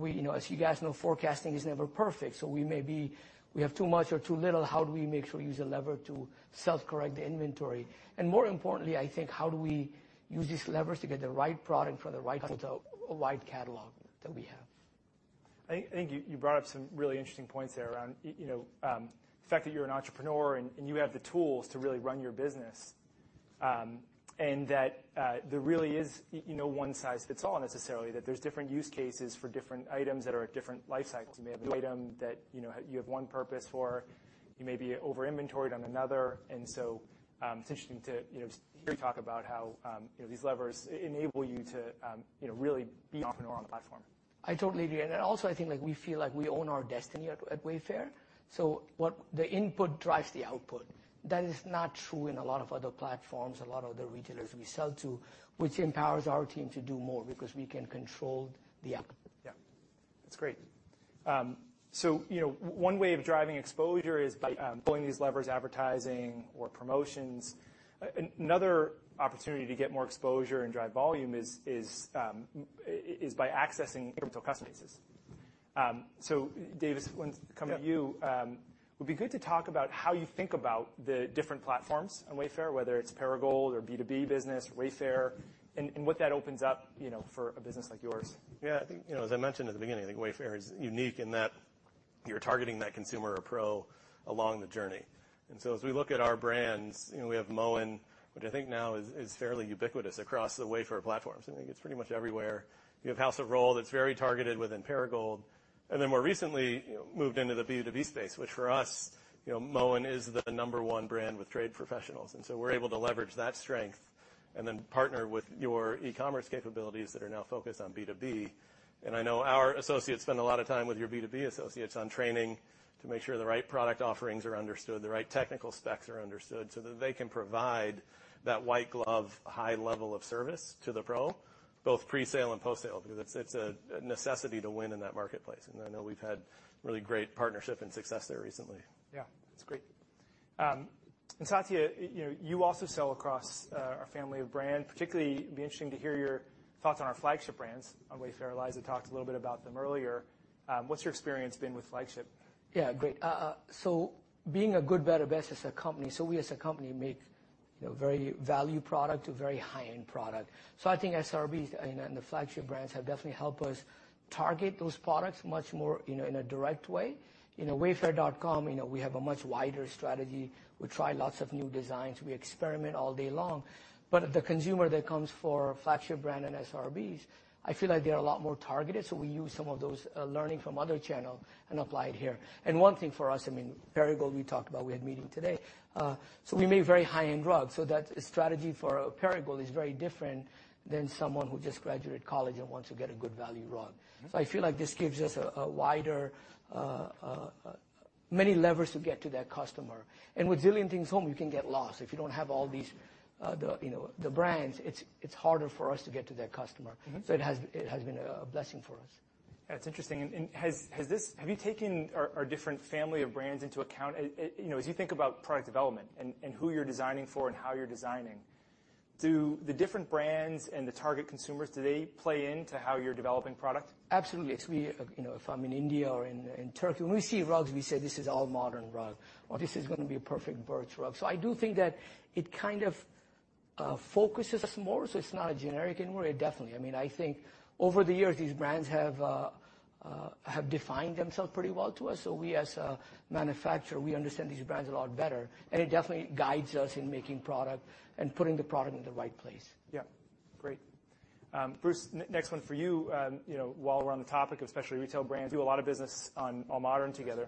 you know, as you guys know, forecasting is never perfect, so we have too much or too little. How do we make sure we use a lever to self-correct the inventory? More importantly, I think, how do we use these levers to get the right product for the right customer, a wide catalog that we have? I, I think you, you brought up some really interesting points there around, you know, the fact that you're an entrepreneur and, and you have the tools to really run your business. That there really is, you know, one size fits all necessarily, that there's different use cases for different items that are at different life cycles. You may have an item that, you know, you have one purpose for, you may be over-inventoried on another, so it's interesting to, you know, hear you talk about how, you know, these levers enable you to, you know, really be entrepreneur on the platform. I totally agree. Also, I think, we feel like we own our destiny at, at Wayfair. What the input drives the output. That is not true in a lot of other platforms, a lot of other retailers we sell to, which empowers our team to do more because we can control the output. Yeah, that's great. You know, one way of driving exposure is by pulling these levers, advertising or promotions. Another opportunity to get more exposure and drive volume is by accessing customer bases. Dave, want to come to you. Yeah. It would be good to talk about how you think about the different platforms on Wayfair, whether it's Perigold or B2B business, Wayfair, and what that opens up, you know, for a business like yours. Yeah, I think, you know, as I mentioned at the beginning, I think Wayfair is unique in that you're targeting that consumer or pro along the journey. So as we look at our brands, you know, we have Moen, which I think now is, is fairly ubiquitous across the Wayfair platforms. I think it's pretty much everywhere. You have House of Rohl, that's very targeted within Perigold, and then more recently, moved into the B2B space, which for us, you know, Moen is the number one brand with trade professionals. So we're able to leverage that strength and then partner with your e-commerce capabilities that are now focused on B2B. I know our associates spend a lot of time with your B2B associates on training to make sure the right product offerings are understood, the right technical specs are understood, so that they can provide that white glove, high level of service to the pro, both pre-sale and post-sale, because it's, it's a, a necessity to win in that marketplace. I know we've had really great partnership and success there recently. Yeah, that's great. Satya, you know, you also sell across our family of brand. Particularly, it'd be interesting to hear your thoughts on our flagship brands on Wayfair. Eliza talked a little bit about them earlier. What's your experience been with flagship? Yeah, great. Being a good, better, best as a company, we as a company make, you know, very value product to very high-end product. I think SRBs and the flagship brands have definitely helped us target those products much more, you know, in a direct way. In Wayfair, you know, we have a much wider strategy. We try lots of new designs, we experiment all day long. The consumer that comes for flagship brand and SRBs, I feel like they are a lot more targeted, so we use some of those learning from other channel and apply it here. One thing for us, I mean, Perigold, we talked about, we had a meeting today. We make very high-end rugs, so that strategy for Perigold is very different than someone who just graduated college and wants to get a good value rug. Mm-hmm. I feel like this gives us a, a wider, many levers to get to that customer. With zillion things home, you can get lost. If you don't have all these, the, you know, the brands, it's, it's harder for us to get to that customer. Mm-hmm. It has, it has been a, a blessing for us. That's interesting. Have you taken our, our different family of brands into account? You know, as you think about product development and, and who you're designing for and how you're designing, do the different brands and the target consumers, do they play into how you're developing product? Absolutely. You know, if I'm in India or in, in Turkey, when we see rugs, we say, this is AllModern rug, or this is gonna be a perfect Birch rug. I do think that it kind of focuses us more, so it's not a generic anymore. Definitely. I mean, I think over the years, these brands have defined themselves pretty well to us. We, as a manufacturer, we understand these brands a lot better, and it definitely guides us in making product and putting the product in the right place. Yeah. Great. Bruce, next one for you. You know, while we're on the topic of specialty retail brands, do a lot of business on AllModern Together.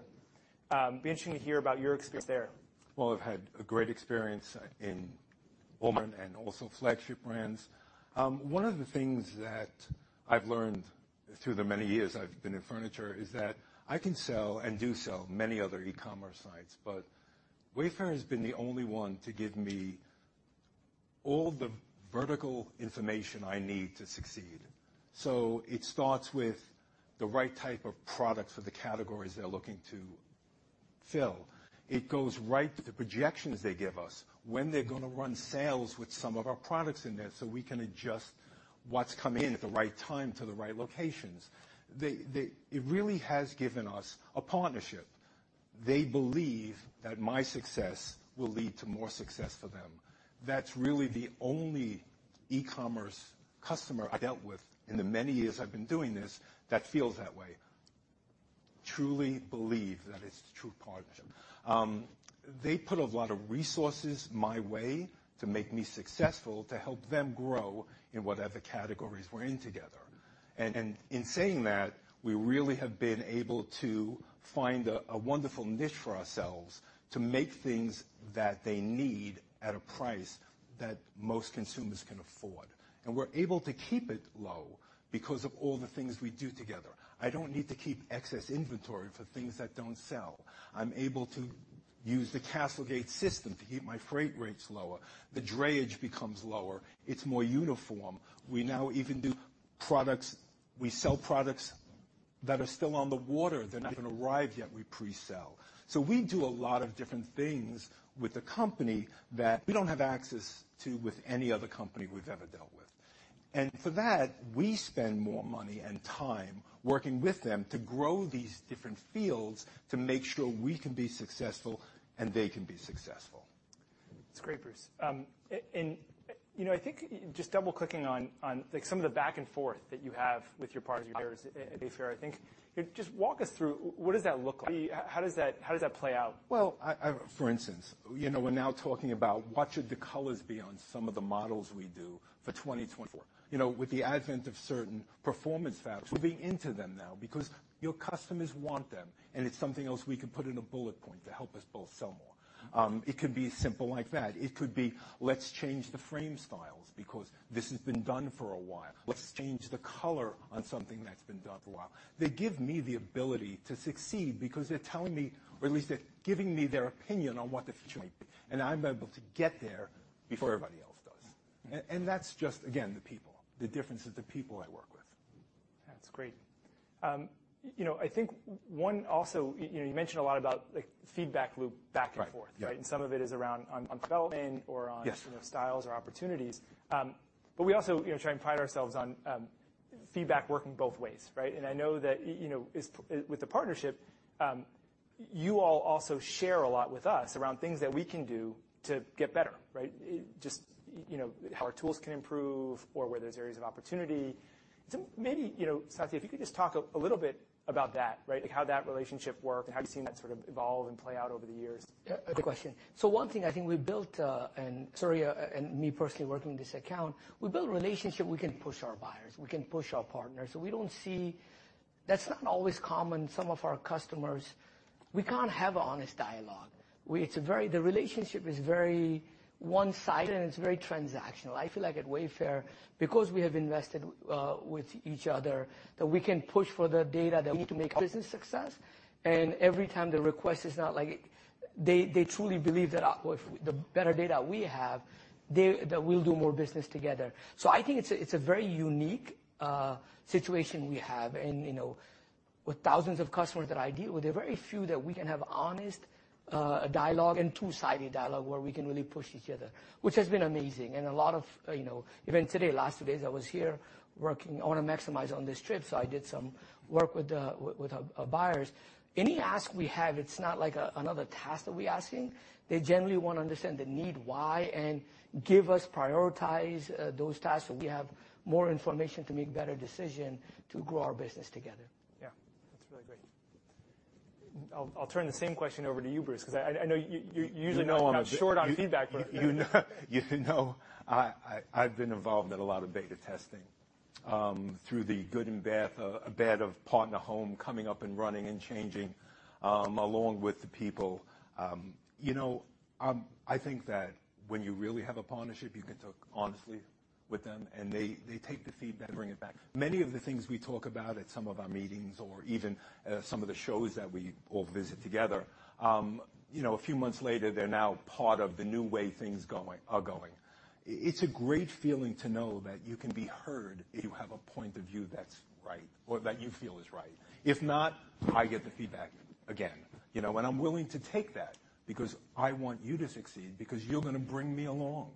Be interesting to hear about your experience there. Well, I've had a great experience in AllModern and also flagship brands. One of the things that I've learned through the many years I've been in furniture is that I can sell and do sell many other e-commerce sites, but Wayfair has been the only one to give me all the vertical information I need to succeed. It starts with the right type of products for the categories they're looking to fill. It goes right to the projections they give us, when they're gonna run sales with some of our products in there, so we can adjust what's coming in at the right time to the right locations. It really has given us a partnership. They believe that my success will lead to more success for them. That's really the only e-commerce customer I dealt with in the many years I've been doing this, that feels that way. Truly believe that it's a true partnership. They put a lot of resources my way to make me successful, to help them grow in whatever categories we're in together. In saying that, we really have been able to find a, a wonderful niche for ourselves to make things that they need at a price that most consumers can afford. We're able to keep it low because of all the things we do together. I don't need to keep excess inventory for things that don't sell. I'm able to use the CastleGate system to keep my freight rates lower. The drayage becomes lower. It's more uniform. We sell products that are still on the water, they're not going to arrive yet, we pre-sell. We do a lot of different things with the company that we don't have access to with any other company we've ever dealt with. For that, we spend more money and time working with them to grow these different fields, to make sure we can be successful and they can be successful. That's great, Bruce. You know, I think just double-clicking on, like, some of the back and forth that you have with your partners at Wayfair, I think. Just walk us through, what does that look like? How does that, how does that play out? Well, I For instance, you know, we're now talking about what should the colors be on some of the models we do for 2024. You know, with the advent of certain performance fabrics, we'll be into them now because your customers want them, and it's something else we can put in a bullet- to help us both sell more. It could be simple like that. It could be, "Let's change the frame styles because this has been done for a while. Let's change the color on something that's been done for a while." They give me the ability to succeed because they're telling me, or at least they're giving me their opinion on what the future might be, and I'm able to get there before everybody else does. That's just, again, the people, the difference is the people I work with. That's great. You know, I think one also, you know, you mentioned a lot about, like, feedback loop back and forth. Right. Yeah. some of it is around on development or on- Yes. You know, styles or opportunities. We also, you know, try and pride ourselves on feedback working both ways, right? I know that you know, as with the partnership, you all also share a lot with us around things that we can do to get better, right? Just, you know, how our tools can improve or where there's areas of opportunity. Maybe, you know, Satya, if you could just talk a little bit about that, right? Like, how that relationship worked, and how you've seen that sort of evolve and play out over the years. Yeah, good question. One thing I think we built, and Surya and me personally working on this account, we build a relationship, we can push our buyers, we can push our partners. We don't see... That's not always common. Some of our customers, we can't have an honest dialogue. The relationship is very one-sided, and it's very transactional. I feel like at Wayfair, because we have invested with each other, that we can push for the data that we need to make a business success, and every time the request is not like... They, they truly believe that, well, if the better data we have, that we'll do more business together. I think it's a, it's a very unique situation we have. You know, with thousands of customers that I deal with, there are very few that we can have honest dialogue and two-sided dialogue where we can really push each other, which has been amazing. A lot of, you know, even today, last 2 days, I was here working. I want to maximize on this trip, so I did some work with, with buyers. Any ask we have, it's not like another task that we asking. They generally want to understand the need why and give us, prioritize those tasks so we have more information to make better decision to grow our business together. Yeah. That's really great. I'll, I'll turn the same question over to you, Bruce, because I, I know you're usually not short on feedback. You know, I, I, I've been involved in a lot of beta testing, through the good and bad, bad of Partner Home coming up and running and changing, along with the people. You know, I think that when you really have a partnership, you can talk honestly with them, and they, they take the feedback and bring it back. Many of the things we talk about at some of our meetings or even, some of the shows that we all visit together, you know, a few months later, they're now part of the new way things going, are going. It's a great feeling to know that you can be heard if you have a point of view that's right or that you feel is right. If not, I get the feedback again, you know, and I'm willing to take that because I want you to succeed, because you're going to bring me along,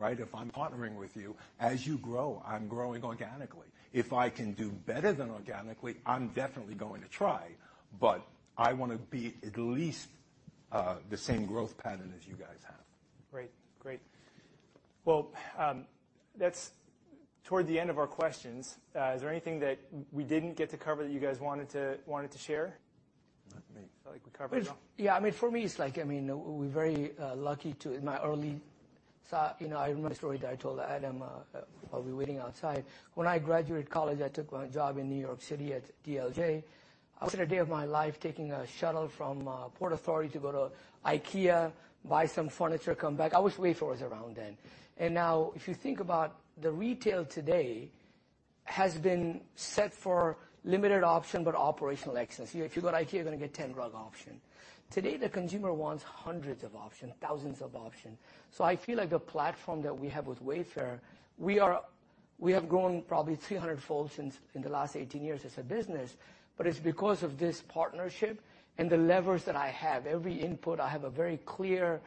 right? If I'm partnering with you, as you grow, I'm growing organically. If I can do better than organically, I'm definitely going to try, but I want to be at least the same growth pattern as you guys have. Great. Great. Well, that's toward the end of our questions. Is there anything that we didn't get to cover that you guys wanted to, wanted to share? Not me. I feel like we covered it all. Yeah, I mean, for me, it's like, I mean, we're very, lucky to... In my early start, you know, I remember a story that I told Adam, while we were waiting outside. When I graduated college, I took my job in New York City at DLJ. I was in a day of my life taking a shuttle from, Port Authority to go to IKEA, buy some furniture, come back. I wish Wayfair was around then. Now, if you think about the retail today, has been set for limited option, but operational excellence. If you go to IKEA, you're going to get 10 rug option. Today, the consumer wants hundreds of options, thousands of options. I feel like the platform that we have with Wayfair, we have grown probably 300-fold in the last 18 years as a business, but it's because of this partnership and the levers that I have. Every input, I have a very clear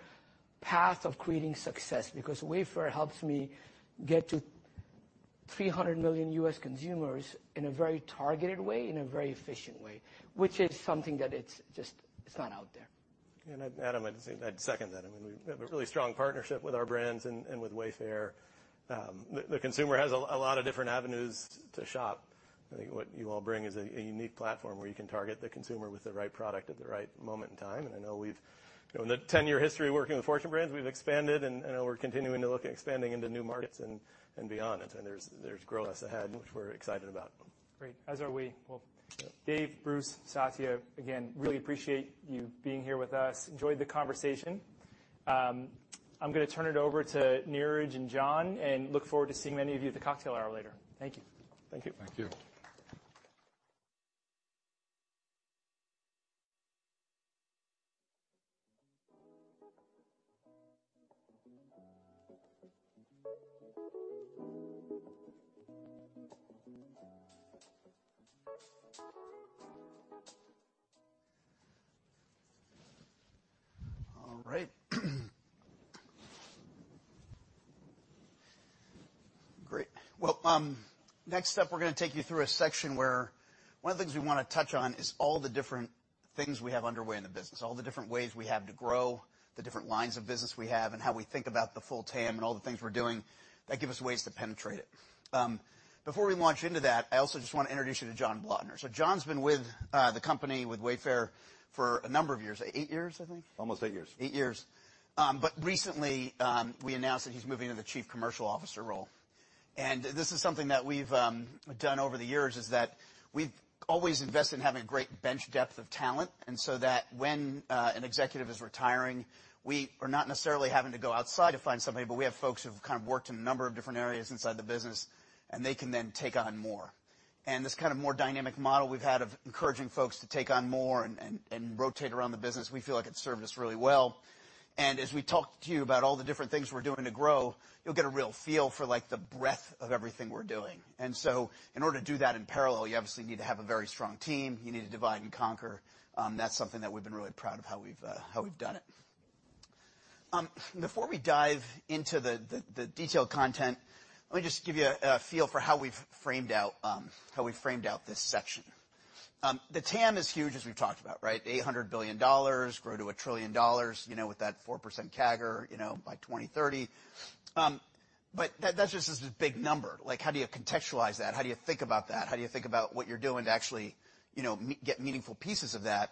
path of creating success, because Wayfair helps me get to 300 million U.S. consumers in a very targeted way, in a very efficient way, which is something that it's just, it's not out there. Adam, I'd second that. I mean, we have a really strong partnership with our brands and, and with Wayfair. The, the consumer has a, a lot of different avenues to shop. I think what you all bring is a, a unique platform where you can target the consumer with the right product at the right moment in time. I know in the 10-year history working with Fortune Brands, we've expanded, and, and we're continuing to look at expanding into new markets and, and beyond. There's, there's growth ahead, which we're excited about. Great. As are we. Well, Dave, Bruce, Satya, again, really appreciate you being here with us. Enjoyed the conversation. I'm going to turn it over to Niraj and Jon, and look forward to seeing many of you at the cocktail hour later. Thank you. Thank you. Thank you. All right. Great. Well, next up, we're going to take you through a section where one of the things we want to touch on is all the different things we have underway in the business, all the different ways we have to grow, the different lines of business we have, and how we think about the full TAM and all the things we're doing that give us ways to penetrate it. Before we launch into that, I also just want to introduce you to Jon Blotner. Jon's been with the company, with Wayfair, for a number of years. Eight years, I think? Almost eight years. 8 years. Recently, we announced that he's moving to the chief commercial officer role. This is something that we've done over the years, is that we've always invested in having a great bench depth of talent, so that when an executive is retiring, we are not necessarily having to go outside to find somebody, but we have folks who've kind of worked in a number of different areas inside the business, and they can then take on more. This kind of more dynamic model we've had of encouraging folks to take on more and, and, and rotate around the business, we feel like it's served us really well. As we talk to you about all the different things we're doing to grow, you'll get a real feel for, like, the breadth of everything we're doing. In order to do that in parallel, you obviously need to have a very strong team. You need to divide and conquer. That's something that we've been really proud of how we've how we've done it. Before we dive into the, the, the detailed content, let me just give you a, a feel for how we've framed out how we've framed out this section. The TAM is huge, as we've talked about, right? $800 billion, grow to $1 trillion, you know, with that 4% CAGR, you know, by 2030. That, that just is a big number. Like, how do you contextualize that? How do you think about that? How do you think about what you're doing to actually, you know, get meaningful pieces of that?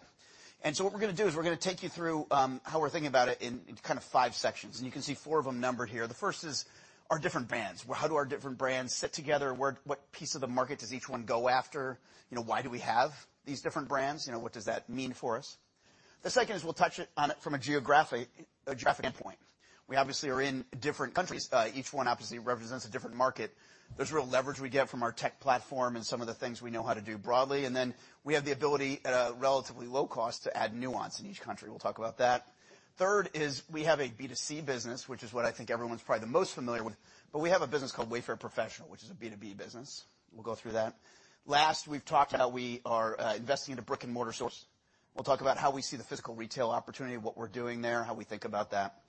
What we're gonna do is we're gonna take you through how we're thinking about it in kind of five sections, and you can see four of them numbered here. The first is our different brands. Well, how do our different brands sit together? What piece of the market does each one go after? You know, why do we have these different brands? You know, what does that mean for us? The second is we'll touch on it from a geographic point. We obviously are in different countries. Each one obviously represents a different market. There's real leverage we get from our tech platform and some of the things we know how to do broadly, and then we have the ability at a relatively low cost to add nuance in each country. We'll talk about that. Third is we have a B2C business, which is what I think everyone's probably the most familiar with, but we have a business called Wayfair Professional, which is a B2B business. We'll go through that. Last, we've talked about we are investing in a brick-and-mortar source. We'll talk about how we see the physical retail opportunity, what we're doing there, how we think about that.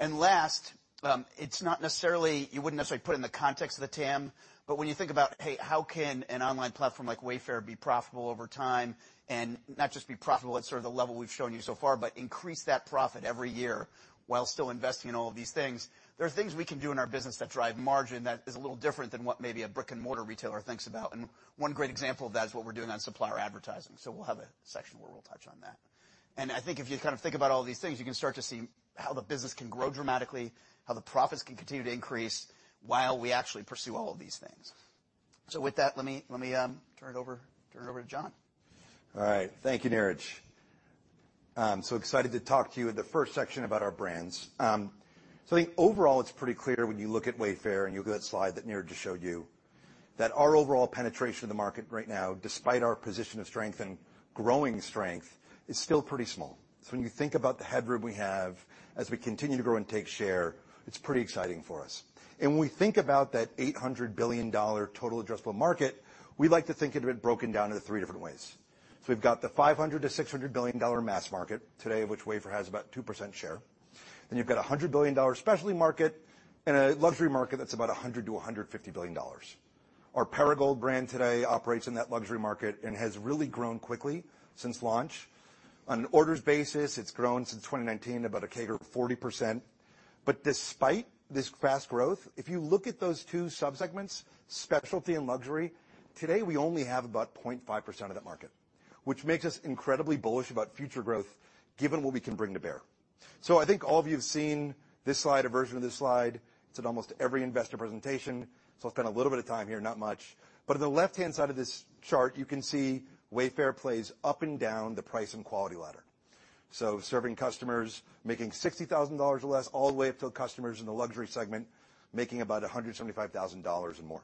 Last, you wouldn't necessarily put it in the context of the TAM, but when you think about, hey, how can an online platform like Wayfair be profitable over time and not just be profitable at sort of the level we've shown you so far, but increase that profit every year while still investing in all of these things? There are things we can do in our business that drive margin that is a little different than what maybe a brick-and-mortar retailer thinks about. One great example of that is what we're doing on supplier advertising, so we'll have a section where we'll touch on that. I think if you kind of think about all these things, you can start to see how the business can grow dramatically, how the profits can continue to increase, while we actually pursue all of these things. With that, let me, let me, turn it over, turn it over to Jon. All right. Thank you, Niraj. I'm so excited to talk to you in the first section about our brands. I think overall, it's pretty clear when you look at Wayfair, and you look at that slide that Niraj just showed you, that our overall penetration in the market right now, despite our position of strength and growing strength, is still pretty small. When you think about the headroom we have as we continue to grow and take share, it's pretty exciting for us. When we think about that $800 billion total addressable market, we like to think of it broken down into three different ways. We've got the $500 billion-$600 billion mass market today, which Wayfair has about 2% share. You've got a $100 billion specialty market and a luxury market that's about $100 billion-$150 billion. Our Perigold brand today operates in that luxury market and has really grown quickly since launch. On an orders basis, it's grown since 2019 about a CAGR of 40%. Despite this fast growth, if you look at those two subsegments, specialty and luxury, today, we only have about 0.5% of that market, which makes us incredibly bullish about future growth, given what we can bring to bear. I think all of you have seen this slide, a version of this slide. It's in almost every investor presentation, so I'll spend a little bit of time here, not much. On the left-hand side of this chart, you can see Wayfair plays up and down the price and quality ladder. Serving customers making $60,000 or less all the way up to customers in the luxury segment, making about $175,000 or more.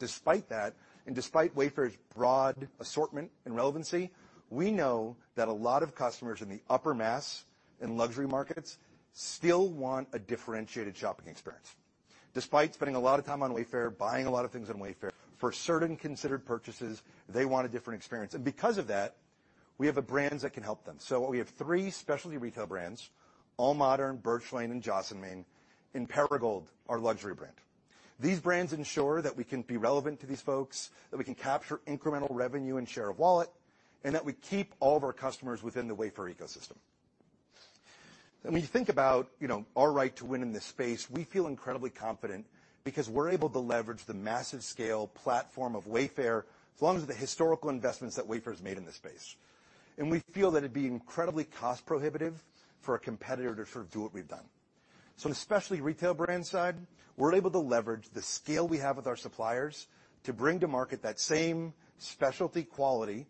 Despite that, and despite Wayfair's broad assortment and relevancy, we know that a lot of customers in the upper mass and luxury markets still want a differentiated shopping experience. Despite spending a lot of time on Wayfair, buying a lot of things on Wayfair, for certain considered purchases, they want a different experience, and because of that, we have the brands that can help them. We have three specialty retail brands, AllModern, Birch Lane, and Joss & Main, and Perigold, our luxury brand. These brands ensure that we can be relevant to these folks, that we can capture incremental revenue and share of wallet, and that we keep all of our customers within the Wayfair ecosystem. When you think about, you know, our right to win in this space, we feel incredibly confident because we're able to leverage the massive scale platform of Wayfair, as long as the historical investments that Wayfair has made in this space. We feel that it'd be incredibly cost prohibitive for a competitor to sort of do what we've done. On the specialty retail brand side, we're able to leverage the scale we have with our suppliers to bring to market that same specialty quality,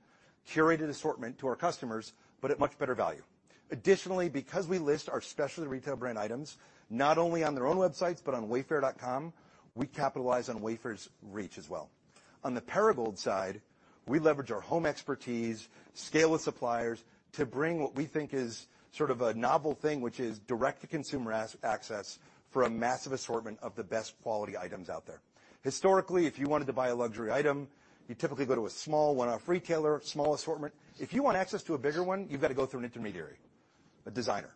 curated assortment to our customers, but at much better value. Additionally, because we list our specialty retail brand items, not only on their own websites, but on Wayfair, we capitalize on Wayfair's reach as well. On the Perigold side, we leverage our home expertise, scale with suppliers to bring what we think is sort of a novel thing, which is direct-to-consumer access for a massive assortment of the best quality items out there. Historically, if you wanted to buy a luxury item, you typically go to a small, one-off retailer, small assortment. If you want access to a bigger one, you've got to go through an intermediary, a designer.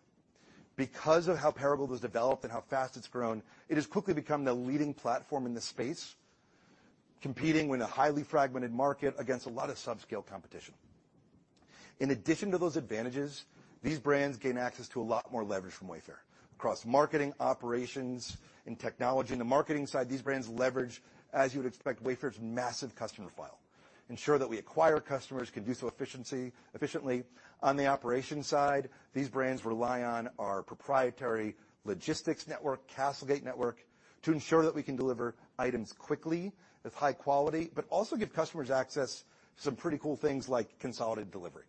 Because of how Perigold was developed and how fast it's grown, it has quickly become the leading platform in this space, competing with a highly fragmented market against a lot of subscale competition. In addition to those advantages, these brands gain access to a lot more leverage from Wayfair across marketing, operations, and technology. In the marketing side, these brands leverage, as you would expect, Wayfair's massive customer file.... ensure that we acquire customers, can do so efficiently. On the operations side, these brands rely on our proprietary logistics network, CastleGate network, to ensure that we can deliver items quickly, with high quality, but also give customers access to some pretty cool things like consolidated delivery.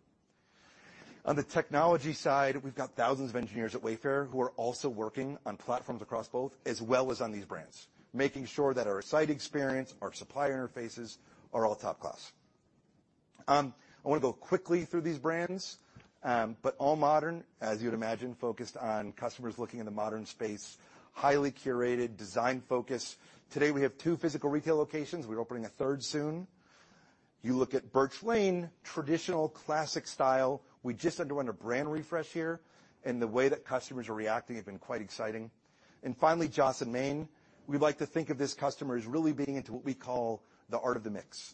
On the technology side, we've got thousands of engineers at Wayfair who are also working on platforms across both, as well as on these brands, making sure that our site experience, our supplier interfaces are all top-class. I wanna go quickly through these brands, AllModern, as you would imagine, focused on customers looking in the modern space, highly curated, design-focused. Today, we have 2 physical retail locations. We're opening a third soon. You look at Birch Lane, traditional, classic style. We just underwent a brand refresh here, and the way that customers are reacting has been quite exciting. Finally, Joss & Main. We like to think of this customer as really being into what we call the art of the mix.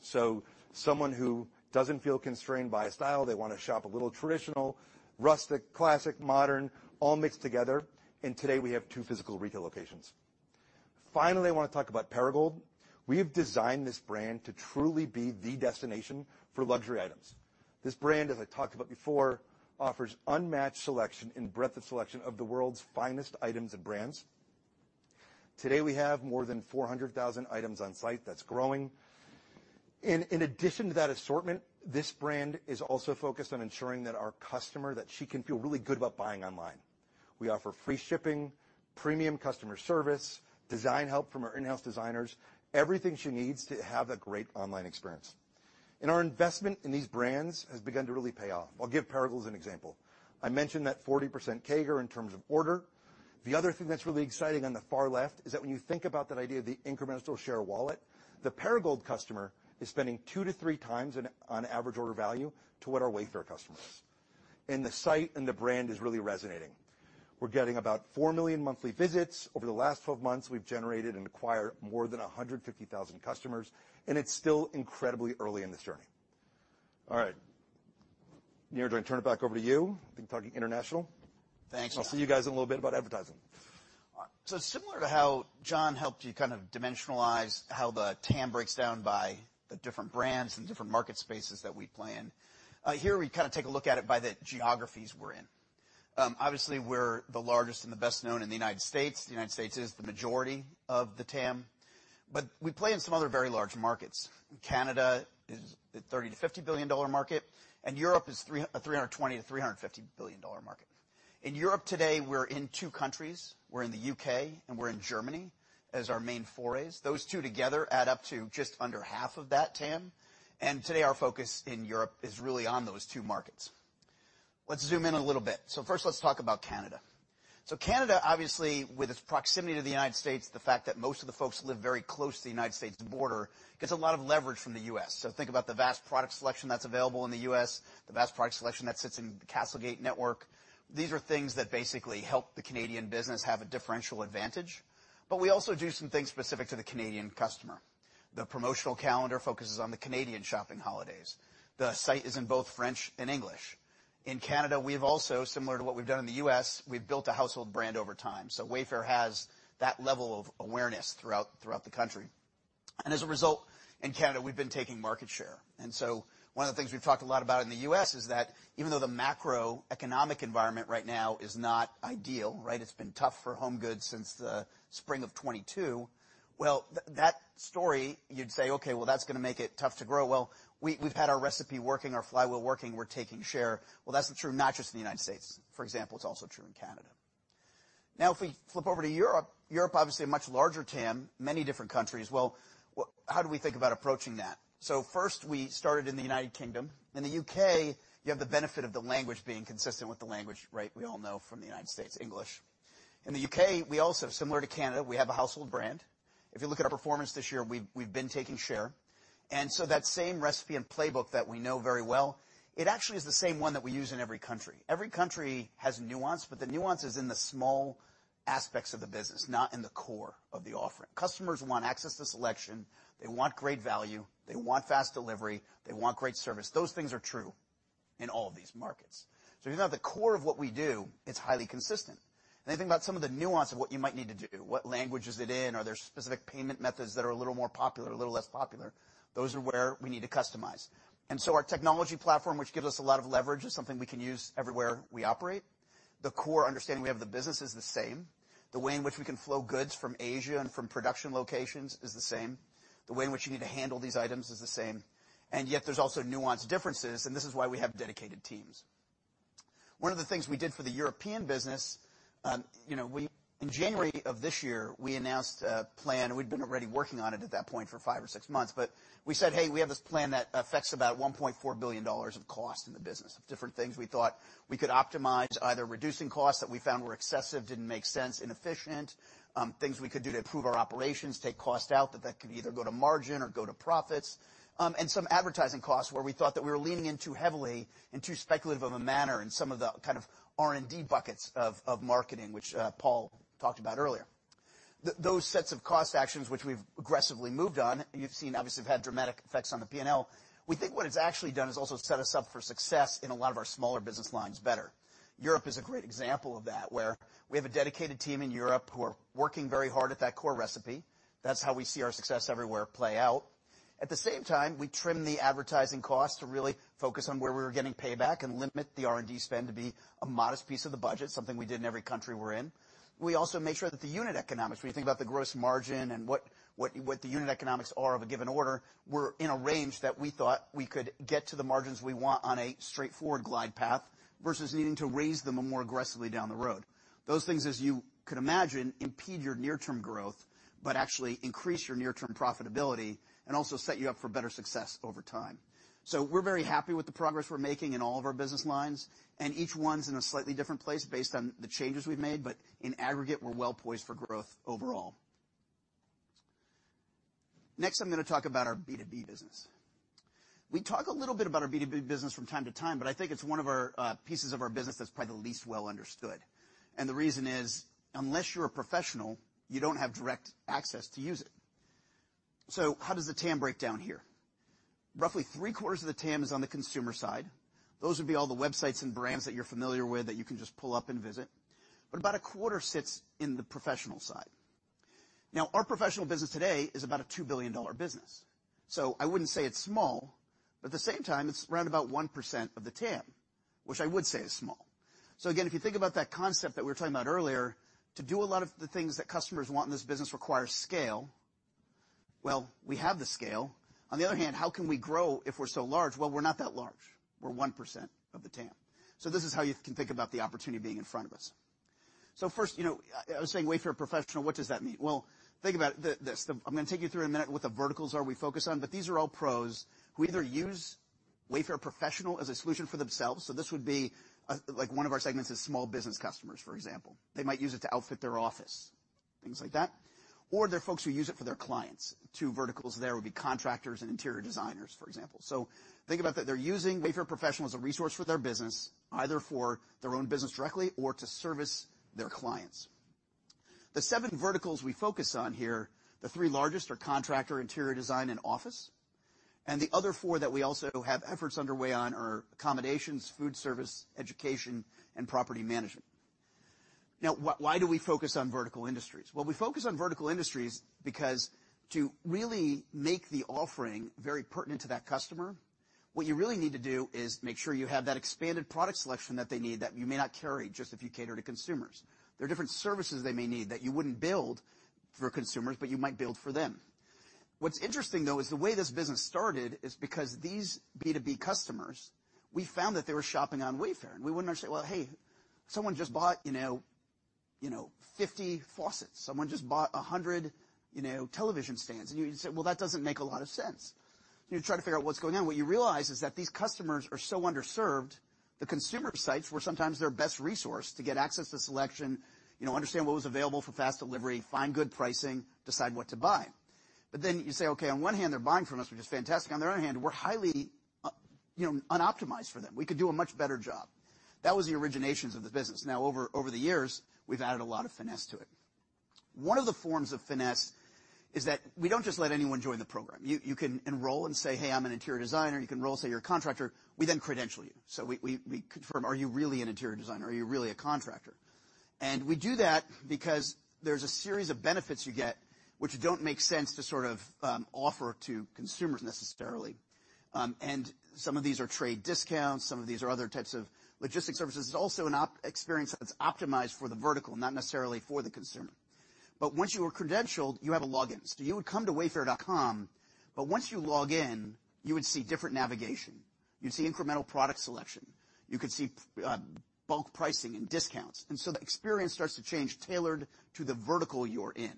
Someone who doesn't feel constrained by a style, they wanna shop a little traditional, rustic, classic, modern, all mixed together, and today we have 2 physical retail locations. Finally, I wanna talk about Perigold. We have designed this brand to truly be the destination for luxury items. This brand, as I talked about before, offers unmatched selection and breadth of selection of the world's finest items and brands. Today, we have more than 400,000 items on site that's growing. In addition to that assortment, this brand is also focused on ensuring that our customer, that she can feel really good about buying online. We offer free shipping, premium customer service, design help from our in-house designers, everything she needs to have a great online experience. Our investment in these brands has begun to really pay off. I'll give Perigold as an example. I mentioned that 40% CAGR in terms of order. The other thing that's really exciting on the far left, is that when you think about that idea of the incremental share wallet, the Perigold customer is spending 2-3 times on average order value to what our Wayfair customer is. The site and the brand is really resonating. We're getting about 4 million monthly visits. Over the last 12 months, we've generated and acquired more than 150,000 customers, and it's still incredibly early in this journey. All right, Niraj, I turn it back over to you to be talking international. Thanks, Jon. I'll see you guys in a little bit about advertising. Similar to how Jon helped you kind of dimensionalize how the TAM breaks down by the different brands and different market spaces that we play in, here, we kind of take a look at it by the geographies we're in. Obviously, we're the largest and the best known in the United States. The United States is the majority of the TAM, but we play in some other very large markets. Canada is a $30 billion-$50 billion market, and Europe is a $320 billion-$350 billion market. In Europe today, we're in two countries. We're in the U.K., and we're in Germany as our main forays. Those two together add up to just under half of that TAM, and today, our focus in Europe is really on those two markets. Let's zoom in a little bit. First, let's talk about Canada. Canada, obviously, with its proximity to the United States, the fact that most of the folks live very close to the United States border, gets a lot of leverage from the U.S. Think about the vast product selection that's available in the U.S., the vast product selection that sits in the CastleGate Network. These are things that basically help the Canadian business have a differential advantage, but we also do some things specific to the Canadian customer. The promotional calendar focuses on the Canadian shopping holidays. The site is in both French and English. In Canada, we've also, similar to what we've done in the U.S., we've built a household brand over time. Wayfair has that level of awareness throughout, throughout the country. As a result, in Canada, we've been taking market share. So one of the things we've talked a lot about in the U.S. is that even though the macroeconomic environment right now is not ideal, right? It's been tough for home goods since the spring of 2022. Well, that story, you'd say, "Okay, well, that's gonna make it tough to grow." Well, we've had our recipe working, our flywheel working, we're taking share. Well, that's true, not just in the United States, for example, it's also true in Canada. Now, if we flip over to Europe, Europe, obviously a much larger TAM, many different countries. Well, how do we think about approaching that? First, we started in the United Kingdom. In the U.K., you have the benefit of the language being consistent with the language, right, we all know from the United States, English. In the U.K., we also, similar to Canada, we have a household brand. If you look at our performance this year, we've been taking share. That same recipe and playbook that we know very well, it actually is the same one that we use in every country. Every country has nuance, but the nuance is in the small aspects of the business, not in the core of the offering. Customers want access to selection, they want great value, they want fast delivery, they want great service. Those things are true in all of these markets. Even though at the core of what we do, it's highly consistent, and I think about some of the nuance of what you might need to do, what language is it in? Are there specific payment methods that are a little more popular, a little less popular? Those are where we need to customize. Our technology platform, which gives us a lot of leverage, is something we can use everywhere we operate. The core understanding we have of the business is the same. The way in which we can flow goods from Asia and from production locations is the same. The way in which you need to handle these items is the same, and yet there's also nuanced differences, and this is why we have dedicated teams. One of the things we did for the European business, you know, in January of this year, we announced a plan, and we'd been already working on it at that point for five or six months. We said, "Hey, we have this plan that affects about $1.4 billion of cost in the business," of different things we thought we could optimize, either reducing costs that we found were excessive, didn't make sense, inefficient, things we could do to improve our operations, take cost out, that that could either go to margin or go to profits. And some advertising costs where we thought that we were leaning in too heavily in too speculative of a manner in some of the kind of R&D buckets of marketing, which Paul talked about earlier. Those sets of cost actions which we've aggressively moved on, you've seen, obviously, have had dramatic effects on the P&L. We think what it's actually done is also set us up for success in a lot of our smaller business lines better. Europe is a great example of that, where we have a dedicated team in Europe who are working very hard at that core recipe. That's how we see our success everywhere play out. At the same time, we trim the advertising costs to really focus on where we were getting payback and limit the R&D spend to be a modest piece of the budget, something we did in every country we're in. We also made sure that the unit economics, when you think about the gross margin and what the unit economics are of a given order, were in a range that we thought we could get to the margins we want on a straightforward glide path, versus needing to raise them more aggressively down the road. Those things, as you could imagine, impede your near-term growth, but actually increase your near-term profitability and also set you up for better success over time. We're very happy with the progress we're making in all of our business lines, and each one's in a slightly different place based on the changes we've made. In aggregate, we're well poised for growth overall. Next, I'm gonna talk about our B2B business. We talk a little bit about our B2B business from time to time, but I think it's one of our pieces of our business that's probably the least well understood. The reason is, unless you're a professional, you don't have direct access to use it. How does the TAM break down here? Roughly three-quarters of the TAM is on the consumer side. Those would be all the websites and brands that you're familiar with that you can just pull up and visit, but about a quarter sits in the Professional side. Our Professional business today is about a $2 billion business, so I wouldn't say it's small, but at the same time, it's around about 1% of the TAM, which I would say is small. Again, if you think about that concept that we were talking about earlier, to do a lot of the things that customers want in this business requires scale. Well, we have the scale. On the other hand, how can we grow if we're so large? Well, we're not that large. We're 1% of the TAM. This is how you can think about the opportunity being in front of us. First, you know, I was saying Wayfair Professional, what does that mean? Think about this. I'm gonna take you through in a minute what the verticals are we focus on, but these are all pros who either use Wayfair Professional as a solution for themselves, so this would be, like, one of our segments is small business customers, for example. They might use it to outfit their office, things like that. They're folks who use it for their clients. 2 verticals there would be contractors and interior designers, for example. Think about that. They're using Wayfair Professional as a resource for their business, either for their own business directly or to service their clients. The 7 verticals we focus on here, the 3 largest are contractor, interior design, and office. The other 4 that we also have efforts underway on are accommodations, food service, education, and property management. Now, why do we focus on vertical industries? Well, we focus on vertical industries because to really make the offering very pertinent to that customer, what you really need to do is make sure you have that expanded product selection that they need, that you may not carry just if you cater to consumers. There are different services they may need that you wouldn't build for consumers, but you might build for them. What's interesting, though, is the way this business started is because these B2B customers, we found that they were shopping on Wayfair, and we wouldn't understand. Well, hey, someone just bought, you know, 50 faucets. Someone just bought 100, you know, television stands, and you say, "Well, that doesn't make a lot of sense." You try to figure out what's going on. What you realize is that these customers are so underserved, the consumer sites were sometimes their best resource to get access to selection, you know, understand what was available for fast delivery, find good pricing, decide what to buy. Then you say, okay, on one hand, they're buying from us, which is fantastic. On the other hand, we're highly, you know, unoptimized for them. We could do a much better job. That was the originations of the business. Now, over, over the years, we've added a lot of finesse to it. One of the forms of finesse is that we don't just let anyone join the program. You, you can enroll and say, "Hey, I'm an interior designer." You can enroll and say you're a contractor. We then credential you. We, we, we confirm, are you really an interior designer? Are you really a contractor? We do that because there's a series of benefits you get, which don't make sense to sort of, offer to consumers necessarily. Some of these are trade discounts, some of these are other types of logistics services. It's also an experience that's optimized for the vertical, not necessarily for the consumer. Once you are credentialed, you have a login. You would come to Wayfair, but once you log in, you would see different navigation. You'd see incremental product selection. You could see, bulk pricing and discounts. The experience starts to change, tailored to the vertical you're in.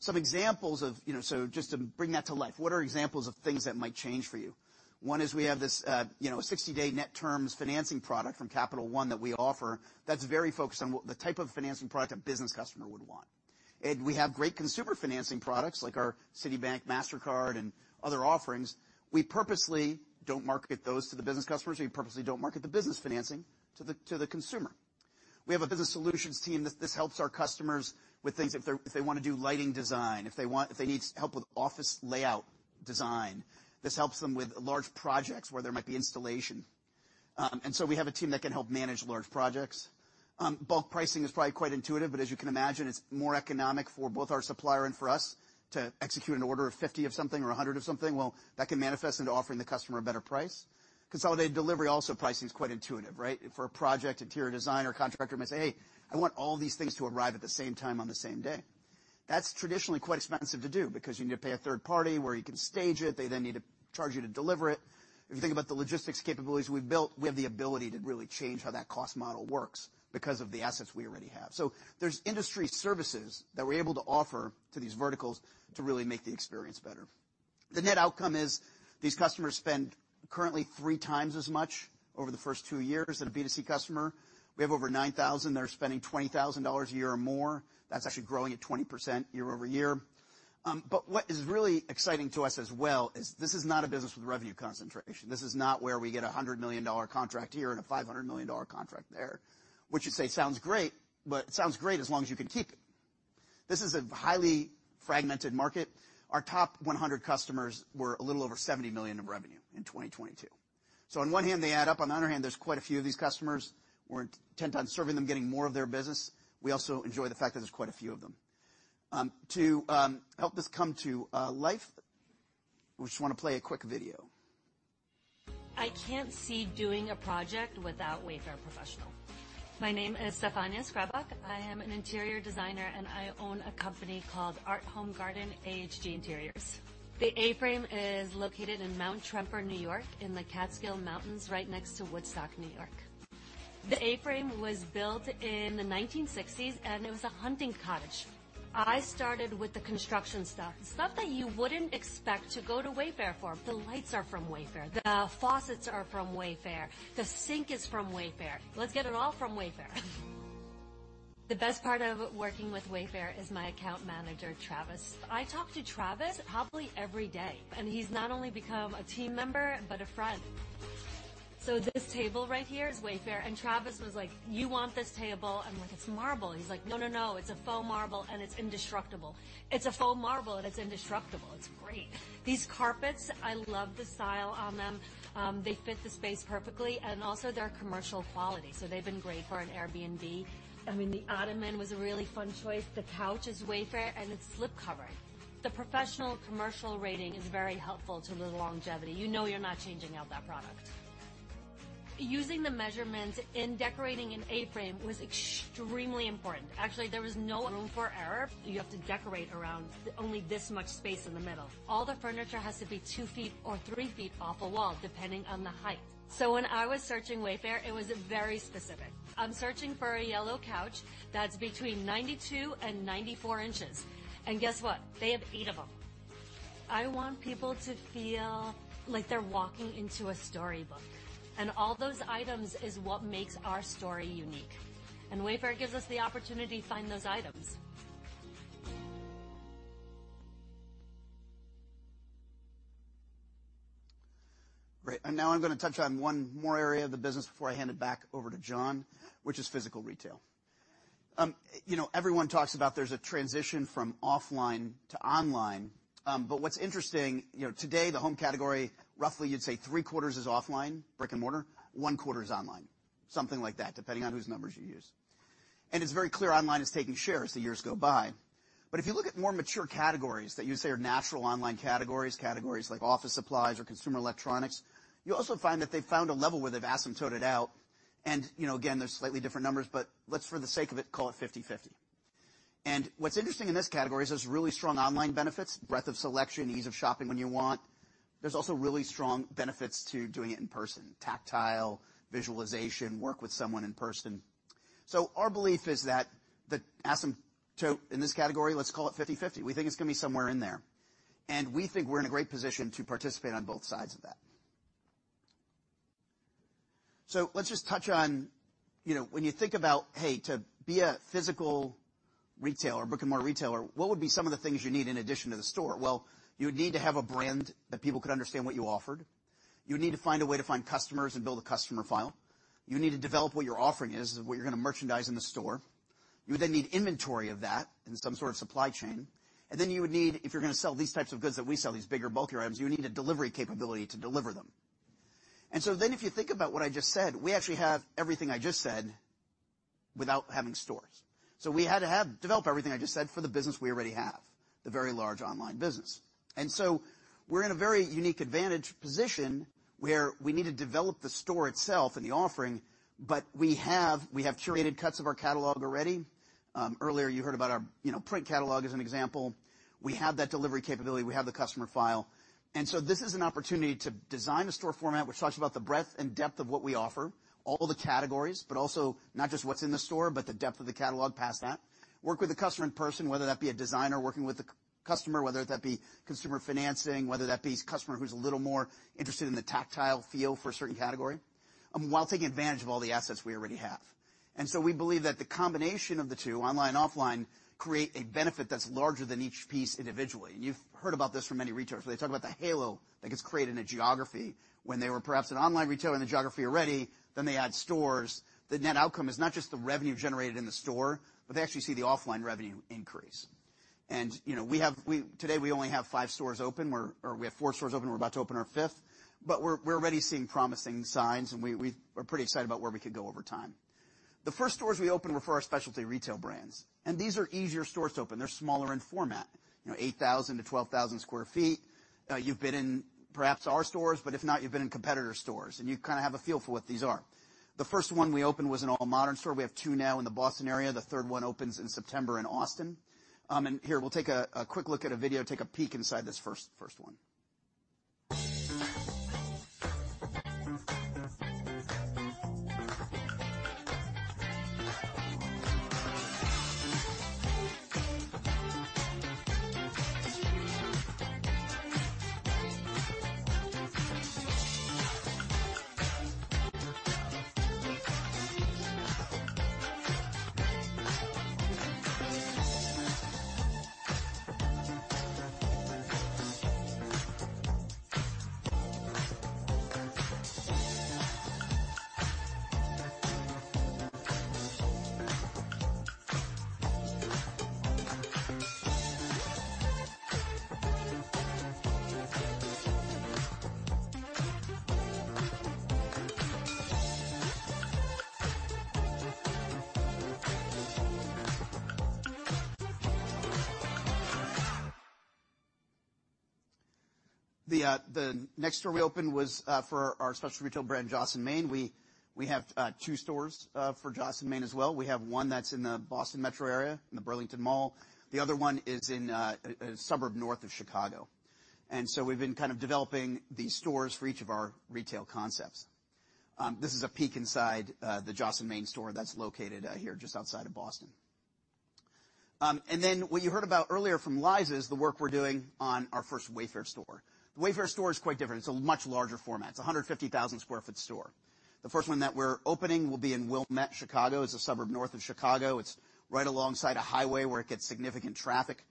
Some examples of... You know, so just to bring that to life, what are examples of things that might change for you? One is we have this, you know, 60-day net terms financing product from Capital One that we offer that's very focused on what the type of financing product a business customer would want. We have great consumer financing products, like our Citibank, MasterCard, and other offerings. We purposely don't market those to the business customers. We purposely don't market the business financing to the, to the consumer. We have a business solutions team, this, this helps our customers with things if they wanna do lighting design, if they need help with office layout design. This helps them with large projects where there might be installation. So we have a team that can help manage large projects. Bulk pricing is probably quite intuitive, but as you can imagine, it's more economic for both our supplier and for us to execute an order of 50 of something or 100 of something. Well, that can manifest into offering the customer a better price. Consolidated delivery, also, pricing is quite intuitive, right? For a project, interior designer, contractor might say, "Hey, I want all these things to arrive at the same time on the same day." That's traditionally quite expensive to do because you need to pay a third party where you can stage it. They then need to charge you to deliver it. If you think about the logistics capabilities we've built, we have the ability to really change how that cost model works because of the assets we already have. There's industry services that we're able to offer to these verticals to really make the experience better. The net outcome is these customers spend currently 3 times as much over the first 2 years as a B2C customer. We have over 9,000 that are spending $20,000 a year or more. That's actually growing at 20% year-over-year. What is really exciting to us as well is this is not a business with revenue concentration. This is not where we get a $100 million contract here and a $500 million contract there, which you say sounds great, but it sounds great as long as you can keep it. This is a highly fragmented market. Our top 100 customers were a little over $70 million in revenue in 2022. On one hand, they add up. On the other hand, there's quite a few of these customers. We're intent on serving them, getting more of their business. We also enjoy the fact that there's quite a few of them. To help this come to life, we just want to play a quick video. I can't see doing a project without Wayfair Professional. My name is Stefania Skrabak. I am an interior designer, I own a company called Art Home Garden, AHG Interiors. The A-frame is located in Mount Tremper, New York, in the Catskill Mountains, right next to Woodstock, New York. The A-frame was built in the 1960s, it was a hunting cottage. I started with the construction stuff, stuff that you wouldn't expect to go to Wayfair for. The lights are from Wayfair, the faucets are from Wayfair, the sink is from Wayfair. Let's get it all from Wayfair. The best part of working with Wayfair is my account manager, Travis. I talk to Travis probably every day, he's not only become a team member, but a friend. This table right here is Wayfair, and Travis was like: "You want this table?" I'm like: "It's marble." He's like: "No, no, no, it's a faux marble, and it's indestructible." It's a faux marble, and it's indestructible. It's great! These carpets, I love the style on them. They fit the space perfectly, and also, they're commercial quality, so they've been great for an Airbnb. I mean, the ottoman was a really fun choice. The couch is Wayfair, and it's slipcover. The professional commercial rating is very helpful to the longevity. You know you're not changing out that product. Using the measurements in decorating an A-frame was extremely important. Actually, there was no room for error. You have to decorate around only this much space in the middle. All the furniture has to be two feet or three feet off a wall, depending on the height. When I was searching Wayfair, it was very specific. I'm searching for a yellow couch that's between 92 and 94 inches, and guess what? They have eight of them. I want people to feel like they're walking into a storybook, and all those items is what makes our story unique, and Wayfair gives us the opportunity to find those items. Great. Now I'm going to touch on one more area of the business before I hand it back over to Jon, which is physical retail. You know, everyone talks about there's a transition from offline to online, but what's interesting, you know, today, the home category, roughly you'd say three-quarters is offline, brick-and-mortar, one-quarter is online, something like that, depending on whose numbers you use. It's very clear online is taking share as the years go by. If you look at more mature categories that you'd say are natural online categories, categories like office supplies or consumer electronics, you also find that they found a level where they've asymptoted out, and, you know, again, there's slightly different numbers, but let's, for the sake of it, call it 50/50. What's interesting in this category is there's really strong online benefits, breadth of selection, ease of shopping when you want. There's also really strong benefits to doing it in person, tactile, visualization, work with someone in person. Our belief is that the asymptote in this category, let's call it 50/50. We think it's going to be somewhere in there, and we think we're in a great position to participate on both sides of that. Let's just touch on, you know, when you think about, hey, to be a physical retailer, brick-and-mortar retailer, what would be some of the things you need in addition to the store? Well, you would need to have a brand that people could understand what you offered. You would need to find a way to find customers and build a customer file. You need to develop what your offering is, what you're going to merchandise in the store. You would then need inventory of that in some sort of supply chain, then you would need, if you're going to sell these types of goods that we sell, these bigger, bulkier items, you would need a delivery capability to deliver them. So then, if you think about what I just said, we actually have everything I just said without having stores. We had to have developed everything I just said for the business we already have, the very large online business. So we're in a very unique advantage position where we need to develop the store itself and the offering, but we have curated cuts of our catalog already. Earlier, you heard about our, you know, print catalog as an example. We have that delivery capability. We have the customer file. This is an opportunity to design a store format, which talks about the breadth and depth of what we offer, all the categories, but also not just what's in the store, but the depth of the catalog past that. Work with the customer in person, whether that be a designer working with the customer, whether that be consumer financing, whether that be a customer who's a little more interested in the tactile feel for a certain category, while taking advantage of all the assets we already have. We believe that the combination of the two, online and offline, create a benefit that's larger than each piece individually. You've heard about this from many retailers, where they talk about the halo that gets created in a geography when they were perhaps an online retailer in the geography already, then they add stores. The net outcome is not just the revenue generated in the store, but they actually see the offline revenue increase. You know, we, today, we only have 5 stores open, or we have 4 stores open. We're about to open our fifth, but we're, we're already seeing promising signs, and we, we are pretty excited about where we could go over time. The first stores we opened were for our specialty retail brands, these are easier stores to open. They're smaller in format, you know, 8,000 sq ft - 12,000 sq ft. You've been in perhaps our stores, but if not, you've been in competitor stores, and you kind of have a feel for what these are. The first one we opened was an AllModern store. We have two now in the Boston area. The third one opens in September in Austin. Here, we'll take a quick look at a video, take a peek inside this first, first one. The next store we opened was for our specialty retail brand, Joss & Main. We, we have two stores for Joss & Main as well. We have one that's in the Boston metro area, in the Burlington Mall. The other one is in a suburb north of Chicago. We've been kind of developing these stores for each of our retail concepts. This is a peek inside the Joss & Main store that's located here, just outside of Boston. What you heard about earlier from Liza is the work we're doing on our first Wayfair store. The Wayfair store is quite different. It's a much larger format. It's a 150,000 sq ft store. The first one that we're opening will be in Wilmette, Chicago. It's a suburb north of Chicago. It's right alongside a highway where it gets significant traffic.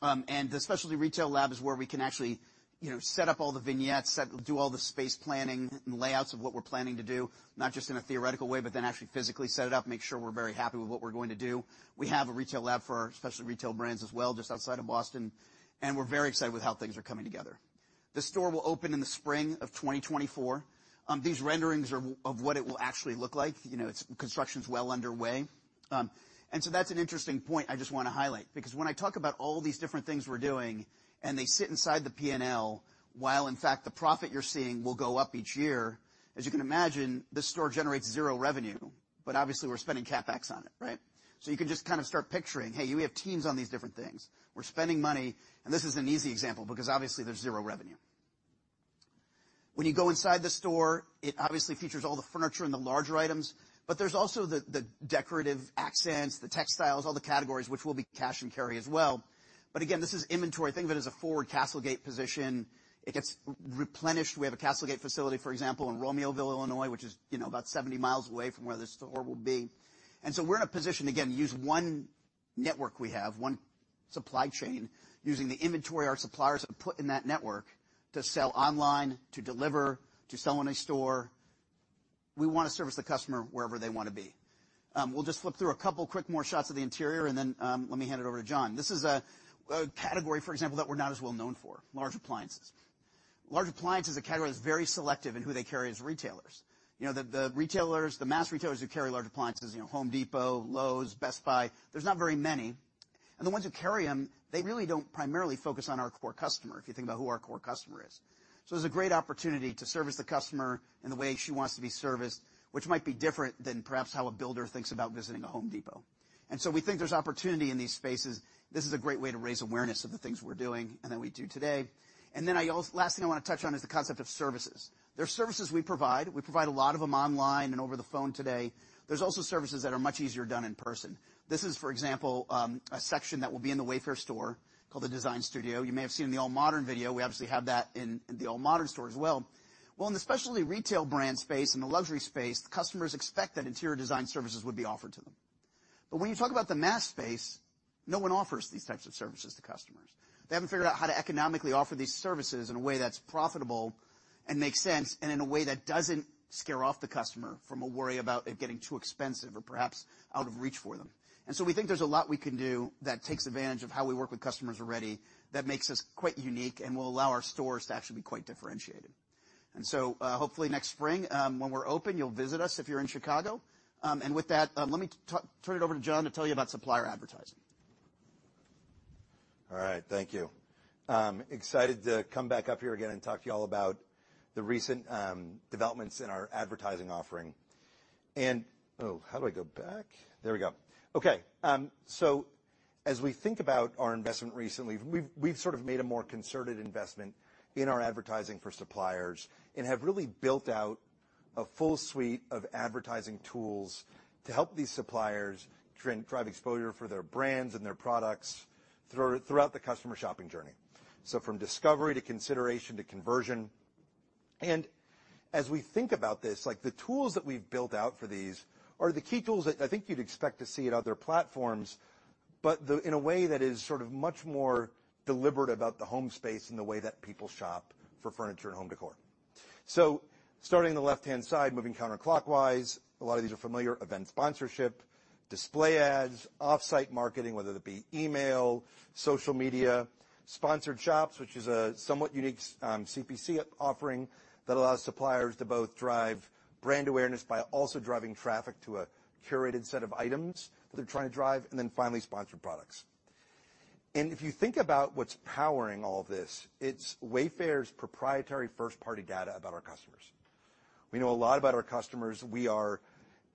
The specialty retail lab is where we can actually, you know, set up all the vignettes, do all the space planning and layouts of what we're planning to do, not just in a theoretical way, but then actually physically set it up, make sure we're very happy with what we're going to do. We have a retail lab for our specialty retail brands as well, just outside of Boston, and we're very excited with how things are coming together. The store will open in the spring of 2024. These renderings are of what it will actually look like. You know, its construction's well underway. That's an interesting point I just want to highlight, because when I talk about all these different things we're doing, and they sit inside the PNL, while in fact the profit you're seeing will go up each year, as you can imagine, this store generates zero revenue, but obviously, we're spending CapEx on it, right? You can just kind of start picturing, hey, we have teams on these different things. We're spending money, and this is an easy example, because obviously there's zero revenue. When you go inside the store, it obviously features all the furniture and the larger items, but there's also the decorative accents, the textiles, all the categories, which will be cash and carry as well. Again, this is inventory. Think of it as a forward CastleGate position. It gets replenished. We have a CastleGate facility, for example, in Romeoville, Illinois, which is, you know, about 70 miles away from where this store will be. So we're in a position, again, to use one network we have, one supply chain, using the inventory our suppliers have put in that network to sell online, to deliver, to sell in a store. We want to service the customer wherever they want to be. We'll just flip through a couple quick more shots of the interior, and then let me hand it over to Jon. This is a category, for example, that we're not as well known for, large appliances. Large appliances, a category that's very selective in who they carry as retailers. You know, the retailers, the mass retailers who carry large appliances, you know, Home Depot, Lowe's, Best Buy, there's not very many. The ones who carry them, they really don't primarily focus on our core customer, if you think about who our core customer is. There's a great opportunity to service the customer in the way she wants to be serviced, which might be different than perhaps how a builder thinks about visiting a Home Depot. We think there's opportunity in these spaces. This is a great way to raise awareness of the things we're doing and that we do today. Last thing I want to touch on is the concept of services. There are services we provide. We provide a lot of them online and over the phone today. There's also services that are much easier done in person. This is, for example, a section that will be in the Wayfair store called the Design Studio. You may have seen in the AllModern video, we obviously have that in, in the AllModern store as well. In the specialty retail brand space and the luxury space, the customers expect that interior design services would be offered to them. When you talk about the mass space, no one offers these types of services to customers. They haven't figured out how to economically offer these services in a way that's profitable and makes sense, and in a way that doesn't scare off the customer from a worry about it getting too expensive or perhaps out of reach for them. We think there's a lot we can do that takes advantage of how we work with customers already that makes us quite unique and will allow our stores to actually be quite differentiated. Hopefully next spring, when we're open, you'll visit us if you're in Chicago. With that, let me turn it over to Jon to tell you about supplier advertising. All right. Thank you. I'm excited to come back up here again and talk to you all about the recent developments in our advertising offering. Oh, how do I go back? There we go. As we think about our investment recently, we've, we've sort of made a more concerted investment in our advertising for suppliers and have really built out a full suite of advertising tools to help these suppliers drive exposure for their brands and their products throughout the customer shopping journey. From discovery, to consideration, to conversion. As we think about this, like, the tools that we've built out for these are the key tools that I think you'd expect to see in other platforms, but in a way that is sort of much more deliberate about the home space and the way that people shop for furniture and home decor. Starting on the left-hand side, moving counterclockwise, a lot of these are familiar. Event sponsorship, display ads, off-site marketing, whether it be email, social media, sponsored shops, which is a somewhat unique CPC offering that allows suppliers to both drive brand awareness by also driving traffic to a curated set of items that they're trying to drive, and then finally, Wayfair Sponsored Products. If you think about what's powering all of this, it's Wayfair's proprietary first-party data about our customers. We know a lot about our customers. We are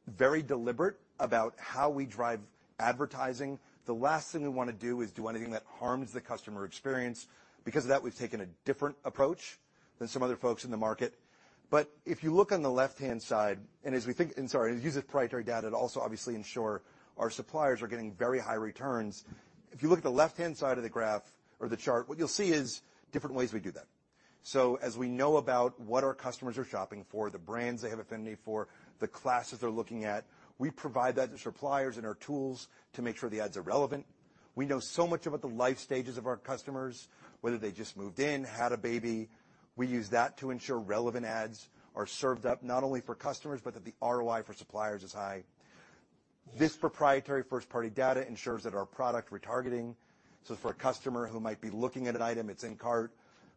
very deliberate about how we drive advertising. The last thing we want to do is do anything that harms the customer experience. Because of that, we've taken a different approach than some other folks in the market. If you look on the left-hand side, I'm sorry, use the proprietary data to also obviously ensure our suppliers are getting very high returns. If you look at the left-hand side of the graph or the chart, what you'll see is different ways we do that. As we know about what our customers are shopping for, the brands they have affinity for, the classes they're looking at, we provide that to suppliers and our tools to make sure the ads are relevant. We know so much about the life stages of our customers, whether they just moved in, had a baby. We use that to ensure relevant ads are served up not only for customers, but that the ROI for suppliers is high. This proprietary first-party data ensures that our product retargeting, so for a customer who might be looking at an item that's in cart,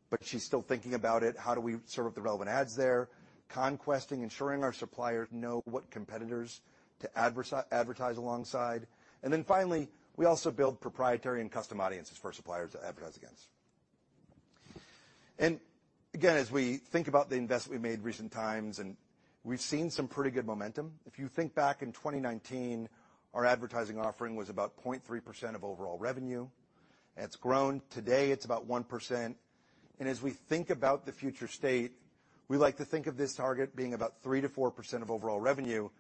but she's still thinking about it, how do we serve up the relevant ads there? Conquesting, ensuring our suppliers know what competitors to advertise alongside. Then finally, we also build proprietary and custom audiences for suppliers to advertise against. Again, as we think about the investment we made in recent times, and we've seen some pretty good momentum. If you think back in 2019, our advertising offering was about 0.3% of overall revenue. It's grown. Today, it's about 1%, and as we think about the future state, we like to think of this target being about 3%-4% of overall revenue.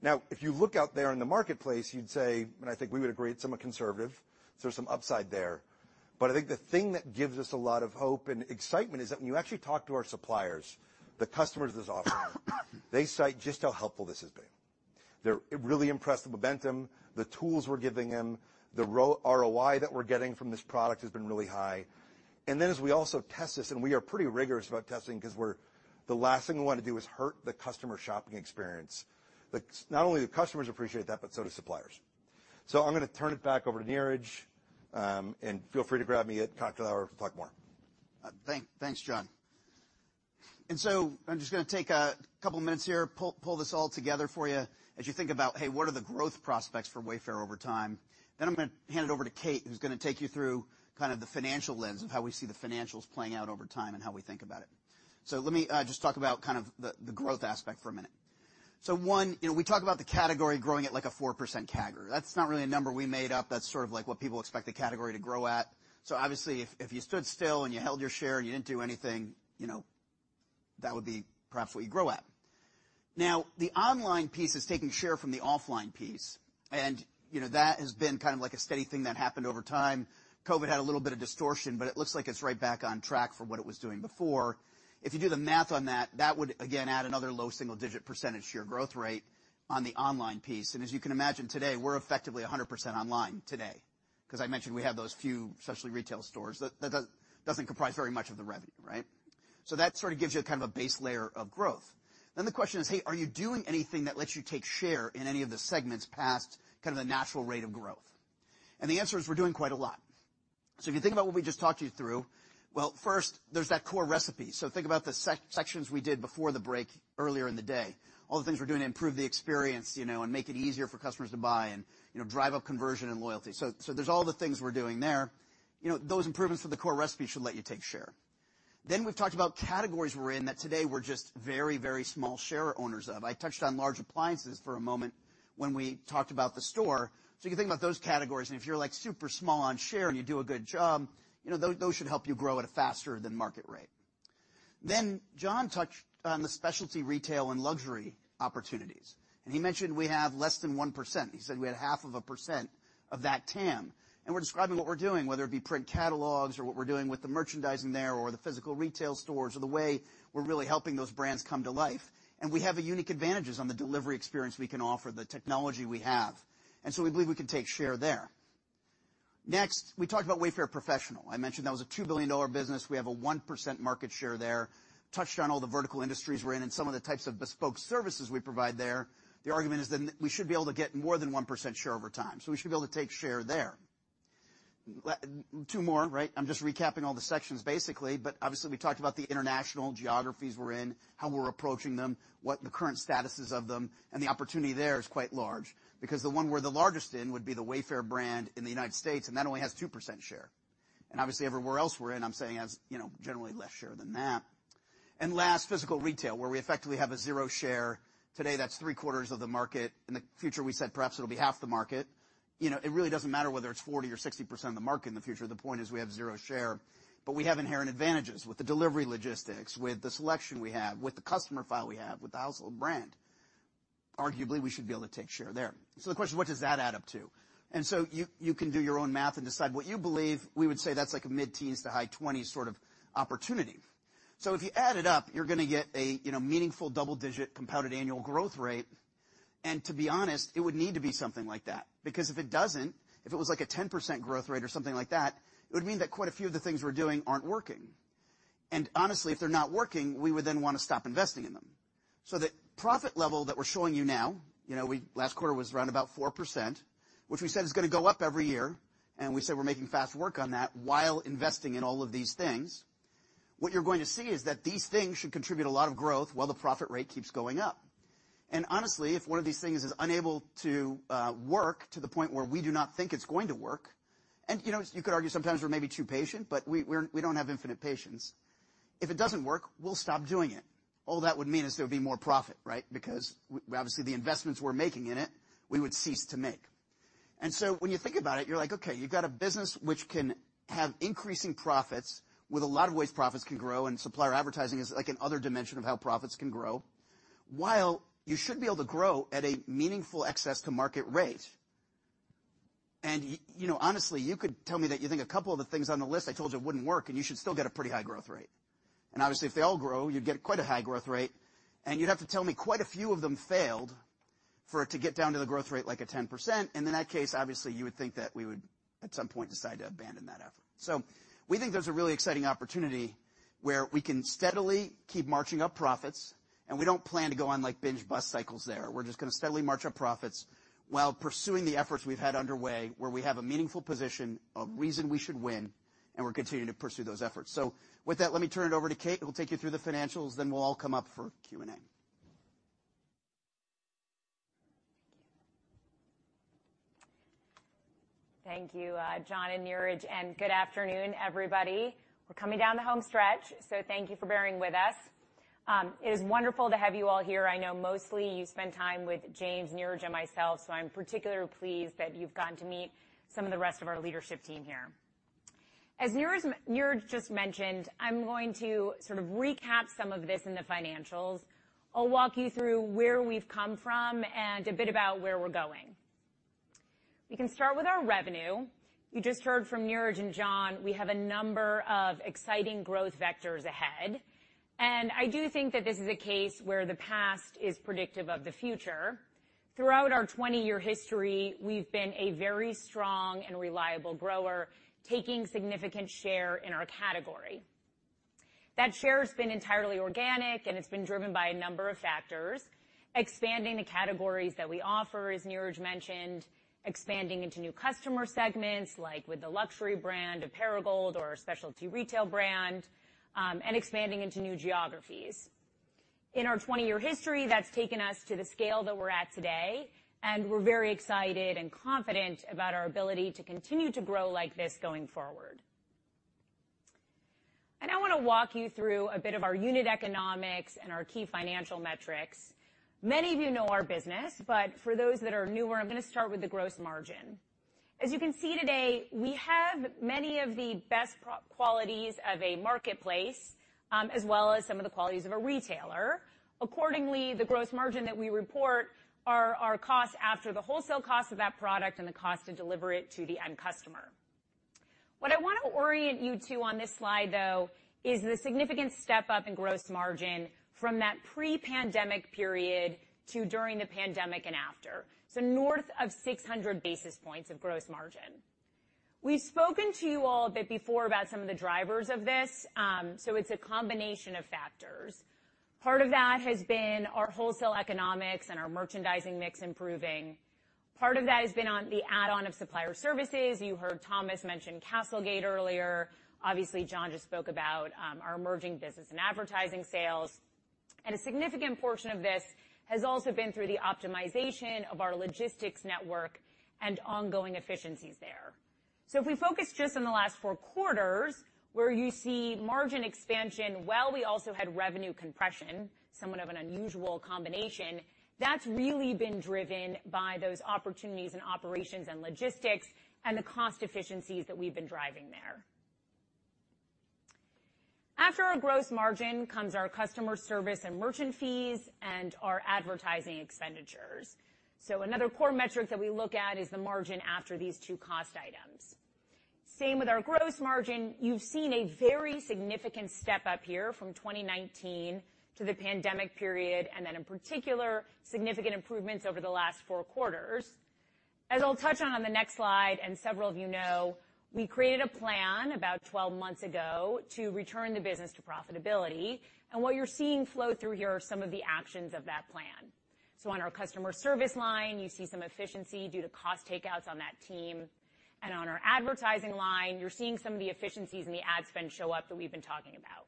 Now, if you look out there in the marketplace, you'd say, and I think we would agree, it's somewhat conservative, so there's some upside there. I think the thing that gives us a lot of hope and excitement is that when you actually talk to our suppliers, the customers of this offering, they cite just how helpful this has been. They're really impressed with the momentum, the tools we're giving them, the ROI that we're getting from this product has been really high. Then as we also test this, and we are pretty rigorous about testing, 'cause the last thing we want to do is hurt the customer shopping experience. Not only the customers appreciate that, so do suppliers. I'm gonna turn it back over to Niraj, feel free to grab me at cocktail hour to talk more. Thank-thanks, Jon. I'm just gonna take a couple minutes here, pull, pull this all together for you as you think about, hey, what are the growth prospects for Wayfair over time? I'm gonna hand it over to Kate, who's gonna take you through kind of the financial lens of how we see the financials playing out over time and how we think about it. Let me just talk about kind of the, the growth aspect for a minute. 1, you know, we talk about the category growing at, like, a 4% CAGR. That's not really a number we made up. That's sort of, like, what people expect the category to grow at. Obviously, if, if you stood still and you held your share and you didn't do anything, you know, that would be perhaps what you grow at. Now, the online piece is taking share from the offline piece, and, you know, that has been kind of like a steady thing that happened over time. COVID had a little bit of distortion, but it looks like it's right back on track for what it was doing before. If you do the math on that, that would again add another low single-digit percentage to your growth rate on the online piece, and as you can imagine, today, we're effectively 100% online today. 'Cause I mentioned we have those few specialty retail stores that, that doesn't comprise very much of the revenue, right? That sort of gives you kind of a base layer of growth. The question is, hey, are you doing anything that lets you take share in any of the segments past kind of the natural rate of growth? The answer is, we're doing quite a lot. If you think about what we just talked you through, well, first, there's that core recipe. Think about the sections we did before the break earlier in the day. All the things we're doing to improve the experience, you know, and make it easier for customers to buy and, you know, drive up conversion and loyalty. There's all the things we're doing there. You know, those improvements to the core recipe should let you take share. We've talked about categories we're in that today we're just very, very small share owners of. I touched on large appliances for a moment when we talked about the store. You can think about those categories, and if you're, like, super small on share and you do a good job, you know, those, those should help you grow at a faster than market rate. Jon touched on the specialty retail and luxury opportunities, and he mentioned we have less than 1%. He said we had 0.5% of that TAM, and we're describing what we're doing, whether it be print catalogs or what we're doing with the merchandising there or the physical retail stores or the way we're really helping those brands come to life. We have a unique advantages on the delivery experience we can offer, the technology we have, and so we believe we can take share there. Next, we talked about Wayfair Professional. I mentioned that was a $2 billion business. We have a 1% market share there. Touched on all the vertical industries we're in and some of the types of bespoke services we provide there. The argument is that we should be able to get more than 1% share over time, so we should be able to take share there. Two more, right? I'm just recapping all the sections, basically, but obviously, we talked about the international geographies we're in, how we're approaching them, what the current statuses of them, and the opportunity there is quite large. Because the one we're the largest in would be the Wayfair brand in the United States, that only has 2% share. Obviously, everywhere else we're in, I'm saying has, you know, generally less share than that. Last, physical retail, where we effectively have a zero share. Today, that's three-quarters of the market. In the future, we said perhaps it'll be half the market. You know, it really doesn't matter whether it's 40 or 60% of the market in the future. The point is, we have 0 share, but we have inherent advantages with the delivery logistics, with the selection we have, with the customer file we have, with the household brand. Arguably, we should be able to take share there. The question, what does that add up to? You, you can do your own math and decide what you believe. We would say that's like a mid-teens to high 20s sort of opportunity. If you add it up, you're gonna get a, you know, meaningful double-digit compounded annual growth rate. To be honest, it would need to be something like that, because if it doesn't, if it was, like, a 10% growth rate or something like that, it would mean that quite a few of the things we're doing aren't working. Honestly, if they're not working, we would then want to stop investing in them. The profit level that we're showing you now, you know, last quarter was around about 4%, which we said is gonna go up every year, and we said we're making fast work on that while investing in all of these things. What you're going to see is that these things should contribute a lot of growth while the profit rate keeps going up. Honestly, if one of these things is unable to work to the point where we do not think it's going to work... You know, you could argue sometimes we're maybe too patient, but we're, we don't have infinite patience. If it doesn't work, we'll stop doing it. All that would mean is there would be more profit, right? Because obviously, the investments we're making in it, we would cease to make. So when you think about it, you're like, okay, you've got a business which can have increasing profits with a lot of ways profits can grow, and supplier advertising is, like, another dimension of how profits can grow, while you should be able to grow at a meaningful excess to market rate. You know, honestly, you could tell me that you think a couple of the things on the list I told you wouldn't work, and you should still get a pretty high growth rate. Obviously, if they all grow, you'd get quite a high growth rate, and you'd have to tell me quite a few of them failed for it to get down to the growth rate, like a 10%. In that case, obviously, you would think that we would, at some point, decide to abandon that effort. We think there's a really exciting opportunity where we can steadily keep marching up profits, and we don't plan to go on, like, binge-bust cycles there. We're just gonna steadily march up profits while pursuing the efforts we've had underway, where we have a meaningful position, a reason we should win, and we're continuing to pursue those efforts. With that, let me turn it over to Kate, who will take you through the financials, then we'll all come up for Q&A. Thank you, Jon and Niraj, good afternoon, everybody. We're coming down the home stretch, so thank you for bearing with us. It is wonderful to have you all here. I know mostly you spend time with James, Niraj, and myself, so I'm particularly pleased that you've gotten to meet some of the rest of our leadership team here. As Niraj just mentioned, I'm going to sort of recap some of this in the financials. I'll walk you through where we've come from and a bit about where we're going. We can start with our revenue. You just heard from Niraj and Jon, we have a number of exciting growth vectors ahead, and I do think that this is a case where the past is predictive of the future. Throughout our 20-year history, we've been a very strong and reliable grower, taking significant share in our category. That share has been entirely organic, and it's been driven by a number of factors. Expanding the categories that we offer, as Niraj mentioned, expanding into new customer segments, like with the luxury brand, Perigold, or our specialty retail brand, and expanding into new geographies. In our 20-year history, that's taken us to the scale that we're at today, and we're very excited and confident about our ability to continue to grow like this going forward. I now want to walk you through a bit of our unit economics and our key financial metrics. Many of you know our business, but for those that are newer, I'm gonna start with the gross margin. As you can see today, we have many of the best qualities of a marketplace, as well as some of the qualities of a retailer. Accordingly, the gross margin that we report are our costs after the wholesale cost of that product and the cost to deliver it to the end customer. What I want to orient you to on this slide, though, is the significant step up in gross margin from that pre-pandemic period to during the pandemic and after. So north of 600 basis points of gross margin. We've spoken to you all a bit before about some of the drivers of this, so it's a combination of factors. Part of that has been our wholesale economics and our merchandising mix improving. Part of that has been on the add-on of supplier services. You heard Thomas mention CastleGate earlier. Obviously, Jon just spoke about our emerging business and advertising sales, and a significant portion of this has also been through the optimization of our logistics network and ongoing efficiencies there. If we focus just on the last 4 quarters, where you see margin expansion, while we also had revenue compression, somewhat of an unusual combination, that's really been driven by those opportunities and operations and logistics, and the cost efficiencies that we've been driving there. After our gross margin comes our customer service and merchant fees and our advertising expenditures. Another core metric that we look at is the margin after these two cost items. Same with our gross margin, you've seen a very significant step up here from 2019 to the pandemic period, and then in particular, significant improvements over the last 4 quarters. As I'll touch on, on the next slide, and several of you know, we created a plan about 12 months ago to return the business to profitability. What you're seeing flow through here are some of the actions of that plan. On our customer service line, you see some efficiency due to cost takeouts on that team. On our advertising line, you're seeing some of the efficiencies and the ad spend show up that we've been talking about.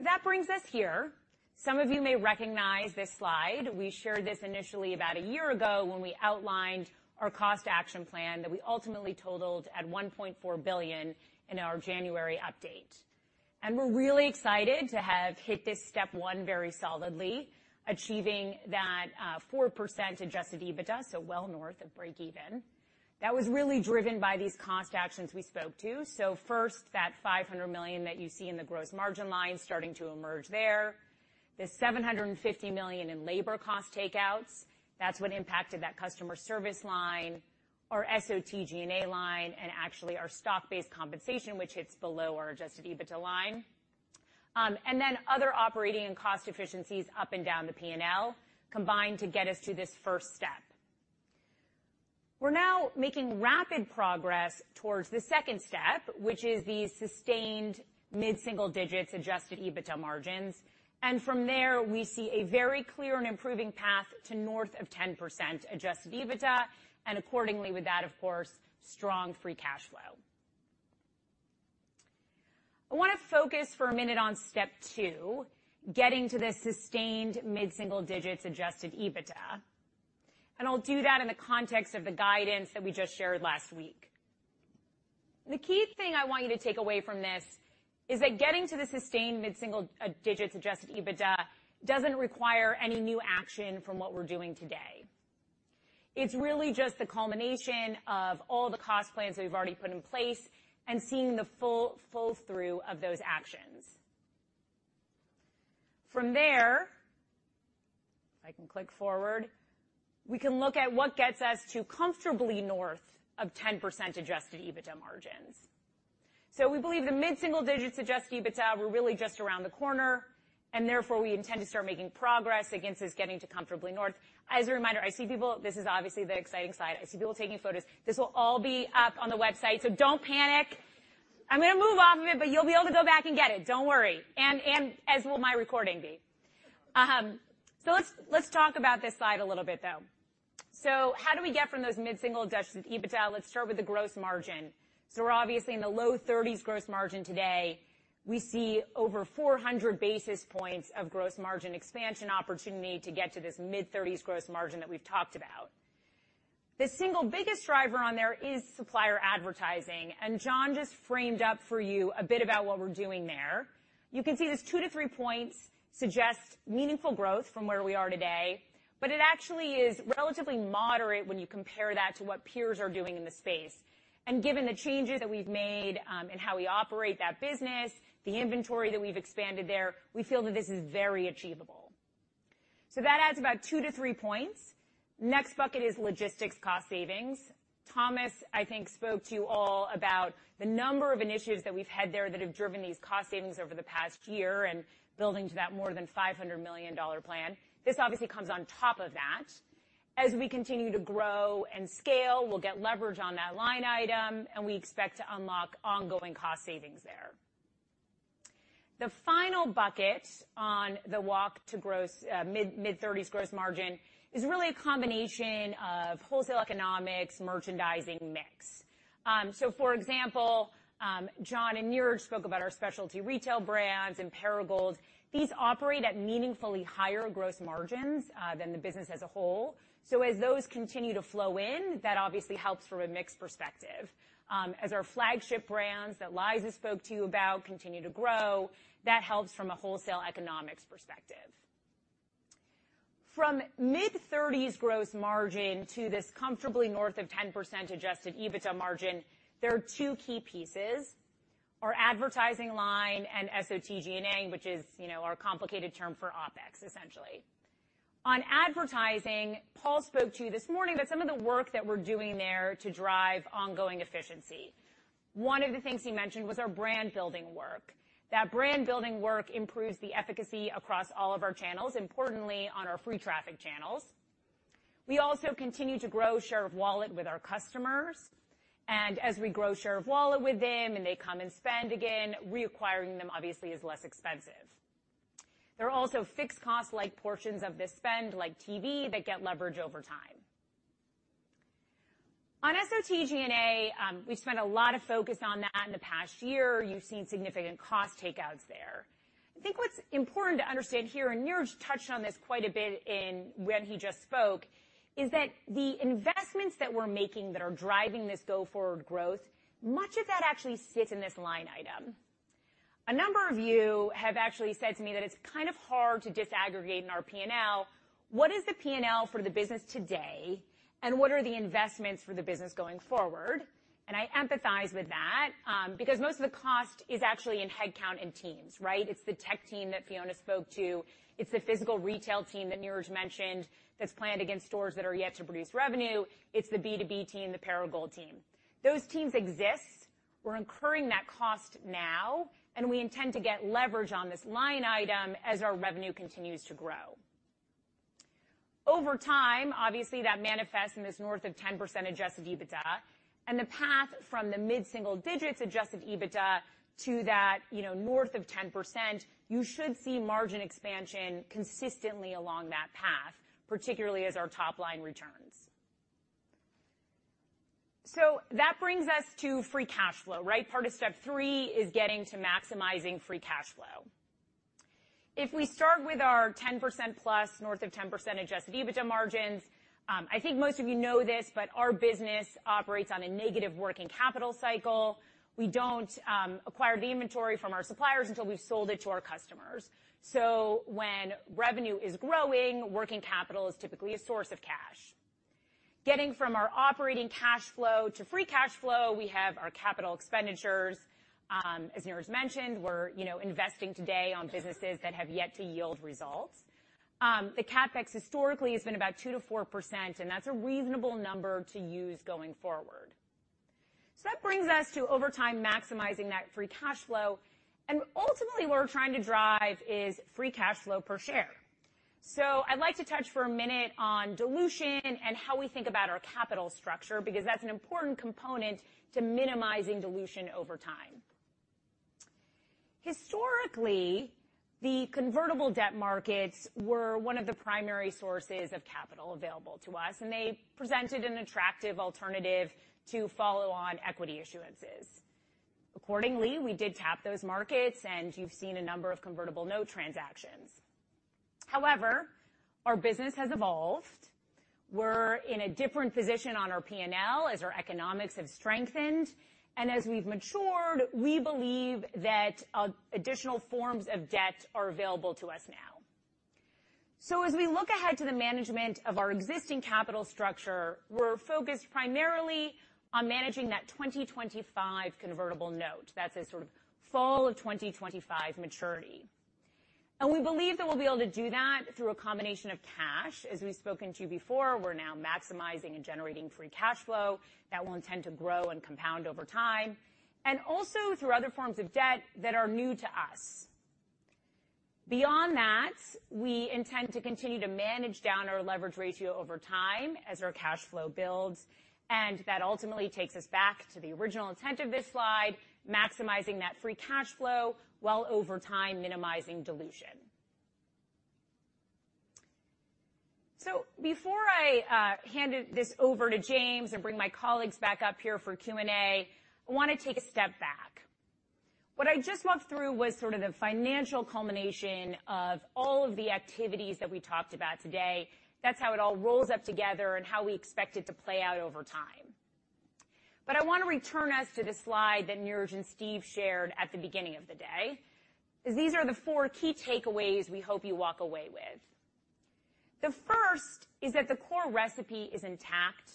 That brings us here. Some of you may recognize this slide. We shared this initially about a year ago when we outlined our cost action plan, that we ultimately totaled at $1.4 billion in our January update. We're really excited to have hit this step one very solidly, achieving that 4% adjusted EBITDA, so well north of break even. That was really driven by these cost actions we spoke to. First, that $500 million that you see in the gross margin line starting to emerge there. The $750 million in labor cost takeouts, that's what impacted that customer service line, our SOTG&A line, and actually our stock-based compensation, which hits below our adjusted EBITDA line. Then other operating and cost efficiencies up and down the P&L combined to get us to this first step. We're now making rapid progress towards the second step, which is the sustained mid-single digits adjusted EBITDA margins, and from there, we see a very clear and improving path to north of 10% adjusted EBITDA, and accordingly with that, of course, strong free cash flow. I want to focus for a minute on step 2, getting to this sustained mid-single digits adjusted EBITDA, and I'll do that in the context of the guidance that we just shared last week. The key thing I want you to take away from this is that getting to the sustained mid-single digits adjusted EBITDA doesn't require any new action from what we're doing today. It's really just the culmination of all the cost plans that we've already put in place and seeing the full, full through of those actions. From there, if I can click forward, we can look at what gets us to comfortably north of 10% adjusted EBITDA margins. We believe the mid-single digits adjusted EBITDA, we're really just around the corner, and therefore, we intend to start making progress against this getting to comfortably north. As a reminder, I see people, this is obviously the exciting slide. I see people taking photos. This will all be up on the website, so don't panic. I'm gonna move off of it, but you'll be able to go back and get it. Don't worry, and as will my recording be. Let's, let's talk about this slide a little bit, though. How do we get from those mid-single adjusted EBITDA? Let's start with the gross margin. We're obviously in the low 30s gross margin today. We see over 400 basis points of gross margin expansion opportunity to get to this mid-30s gross margin that we've talked about. The single biggest driver on there is supplier advertising, and Jon just framed up for you a bit about what we're doing there. You can see this 2-3 points suggests meaningful growth from where we are today, it actually is relatively moderate when you compare that to what peers are doing in the space. Given the changes that we've made in how we operate that business, the inventory that we've expanded there, we feel that this is very achievable. That adds about 2-3 points. Next bucket is logistics cost savings. Thomas, I think, spoke to you all about the number of initiatives that we've had there that have driven these cost savings over the past year and building to that more than $500 million plan. This obviously comes on top of that. As we continue to grow and scale, we'll get leverage on that line item, and we expect to unlock ongoing cost savings there. The final bucket on the walk to gross, mid-30s gross margin is really a combination of wholesale economics, merchandising mix. So, for example, Jon and Niraj spoke about our specialty retail brands and Perigold. These operate at meaningfully higher gross margins than the business as a whole. As those continue to flow in, that obviously helps from a mix perspective. As our flagship brands that Liza Lefkowski spoke to you about continue to grow, that helps from a wholesale economics perspective. From mid-30s gross margin to this comfortably north of 10% adjusted EBITDA margin, there are two key pieces, our advertising line and SOT G&A, which is, you know, our complicated term for OpEx, essentially. On advertising, Paul Toms spoke to you this morning about some of the work that we're doing there to drive ongoing efficiency. One of the things he mentioned was our brand-building work. That brand-building work improves the efficacy across all of our channels, importantly, on our free traffic channels. We also continue to grow share of wallet with our customers, and as we grow share of wallet with them, and they come and spend again, reacquiring them obviously is less expensive. There are also fixed costs like portions of this spend, like TV, that get leverage over time. On SOT G&A, we've spent a lot of focus on that in the past year. You've seen significant cost takeouts there. I think what's important to understand here, and Niraj touched on this quite a bit in when he just spoke, is that the investments that we're making that are driving this go-forward growth, much of that actually sits in this line item. A number of you have actually said to me that it's kind of hard to disaggregate in our P&L. What is the P&L for the business today, and what are the investments for the business going forward? I empathize with that because most of the cost is actually in headcount and teams, right? It's the tech team that Fiona spoke to. It's the physical retail team that Niraj mentioned, that's planned against stores that are yet to produce revenue. It's the B2B team, the Perigold team. Those teams exist. We're incurring that cost now, and we intend to get leverage on this line item as our revenue continues to grow. Over time, obviously, that manifests in this north of 10% adjusted EBITDA, and the path from the mid-single digits adjusted EBITDA to that, you know, north of 10%, you should see margin expansion consistently along that path, particularly as our top line returns. That brings us to free cash flow, right? Part of step 3 is getting to maximizing free cash flow. If we start with our 10%+ adjusted EBITDA margins, I think most of you know this, but our business operates on a negative working capital cycle. We don't acquire the inventory from our suppliers until we've sold it to our customers. When revenue is growing, working capital is typically a source of cash. Getting from our operating cash flow to free cash flow, we have our capital expenditures. As Niraj mentioned, we're, you know, investing today on businesses that have yet to yield results. The CapEx historically has been about 2%-4%, and that's a reasonable number to use going forward. So that brings us to, over time, maximizing that free cash flow, and ultimately, what we're trying to drive is free cash flow per share. So I'd like to touch for a minute on dilution and how we think about our capital structure, because that's an important component to minimizing dilution over time. Historically, the convertible debt markets were one of the primary sources of capital available to us, and they presented an attractive alternative to follow on equity issuances. Accordingly, we did tap those markets, and you've seen a number of convertible note transactions. However, our business has evolved. We're in a different position on our P&L as our economics have strengthened, and as we've matured, we believe that additional forms of debt are available to us now. As we look ahead to the management of our existing capital structure, we're focused primarily on managing that 2025 convertible note. That's a sort of fall of 2025 maturity. We believe that we'll be able to do that through a combination of cash. As we've spoken to you before, we're now maximizing and generating free cash flow that will intend to grow and compound over time, and also through other forms of debt that are new to us. Beyond that, we intend to continue to manage down our leverage ratio over time as our cash flow builds. That ultimately takes us back to the original intent of this slide, maximizing that free cash flow while over time, minimizing dilution. Before I hand this over to James and bring my colleagues back up here for Q&A, I want to take a step back. What I just walked through was sort of the financial culmination of all of the activities that we talked about today. That's how it all rolls up together and how we expect it to play out over time. I want to return us to the slide that Niraj and Steve shared at the beginning of the day, as these are the four key takeaways we hope you walk away with. The first is that the core recipe is intact.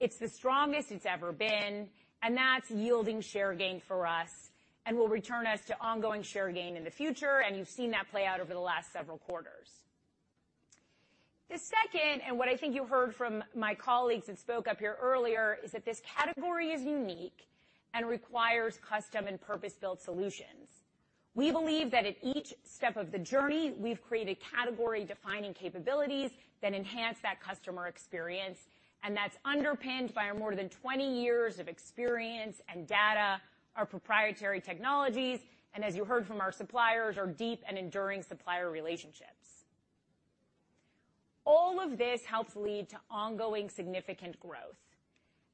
It's the strongest it's ever been, that's yielding share gain for us and will return us to ongoing share gain in the future, you've seen that play out over the last several quarters. The second, what I think you heard from my colleagues that spoke up here earlier, is that this category is unique and requires custom and purpose-built solutions. We believe that at each step of the journey, we've created category-defining capabilities that enhance that customer experience, that's underpinned by our more than 20 years of experience and data, our proprietary technologies, as you heard from our suppliers, our deep and enduring supplier relationships. All of this helps lead to ongoing significant growth.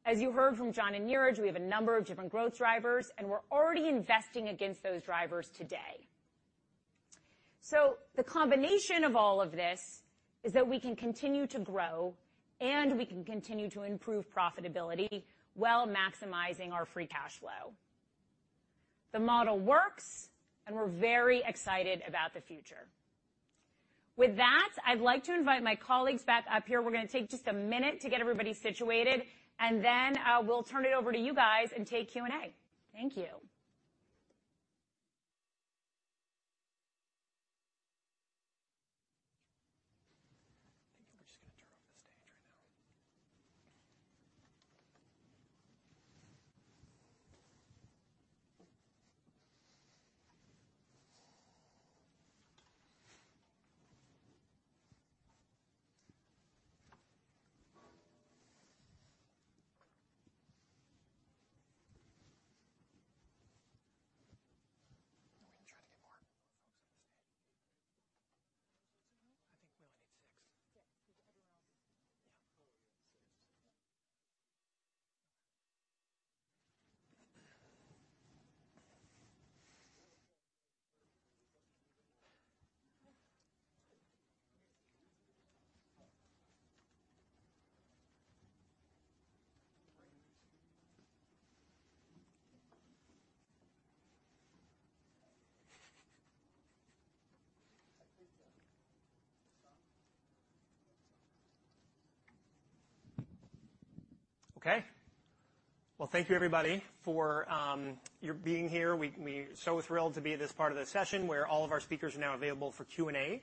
As you heard from Jon and Niraj, we have a number of different growth drivers, we're already investing against those drivers today. The combination of all of this is that we can continue to grow and we can continue to improve profitability while maximizing our free cash flow. The model works, and we're very excited about the future. With that, I'd like to invite my colleagues back up here. We're gonna take just a minute to get everybody situated, and then, we'll turn it over to you guys and take Q&A. Thank you. I think we're just gonna turn off the stage right now. We can try to get more folks on the stage. I think we only need six. Yeah, everyone else. Yeah. Okay. Well, thank you, everybody, for your being here. We, we're so thrilled to be at this part of the session where all of our speakers are now available for Q&A.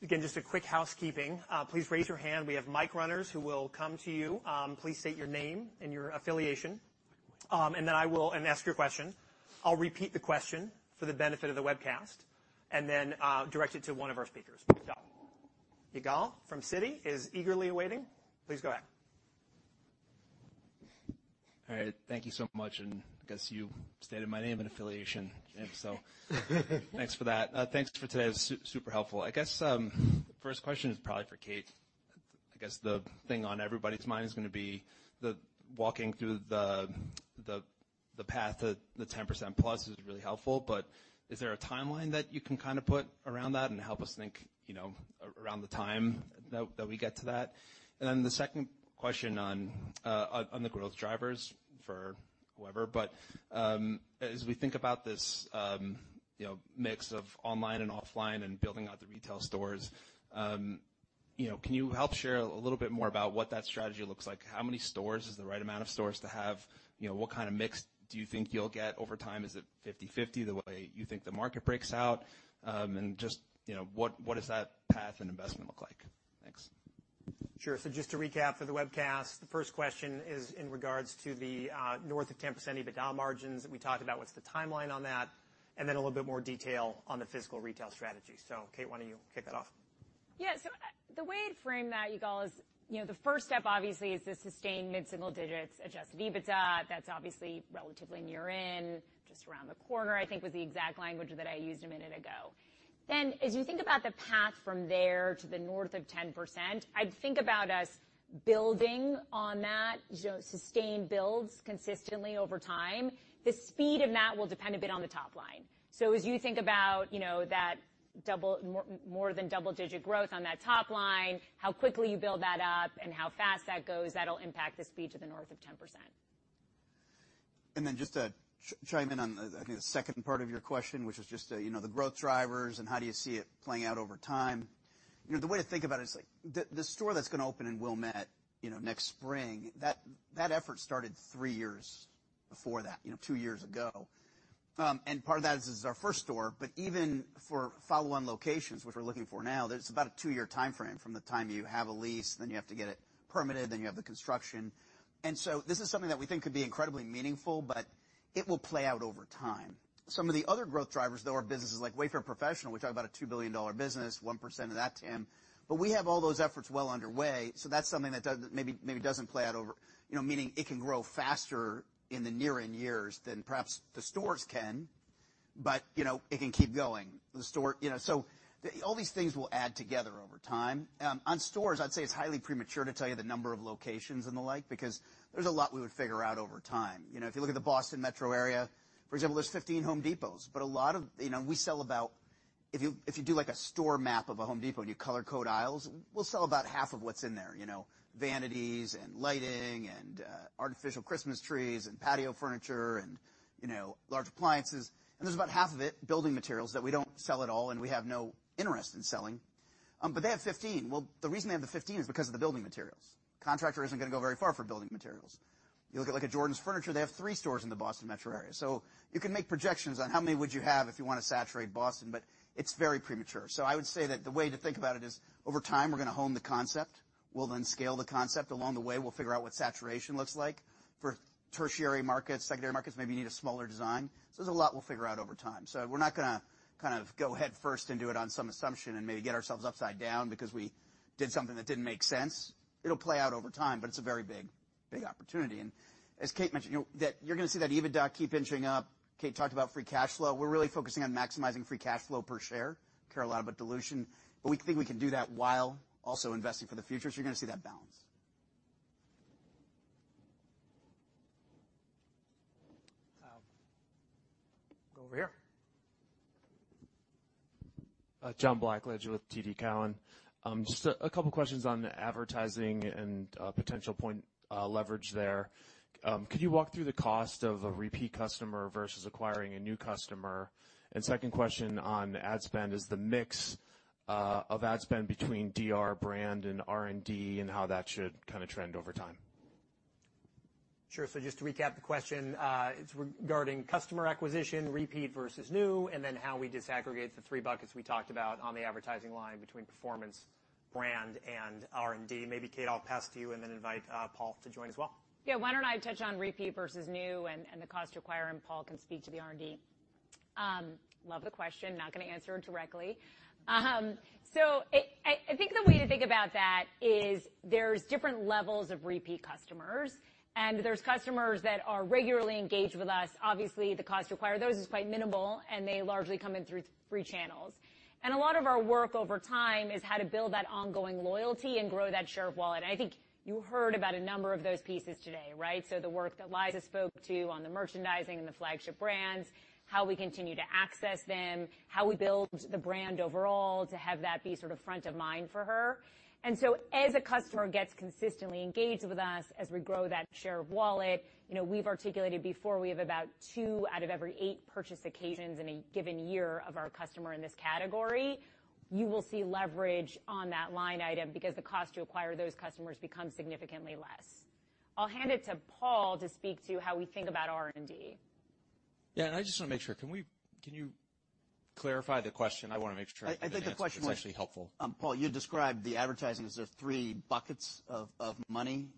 Again, just a quick housekeeping. Please raise your hand. We have mic runners who will come to you. Please state your name and your affiliation, and then I will and ask your question. I'll repeat the question for the benefit of the webcast and then direct it to one of our speakers. Yigal from Citi is eagerly awaiting. Please go ahead. All right, thank you so much, and I guess you stated my name and affiliation, and so thanks for that. Thanks for today. It was super helpful. I guess the first question is probably for Kate. I guess the thing on everybody's mind is going to be the walking through the path of the 10% plus is really helpful, but is there a timeline that you can kind of put around that and help us think, you know, around the time that we get to that? Then the second question on the growth drivers for whoever, but as we think about this, you know, mix of online and offline and building out the retail stores, you know, can you help share a little bit more about what that strategy looks like? How many stores is the right amount of stores to have? You know, what kind of mix do you think you'll get over time? Is it 50/50, the way you think the market breaks out? Just, you know, what, what does that path and investment look like? Thanks. Just to recap for the webcast, the first question is in regards to the north of 10% EBITDA margins that we talked about, what's the timeline on that, and then a little bit more detail on the physical retail strategy. Kate, why don't you kick that off? Yeah. The way I'd frame that, Yigal, is, you know, the first step, obviously, is the sustained mid-single digits, adjusted EBITDA. That's obviously relatively near in, just around the corner, I think, was the exact language that I used a minute ago. As you think about the path from there to the north of 10%, I'd think about us building on that, you know, sustained builds consistently over time. The speed of that will depend a bit on the top line. As you think about, you know, that more than double-digit growth on that top line, how quickly you build that up and how fast that goes, that'll impact the speed to the north of 10%. Then just to chime in on the, I think, the second part of your question, which is just, you know, the growth drivers and how do you see it playing out over time? You know, the way to think about it is like the, the store that's gonna open in Wilmette, you know, next spring, that, that effort started three years before that, you know, two years ago. Part of that is this is our first store, but even for follow-on locations, which we're looking for now, there's about a two-year timeframe from the time you have a lease, then you have to get it permitted, then you have the construction. So this is something that we think could be incredibly meaningful, but it will play out over time. Some of the other growth drivers, though, are businesses like Wayfair Professional, which we have about a $2 billion business, 1% of that TAM. We have all those efforts well underway, that's something that does-- maybe, maybe doesn't play out over... You know, meaning it can grow faster in the near-end years than perhaps the stores can, but, you know, it can keep going. The store-- You know, all these things will add together over time. On stores, I'd say it's highly premature to tell you the number of locations and the like, because there's a lot we would figure out over time. You know, if you look at the Boston metro area, for example, there's 15 Home Depots, but a lot of... You know, we sell about, if you, if you do, like, a store map of a Home Depot, and you color code aisles, we'll sell about half of what's in there, you know, vanities and lighting and artificial Christmas trees and patio furniture and, you know, large appliances. There's about half of it, building materials, that we don't sell at all and we have no interest in selling. They have 15. Well, the reason they have the 15 is because of the building materials. Contractor isn't going to go very far for building materials. You look at, like, a Jordan's Furniture, they have 3 stores in the Boston metro area. You can make projections on how many would you have if you want to saturate Boston, but it's very premature. I would say that the way to think about it is, over time, we're going to hone the concept. We'll then scale the concept. Along the way, we'll figure out what saturation looks like. For tertiary markets, secondary markets, maybe you need a smaller design. There's a lot we'll figure out over time. We're not going to kind of go headfirst into it on some assumption and maybe get ourselves upside down because we did something that didn't make sense. It'll play out over time, but it's a very big, big opportunity. As Kate mentioned, you know, that you're going to see that EBITDA keep inching up. Kate talked about free cash flow. We're really focusing on maximizing free cash flow per share. Care a lot about dilution, but we think we can do that while also investing for the future, so you're going to see that balance. Go over here. John Blackledge with TD Cowen. Just 2 questions on the advertising and potential point leverage there. Could you walk through the cost of a repeat customer versus acquiring a new customer? Second question on ad spend, is the mix of ad spend between DR brand and R&D and how that should kind of trend over time? Sure. Just to recap the question, it's regarding customer acquisition, repeat versus new, and then how we disaggregate the three buckets we talked about on the advertising line between performance, brand, and R&D. Maybe, Kate, I'll pass to you and then invite Paul to join as well. Yeah, why don't I touch on repeat versus new and, and the cost to acquire, and Paul can speak to the R&D? Love the question, not going to answer it directly. I, I, I think the way to think about that is there's different levels of repeat customers, and there's customers that are regularly engaged with us. Obviously, the cost to acquire those is quite minimal, and they largely come in through free channels. A lot of our work over time is how to build that ongoing loyalty and grow that share of wallet. I think you heard about a number of those pieces today, right? The work that Liza spoke to on the merchandising and the flagship brands, how we continue to access them, how we build the brand overall to have that be sort of front of mind for her. So as a customer gets consistently engaged with us, as we grow that share of wallet, you know, we've articulated before, we have about 2 out of every 8 purchase occasions in a given year of our customer in this category, you will see leverage on that line item because the cost to acquire those customers becomes significantly less. I'll hand it to Paul to speak to how we think about R&D. Yeah, I just want to make sure, can you clarify the question? I want to make sure I think the answer is actually helpful. Paul, you described the advertising as there are 3 buckets of, of money,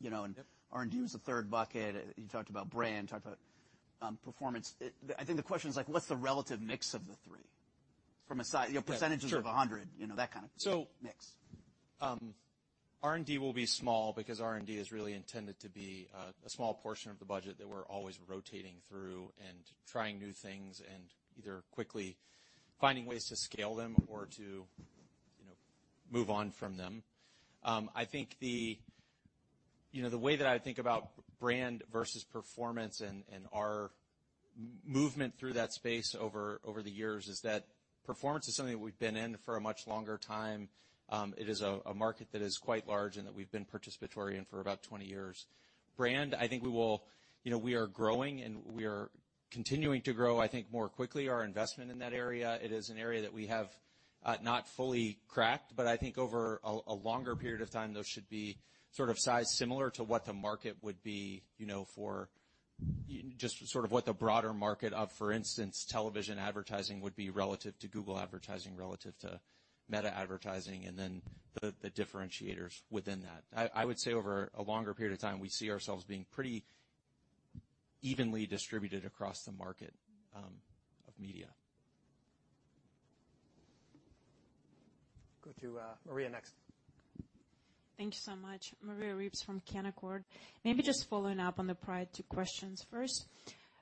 you know, and R&D was the third bucket. You talked about brand, talked about performance. I think the question is, like, what's the relative mix of the 3? From a you know, percentages of 100, you know, that kind of mix. R&D will be small because R&D is really intended to be a, a small portion of the budget that we're always rotating through and trying new things and either quickly finding ways to scale them or to, you know, move on from them. I think the, you know, the way that I think about brand versus performance and, and our movement through that space over, over the years is that performance is something we've been in for a much longer time. It is a, a market that is quite large and that we've been participatory in for about 20 years. Brand, I think, you know, we are growing, and we are continuing to grow, I think, more quickly, our investment in that area. It is an area that we have not fully cracked, but I think over a, a longer period of time, those should be sort of sized similar to what the market would be, you know, for just sort of what the broader market of, for instance, television advertising would be relative to Google advertising, relative to Meta advertising, and then the, the differentiators within that. I, I would say over a longer period of time, we see ourselves being pretty evenly distributed across the market of media. Go to Maria next. Thank you so much. Maria Ripps from Canaccord. Maybe just following up on the prior two questions first.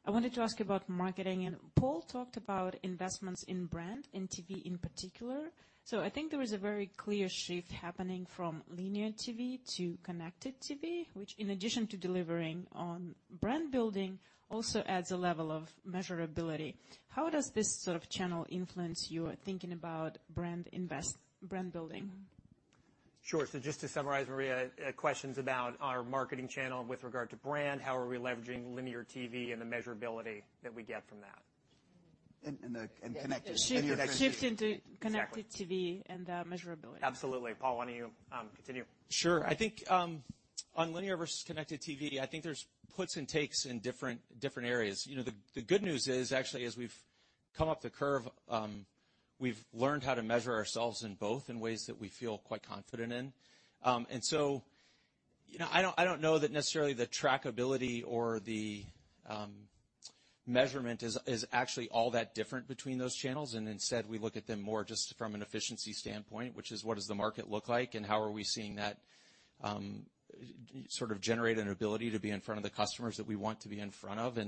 I wanted to ask about marketing, and Paul talked about investments in brand, in TV in particular. I think there is a very clear shift happening from linear TV to connected TV, which, in addition to delivering on brand building, also adds a level of measurability. How does this sort of channel influence your thinking about brand building? Sure. Just to summarize, Maria, questions about our marketing channel with regard to brand, how are we leveraging linear TV and the measurability that we get from that? Connected- Shift, shift into connected TV. Exactly. Measurability. Absolutely. Paul, why don't you continue? Sure. I think, on linear versus connected TV, I think there's puts and takes in different, different areas. You know, the, the good news is actually, as we've come up the curve, we've learned how to measure ourselves in both in ways that we feel quite confident in. You know, I don't, I don't know that necessarily the trackability or the measurement is, is actually all that different between those channels, and instead, we look at them more just from an efficiency standpoint, which is: What does the market look like, and how are we seeing that, sort of generate an ability to be in front of the customers that we want to be in front of?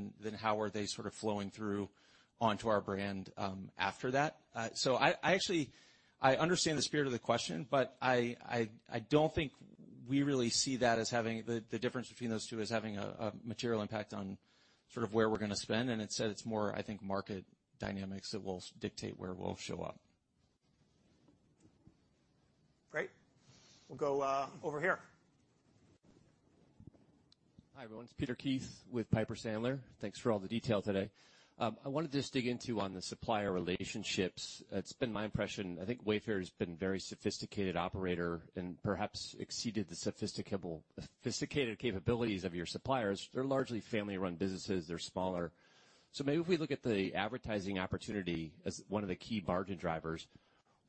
How are they sort of flowing through onto our brand, after that? I, I actually. I understand the spirit of the question, but I, I, I don't think we really see that as having the, the difference between those two as having a, a material impact on sort of where we're gonna spend, and instead it's more, I think, market dynamics that will dictate where we'll show up. Great. We'll go over here. Hi, everyone. It's Peter Keith with Piper Sandler. Thanks for all the detail today. I wanted to just dig into on the supplier relationships. It's been my impression, I think Wayfair has been very sophisticated operator and perhaps exceeded the sophisticated capabilities of your suppliers. They're largely family-run businesses. They're smaller. Maybe if we look at the advertising opportunity as one of the key margin drivers,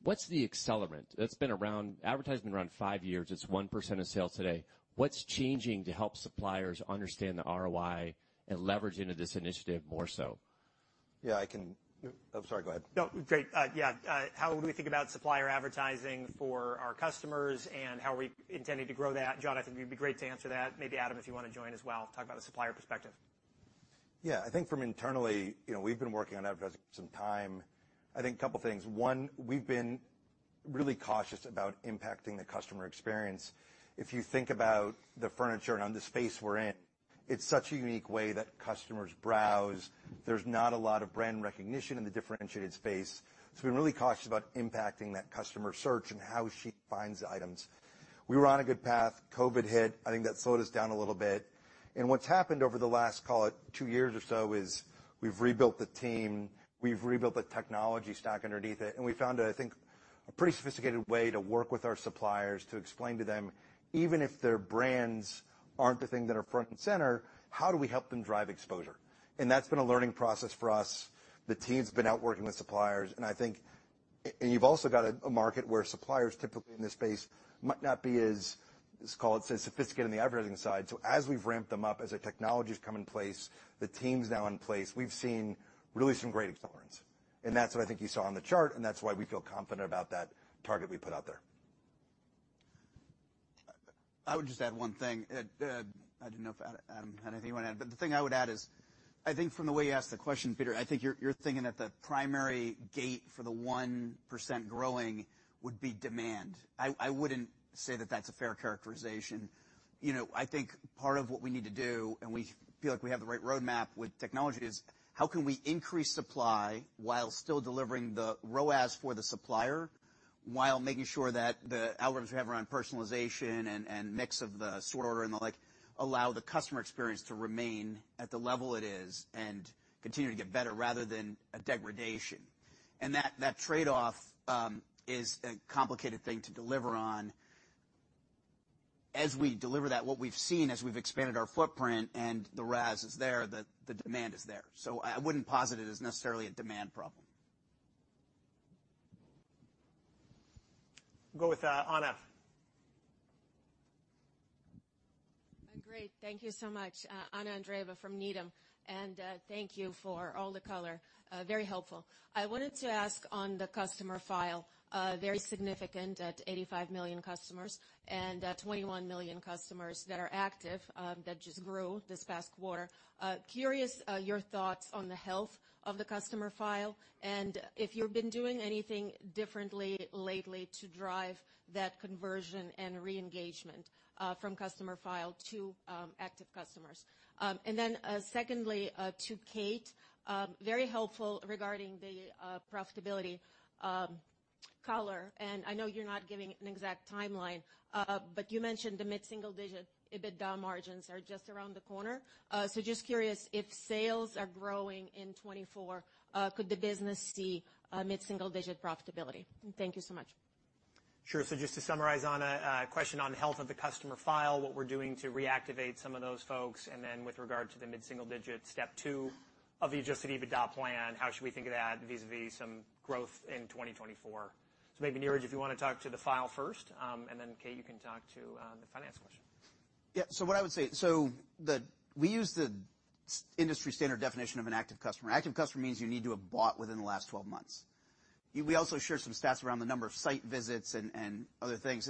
what's the accelerant? It's been around... Advertising around 5 years, it's 1% of sales today. What's changing to help suppliers understand the ROI and leverage into this initiative more so? Yeah, I can... I'm sorry, go ahead. No, great. Yeah, how would we think about supplier advertising for our customers, and how are we intending to grow that? Jon, I think it'd be great to answer that. Maybe, Adam, if you want to join as well, talk about the supplier perspective. Yeah, I think from internally, you know, we've been working on advertising for some time. I think a couple of things. One, we've been really cautious about impacting the customer experience. If you think about the furniture and on the space we're in, it's such a unique way that customers browse. There's not a lot of brand recognition in the differentiated space, so we've been really cautious about impacting that customer search and how she finds the items. We were on a good path. COVID hit. I think that slowed us down a little bit. What's happened over the last, call it, 2 years or so, is we've rebuilt the team, we've rebuilt the technology stack underneath it, and we found, I think, a pretty sophisticated way to work with our suppliers to explain to them, even if their brands aren't the thing that are front and center, how do we help them drive exposure? That's been a learning process for us. The team's been out working with suppliers, and I think, and you've also got a market where suppliers, typically in this space, might not be as, let's call it, sophisticated in the advertising side. As we've ramped them up, as the technologies come in place, the team's now in place, we've seen really some great accelerants. That's what I think you saw on the chart, and that's why we feel confident about that target we put out there. I would just add one thing. I don't know if, Adam, anything you want to add, but the thing I would add is, I think from the way you asked the question, Peter, I think you're, you're thinking that the primary gate for the 1% growing would be demand. I, I wouldn't say that that's a fair characterization. You know, I think part of what we need to do, and we feel like we have the right roadmap with technology, is how can we increase supply while still delivering the ROAS for the supplier, while making sure that the algorithms we have around personalization and, and mix of the sort order and the like, allow the customer experience to remain at the level it is and continue to get better rather than a degradation. And that, that trade-off is a complicated thing to deliver on. As we deliver that, what we've seen as we've expanded our footprint and the ROAS is there, the, the demand is there. I, I wouldn't posit it as necessarily a demand problem. Go with, Anna. Great. Thank you so much. Anna Andreeva from Needham, and thank you for all the color. Very helpful. I wanted to ask on the customer file, very significant at 85 million customers and 21 million customers that are active, that just grew this past quarter. Curious, your thoughts on the health of the customer file, and if you've been doing anything differently lately to drive that conversion and re-engagement from customer file to active customers. Secondly, to Kate, very helpful regarding the profitability color. I know you're not giving an exact timeline, but you mentioned the mid-single digit EBITDA margins are just around the corner. Just curious, if sales are growing in 2024, could the business see a mid-single digit profitability? Thank you so much. Sure. Just to summarize on a question on health of the customer file, what we're doing to reactivate some of those folks, and then with regard to the mid-single digit, step two of the adjusted EBITDA plan, how should we think of that vis-a-vis some growth in 2024? Maybe, Niraj, if you want to talk to the file first, and then, Kate, you can talk to the finance question. Yeah. What I would say. The, we use the industry standard definition of an active customer. Active customer means you need to have bought within the last 12 months. We also shared some stats around the number of site visits and other things.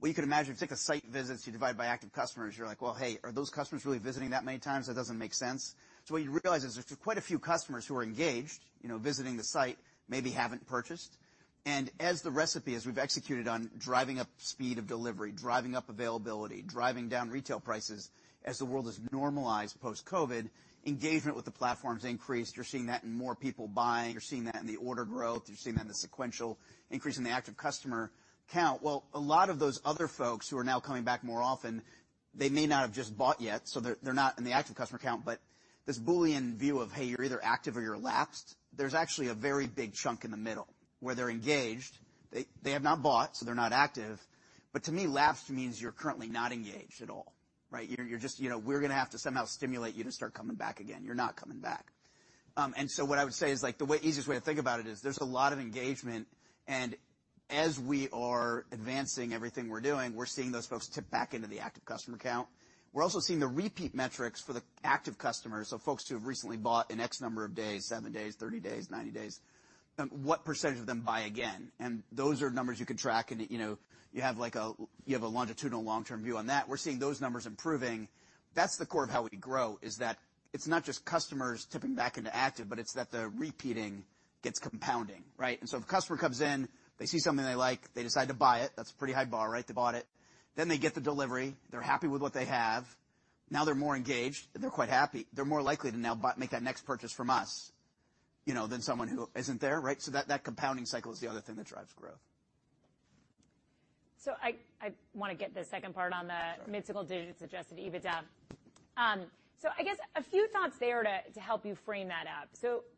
What you can imagine, if you take the site visits, you divide by active customers, you're like: "Well, hey, are those customers really visiting that many times? That doesn't make sense." What you realize is there's quite a few customers who are engaged, you know, visiting the site, maybe haven't purchased. As the recipe, as we've executed on driving up speed of delivery, driving up availability, driving down retail prices, as the world has normalized post-COVID, engagement with the platform's increased. You're seeing that in more people buying, you're seeing that in the order growth, you're seeing that in the sequential increase in the active customer count. Well, a lot of those other folks who are now coming back more often, they may not have just bought yet, so they're, they're not in the active customer count. This Boolean view of, hey, you're either active or you're lapsed, there's actually a very big chunk in the middle where they're engaged. They, they have not bought, so they're not active. To me, lapsed means you're currently not engaged at all, right? You're just, you know, we're gonna have to somehow stimulate you to start coming back again. You're not coming back. And so what I would say is, like, easiest way to think about it is there's a lot of engagement, and as we are advancing everything we're doing, we're seeing those folks tip back into the active customer count. We're also seeing the repeat metrics for the active customers, so folks who have recently bought in X number of days, seven days, 30 days, 90 days, what percentage of them buy again? Those are numbers you could track and, you know, you have, like, a, you have a longitudinal long-term view on that. We're seeing those numbers improving. That's the core of how we grow, is that it's not just customers tipping back into active, but it's that the repeating gets compounding, right? If a customer comes in, they see something they like, they decide to buy it, that's a pretty high bar, right? They bought it. They get the delivery. They're happy with what they have. Now they're more engaged, and they're quite happy. They're more likely to now make that next purchase from us, you know, than someone who isn't there, right? That, that compounding cycle is the other thing that drives growth. I, I want to get the second part on the- Sure. Mid-single digits, adjusted EBITDA. I guess a few thoughts there to, to help you frame that out.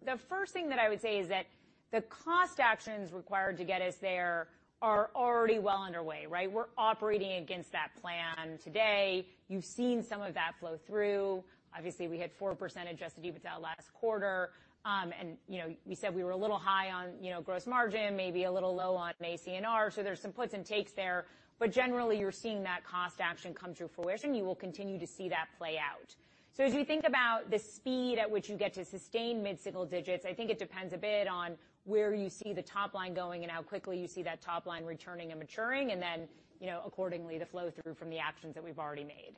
The first thing that I would say is that the cost actions required to get us there are already well underway, right? We're operating against that plan today. You've seen some of that flow through. Obviously, we had 4% adjusted EBITDA last quarter. You know, we said we were a little high on, you know, gross margin, maybe a little low on ACNR, so there's some puts and takes there. Generally, you're seeing that cost action come through fruition. You will continue to see that play out. As you think about the speed at which you get to sustain mid-single digits, I think it depends a bit on where you see the top line going and how quickly you see that top line returning and maturing, and then, you know, accordingly, the flow through from the actions that we've already made.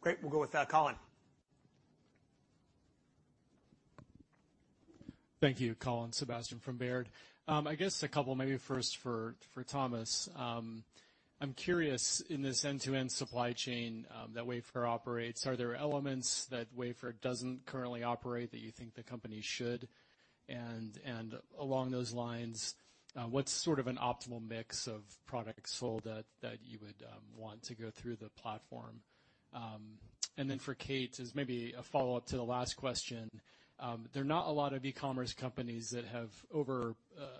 Great. We'll go with Colin. Thank you, Colin Sebastian from Baird. I guess a couple, maybe first for, for Thomas. I'm curious, in this end-to-end supply chain that Wayfair operates, are there elements that Wayfair doesn't currently operate that you think the company should? Along those lines, what's sort of an optimal mix of products sold that, that you would want to go through the platform? Then for Kate, as maybe a follow-up to the last question, there are not a lot of e-commerce companies that have, over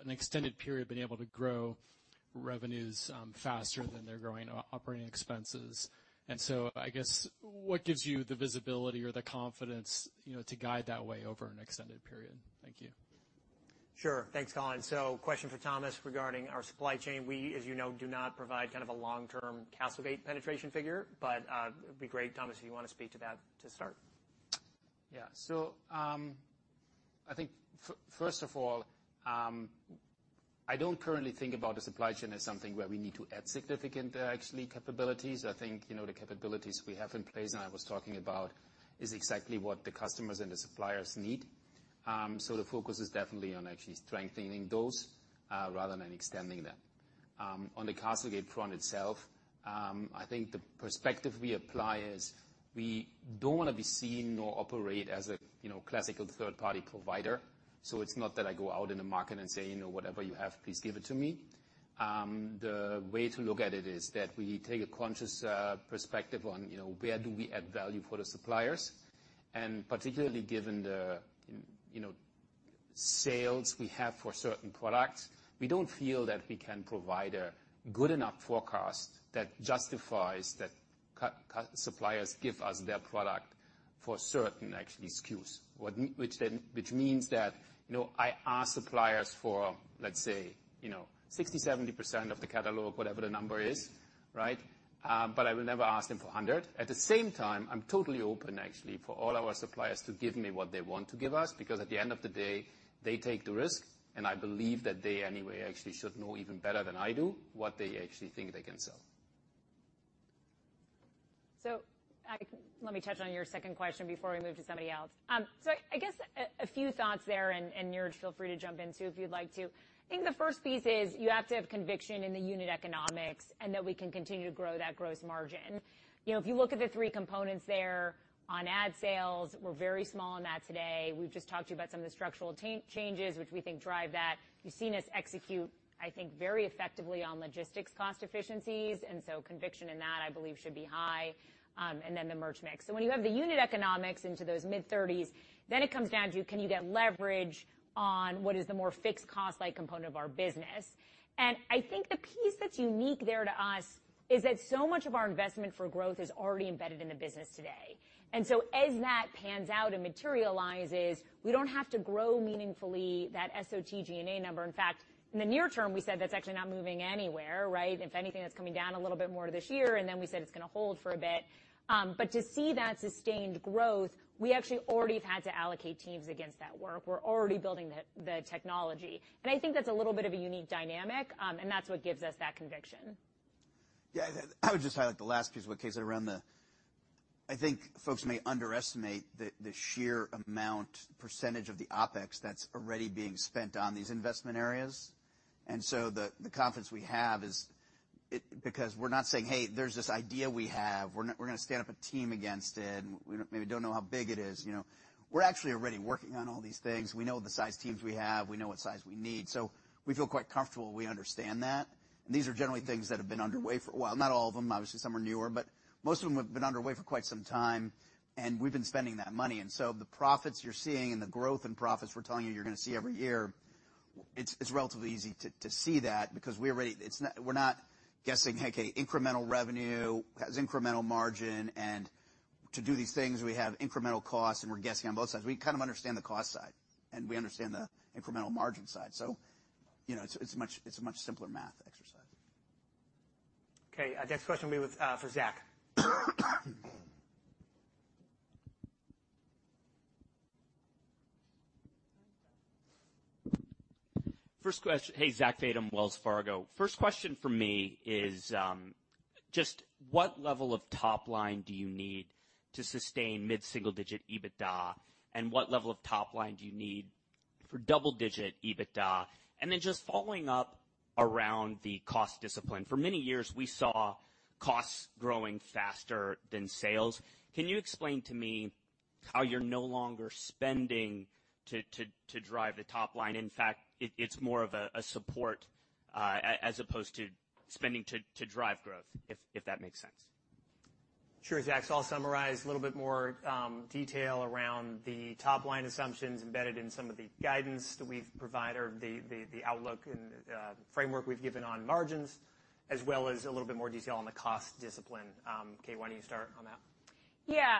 an extended period, been able to grow revenues faster than they're growing operating expenses. So I guess, what gives you the visibility or the confidence, you know, to guide that way over an extended period? Thank you. Sure. Thanks, Colin. Question for Thomas regarding our supply chain. We, as you know, do not provide kind of a long-term CastleGate penetration figure, but it'd be great, Thomas, if you want to speak to that to start. Yeah. I think first of all, I don't currently think about the supply chain as something where we need to add significant, actually, capabilities. I think, you know, the capabilities we have in place, and I was talking about, is exactly what the customers and the suppliers need. The focus is definitely on actually strengthening those, rather than extending them. On the CastleGate front itself, I think the perspective we apply is we don't want to be seen or operate as a, you know, classical third-party provider. It's not that I go out in the market and say, you know, "Whatever you have, please give it to me." The way to look at it is that we take a conscious, perspective on, you know, where do we add value for the suppliers? Particularly given the, you know, sales we have for certain products, we don't feel that we can provide a good enough forecast that justifies that suppliers give us their product for certain actually SKUs. Which then, which means that, you know, I ask suppliers for, let's say, you know, 60%, 70% of the catalog, whatever the number is, right? I will never ask them for 100. At the same time, I'm totally open, actually, for all our suppliers to give me what they want to give us, because at the end of the day, they take the risk, and I believe that they, anyway, actually should know even better than I do, what they actually think they can sell. I, let me touch on your second question before we move to somebody else. I guess a few thoughts there, and Niraj, feel free to jump in, too, if you'd like to. I think the first piece is you have to have conviction in the unit economics and that we can continue to grow that gross margin. You know, if you look at the 3 components there on ad sales, we're very small on that today. We've just talked to you about some of the structural changes, which we think drive that. You've seen us execute, I think, very effectively on logistics cost efficiencies, and so conviction in that, I believe, should be high, and then the merch mix. When you have the unit economics into those mid-30s, then it comes down to, can you get leverage on what is the more fixed cost-like component of our business? I think the piece that's unique there to us is that so much of our investment for growth is already embedded in the business today. So as that pans out and materializes, we don't have to grow meaningfully that SOTG&A number. In fact, in the near term, we said that's actually not moving anywhere, right? If anything, that's coming down a little bit more this year, and then we said it's gonna hold for a bit. But to see that sustained growth, we actually already have had to allocate teams against that work. We're already building the, the technology. I think that's a little bit of a unique dynamic, and that's what gives us that conviction. Yeah, I would just highlight the last piece of what Kate said around I think folks may underestimate the, the sheer amount, percentage of the OpEx that's already being spent on these investment areas. The, the confidence we have is because we're not saying: "Hey, there's this idea we have. We're gonna, we're gonna stand up a team against it, and we don't know how big it is," you know? We're actually already working on all these things. We know the size teams we have, we know what size we need, so we feel quite comfortable we understand that. These are generally things that have been underway for a while. Not all of them, obviously, some are newer, but most of them have been underway for quite some time, and we've been spending that money. So the profits you're seeing and the growth in profits we're telling you you're gonna see every year, it's, it's relatively easy to, to see that because we're not guessing, okay, incremental revenue has incremental margin, and to do these things, we have incremental costs, and we're guessing on both sides. We kind of understand the cost side, and we understand the incremental margin side, so, you know, it's a much, it's a much simpler math exercise. Okay, next question will be with, for Zach. First question. Hey, Zachary Fadem, Wells Fargo. First question from me is, just what level of top line do you need to sustain mid-single-digit EBITDA, and what level of top line do you need for double-digit EBITDA? Then just following up around the cost discipline. For many years, we saw costs growing faster than sales. Can you explain to me how you're no longer spending to, to, to drive the top line? In fact, it, it's more of a, a support, as opposed to spending to, to drive growth, if, if that makes sense? Sure, Zach. I'll summarize a little bit more, detail around the top-line assumptions embedded in some of the guidance that we've provided or the, the, the outlook and the, framework we've given on margins, as well as a little bit more detail on the cost discipline. Kate, why don't you start on that? Yeah,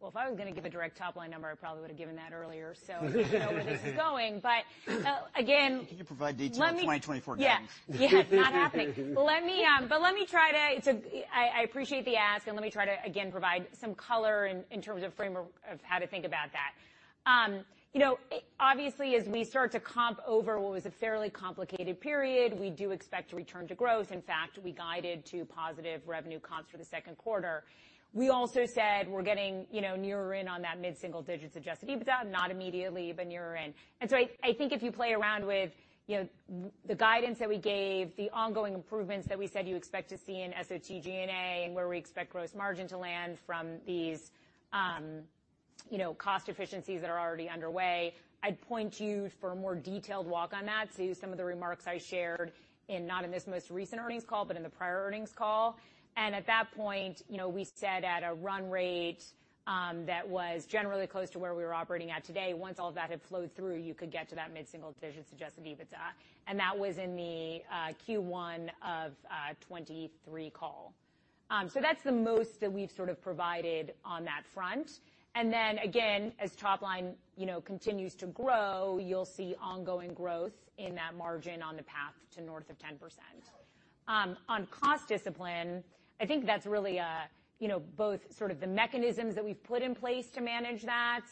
well, if I was going to give a direct top-line number, I probably would have given that earlier, so- - I don't know where this is going, but, again- Can you provide detail 2024 times? Yeah. Yeah, it's not happening. Let me, but let me try to I, I appreciate the ask, and let me try to again provide some color in terms of framework of how to think about that. You know, obviously, as we start to comp over what was a fairly complicated period, we do expect to return to growth. In fact, we guided to positive revenue comps for the 2nd quarter. We also said we're getting, you know, nearer in on that mid-single-digit adjusted EBITDA, not immediately, but nearer in. I, I think if you play around with, you know, the guidance that we gave, the ongoing improvements that we said you expect to see in SOTG&A, and where we expect gross margin to land from these, you know, cost efficiencies that are already underway, I'd point you for a more detailed walk on that to some of the remarks I shared in, not in this most recent earnings call, but in the prior earnings call. At that point, you know, we said at a run rate that was generally close to where we were operating at today, once all of that had flowed through, you could get to that mid-single-digit adjusted EBITDA, and that was in the Q1 of 2023 call. That's the most that we've sort of provided on that front. Again, as top line, you know, continues to grow, you'll see ongoing growth in that margin on the path to north of 10%. On cost discipline, I think that's really a, you know, both sort of the mechanisms that we've put in place to manage that,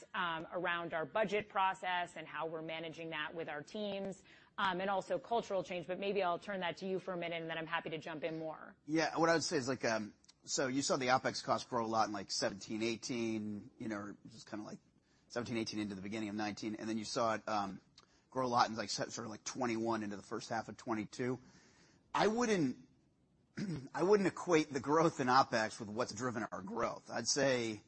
around our budget process and how we're managing that with our teams, and also cultural change, but maybe I'll turn that to you for a minute, and then I'm happy to jump in more. Yeah, what I would say is like, you saw the OpEx costs grow a lot in like 2017, 2018, you know, just kind of like 2017, 2018 into the beginning of 2019, and then you saw it grow a lot in like sort of like 2021 into the first half of 2022. I wouldn't, I wouldn't equate the growth in OpEx with what's driven our growth. I'd say,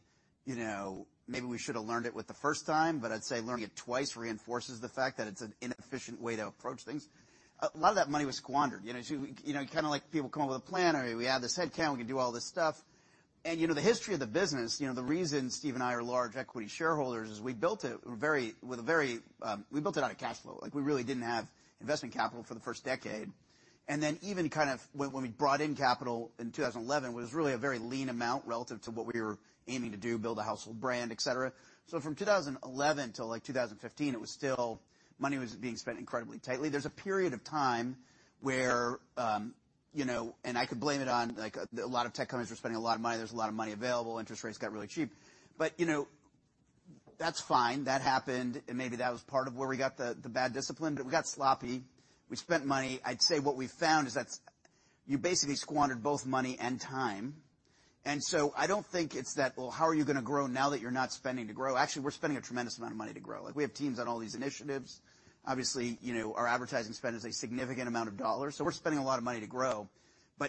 you know, maybe we should have learned it with the first time, but I'd say learning it twice reinforces the fact that it's an inefficient way to approach things. A lot of that money was squandered. You know, kind of like people come up with a plan, or we add this headcount, we can do all this stuff. You know, the history of the business, you know, the reason Steve and I are large equity shareholders is we built it very, with a very, we built it out of cash flow. Like, we really didn't have investment capital for the first decade. Then even kind of when, when we brought in capital in 2011, it was really a very lean amount relative to what we were aiming to do, build a household brand, et cetera. So from 2011 till, like, 2015, it was still. Money was being spent incredibly tightly. There's a period of time where, you know, and I could blame it on, like, a lot of tech companies were spending a lot of money. There's a lot of money available. Interest rates got really cheap. You know, that's fine. That happened, and maybe that was part of where we got the, the bad discipline, but we got sloppy. We spent money. I'd say what we found is that's, you basically squandered both money and time. I don't think it's that, well, how are you going to grow now that you're not spending to grow? Actually, we're spending a tremendous amount of money to grow. Like, we have teams on all these initiatives. Obviously, you know, our advertising spend is a significant amount of dollars, so we're spending a lot of money to grow.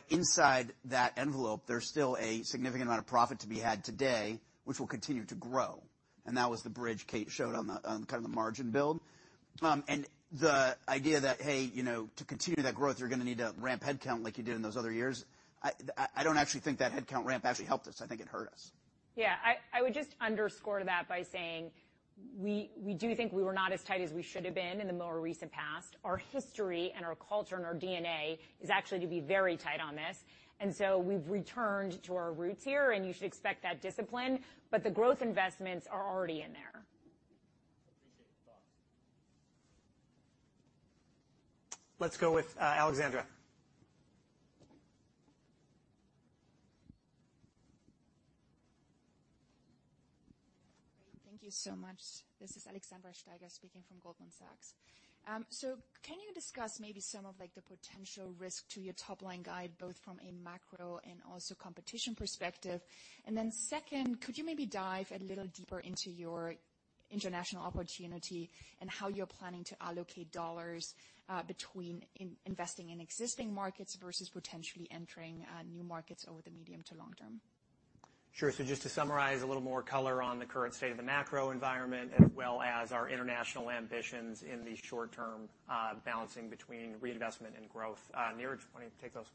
Inside that envelope, there's still a significant amount of profit to be had today, which will continue to grow. That was the bridge Kate showed on the, on kind of the margin build. The idea that, hey, you know, to continue that growth, you're going to need to ramp headcount like you did in those other years, I, I don't actually think that headcount ramp actually helped us. I think it hurt us. Yeah, I would just underscore that by saying we do think we were not as tight as we should have been in the more recent past. Our history and our culture and our DNA is actually to be very tight on this, and so we've returned to our roots here, and you should expect that discipline, but the growth investments are already in there. Appreciate the thoughts. Let's go with, Alexandra. Thank you so much. This is Alexandra Steiger, speaking from Goldman Sachs. Can you discuss maybe some of, like, the potential risk to your top line guide, both from a macro and also competition perspective? Second, could you maybe dive a little deeper into your international opportunity and how you're planning to allocate dollars between investing in existing markets versus potentially entering new markets over the medium to long term? Sure. Just to summarize, a little more color on the current state of the macro environment, as well as our international ambitions in the short term, balancing between reinvestment and growth. Niraj, why don't you take those?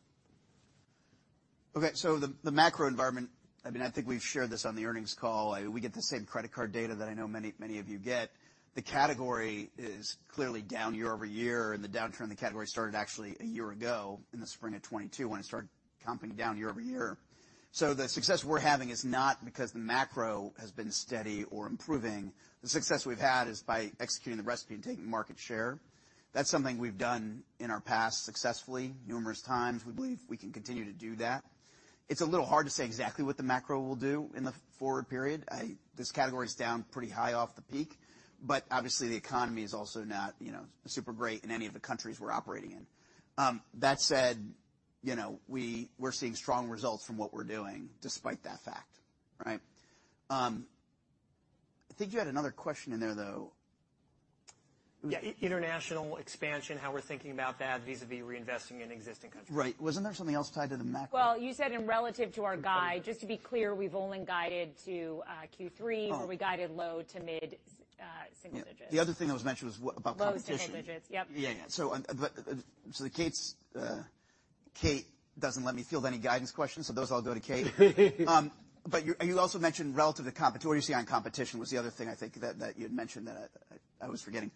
Okay, the, the macro environment, I mean, I think we've shared this on the earnings call. We get the same credit card data that I know many, many of you get. The category is clearly down year-over-year, and the downturn in the category started actually a year ago in the spring of 2022, when it started comping down year-over-year. The success we're having is not because the macro has been steady or improving. The success we've had is by executing the recipe and taking market share. That's something we've done in our past successfully numerous times. We believe we can continue to do that. It's a little hard to say exactly what the macro will do in the forward period. This category is down pretty high off the peak. Obviously, the economy is also not, you know, super great in any of the countries we're operating in. That said, you know, we're seeing strong results from what we're doing, despite that fact, right? I think you had another question in there, though. Yeah, international expansion, how we're thinking about that vis-à-vis reinvesting in existing countries. Right. Wasn't there something else tied to the macro? you said in relative to our guide, just to be clear, we've only guided to, Q3- Oh. Where we guided low to mid single digits. The other thing that was mentioned was about competition. Low to mid digits. Yep. Yeah, yeah. Kate doesn't let me field any guidance questions, so those all go to Kate. You, you also mentioned relative to competition. What do you see on competition was the other thing, I think that, that you had mentioned that I, I, I was forgetting.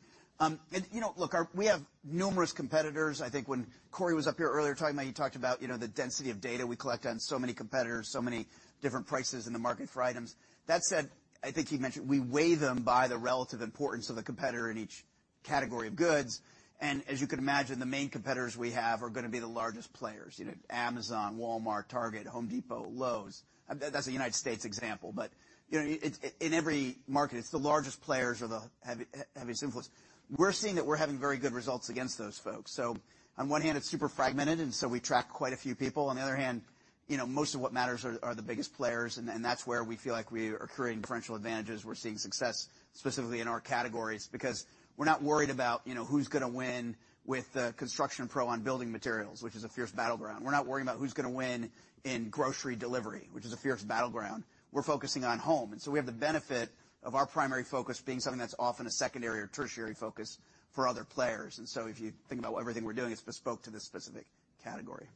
You know, look, we have numerous competitors. I think when Corey was up here earlier talking about, he talked about, you know, the density of data we collect on so many competitors, so many different prices in the market for items. That said, I think he mentioned we weigh them by the relative importance of the competitor in each category of goods, and as you can imagine, the main competitors we have are going to be the largest players. You know, Amazon, Walmart, Target, Home Depot, Lowe's. That's a United States example, but, you know, it, in every market, it's the largest players are the heavy, heaviest influence. We're seeing that we're having very good results against those folks. On one hand, it's super fragmented, so we track quite a few people. On the other hand, you know, most of what matters are, are the biggest players, and that's where we feel like we are creating differential advantages. We're seeing success specifically in our categories, because we're not worried about, you know, who's going to win with the construction pro on building materials, which is a fierce battleground. We're not worrying about who's going to win in grocery delivery, which is a fierce battleground. We're focusing on home, so we have the benefit of our primary focus being something that's often a secondary or tertiary focus for other players. If you think about everything we're doing, it's bespoke to this specific category.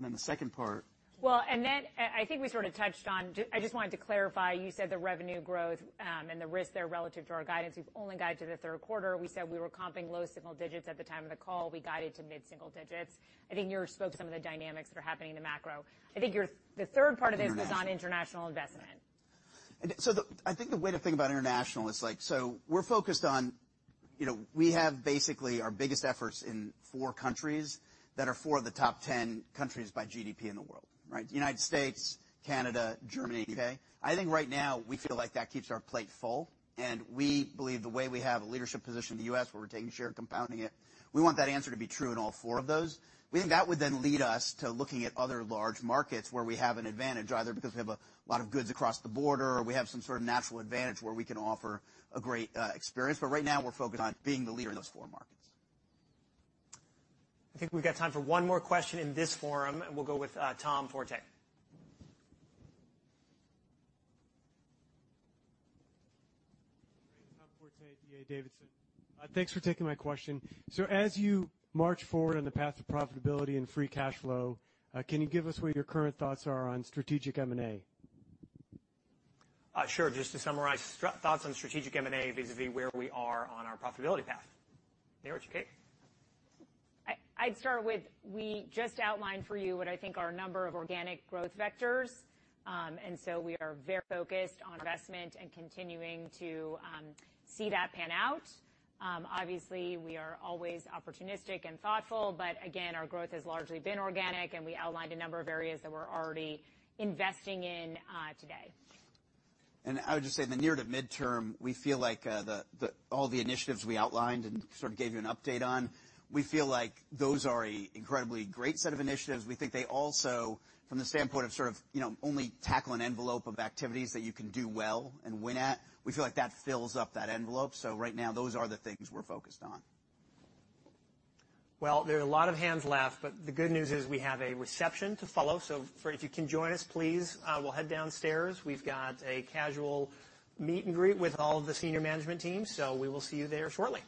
The second part? I think we sort of touched on. I just wanted to clarify, you said the revenue growth, and the risk there relative to our guidance. We've only guided to the third quarter. We said we were comping low single digits at the time of the call. We guided to mid single digits. I think you spoke to some of the dynamics that are happening in the macro. I think your, the third part of this was on international investment. The, I think the way to think about international is like, we're focused on, you know, we have basically our biggest efforts in 4 countries that are 4 of the top 10 countries by GDP in the world, right? United States, Canada, Germany, U.K. I think right now we feel like that keeps our plate full. We believe the way we have a leadership position in the U.S., where we're taking share, compounding it, we want that answer to be true in all 4 of those. We think that would then lead us to looking at other large markets where we have an advantage, either because we have a lot of goods across the border, or we have some sort of natural advantage where we can offer a great experience. Right now, we're focused on being the leader in those 4 markets. I think we've got time for one more question in this forum, and we'll go with Tom Forte. Tom Forte, D.A. Davidson. Thanks for taking my question. As you march forward on the path to profitability and free cash flow, can you give us where your current thoughts are on strategic M&A? Sure. Just to summarize, thoughts on strategic M&A vis-a-vis where we are on our profitability path. Niraj, Kate? I, I'd start with, we just outlined for you what I think are a number of organic growth vectors. So we are very focused on investment and continuing to see that pan out. Obviously, we are always opportunistic and thoughtful, but again, our growth has largely been organic, and we outlined a number of areas that we're already investing in today. I would just say in the near to midterm, we feel like the, the, all the initiatives we outlined and sort of gave you an update on, we feel like those are a incredibly great set of initiatives. We think they also, from the standpoint of sort of, you know, only tackle an envelope of activities that you can do well and win at, we feel like that fills up that envelope. Right now, those are the things we're focused on. Well, there are a lot of hands left, but the good news is we have a reception to follow. If you can join us, please, we'll head downstairs. We've got a casual meet and greet with all of the senior management teams, so we will see you there shortly.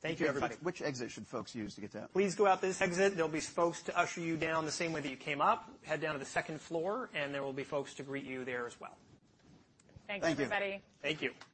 Thank you, everybody. Which exit should folks use to get down? Please go out this exit. There'll be folks to usher you down the same way that you came up. Head down to the second floor, there will be folks to greet you there as well. Thanks, everybody. Thank you. Thank you.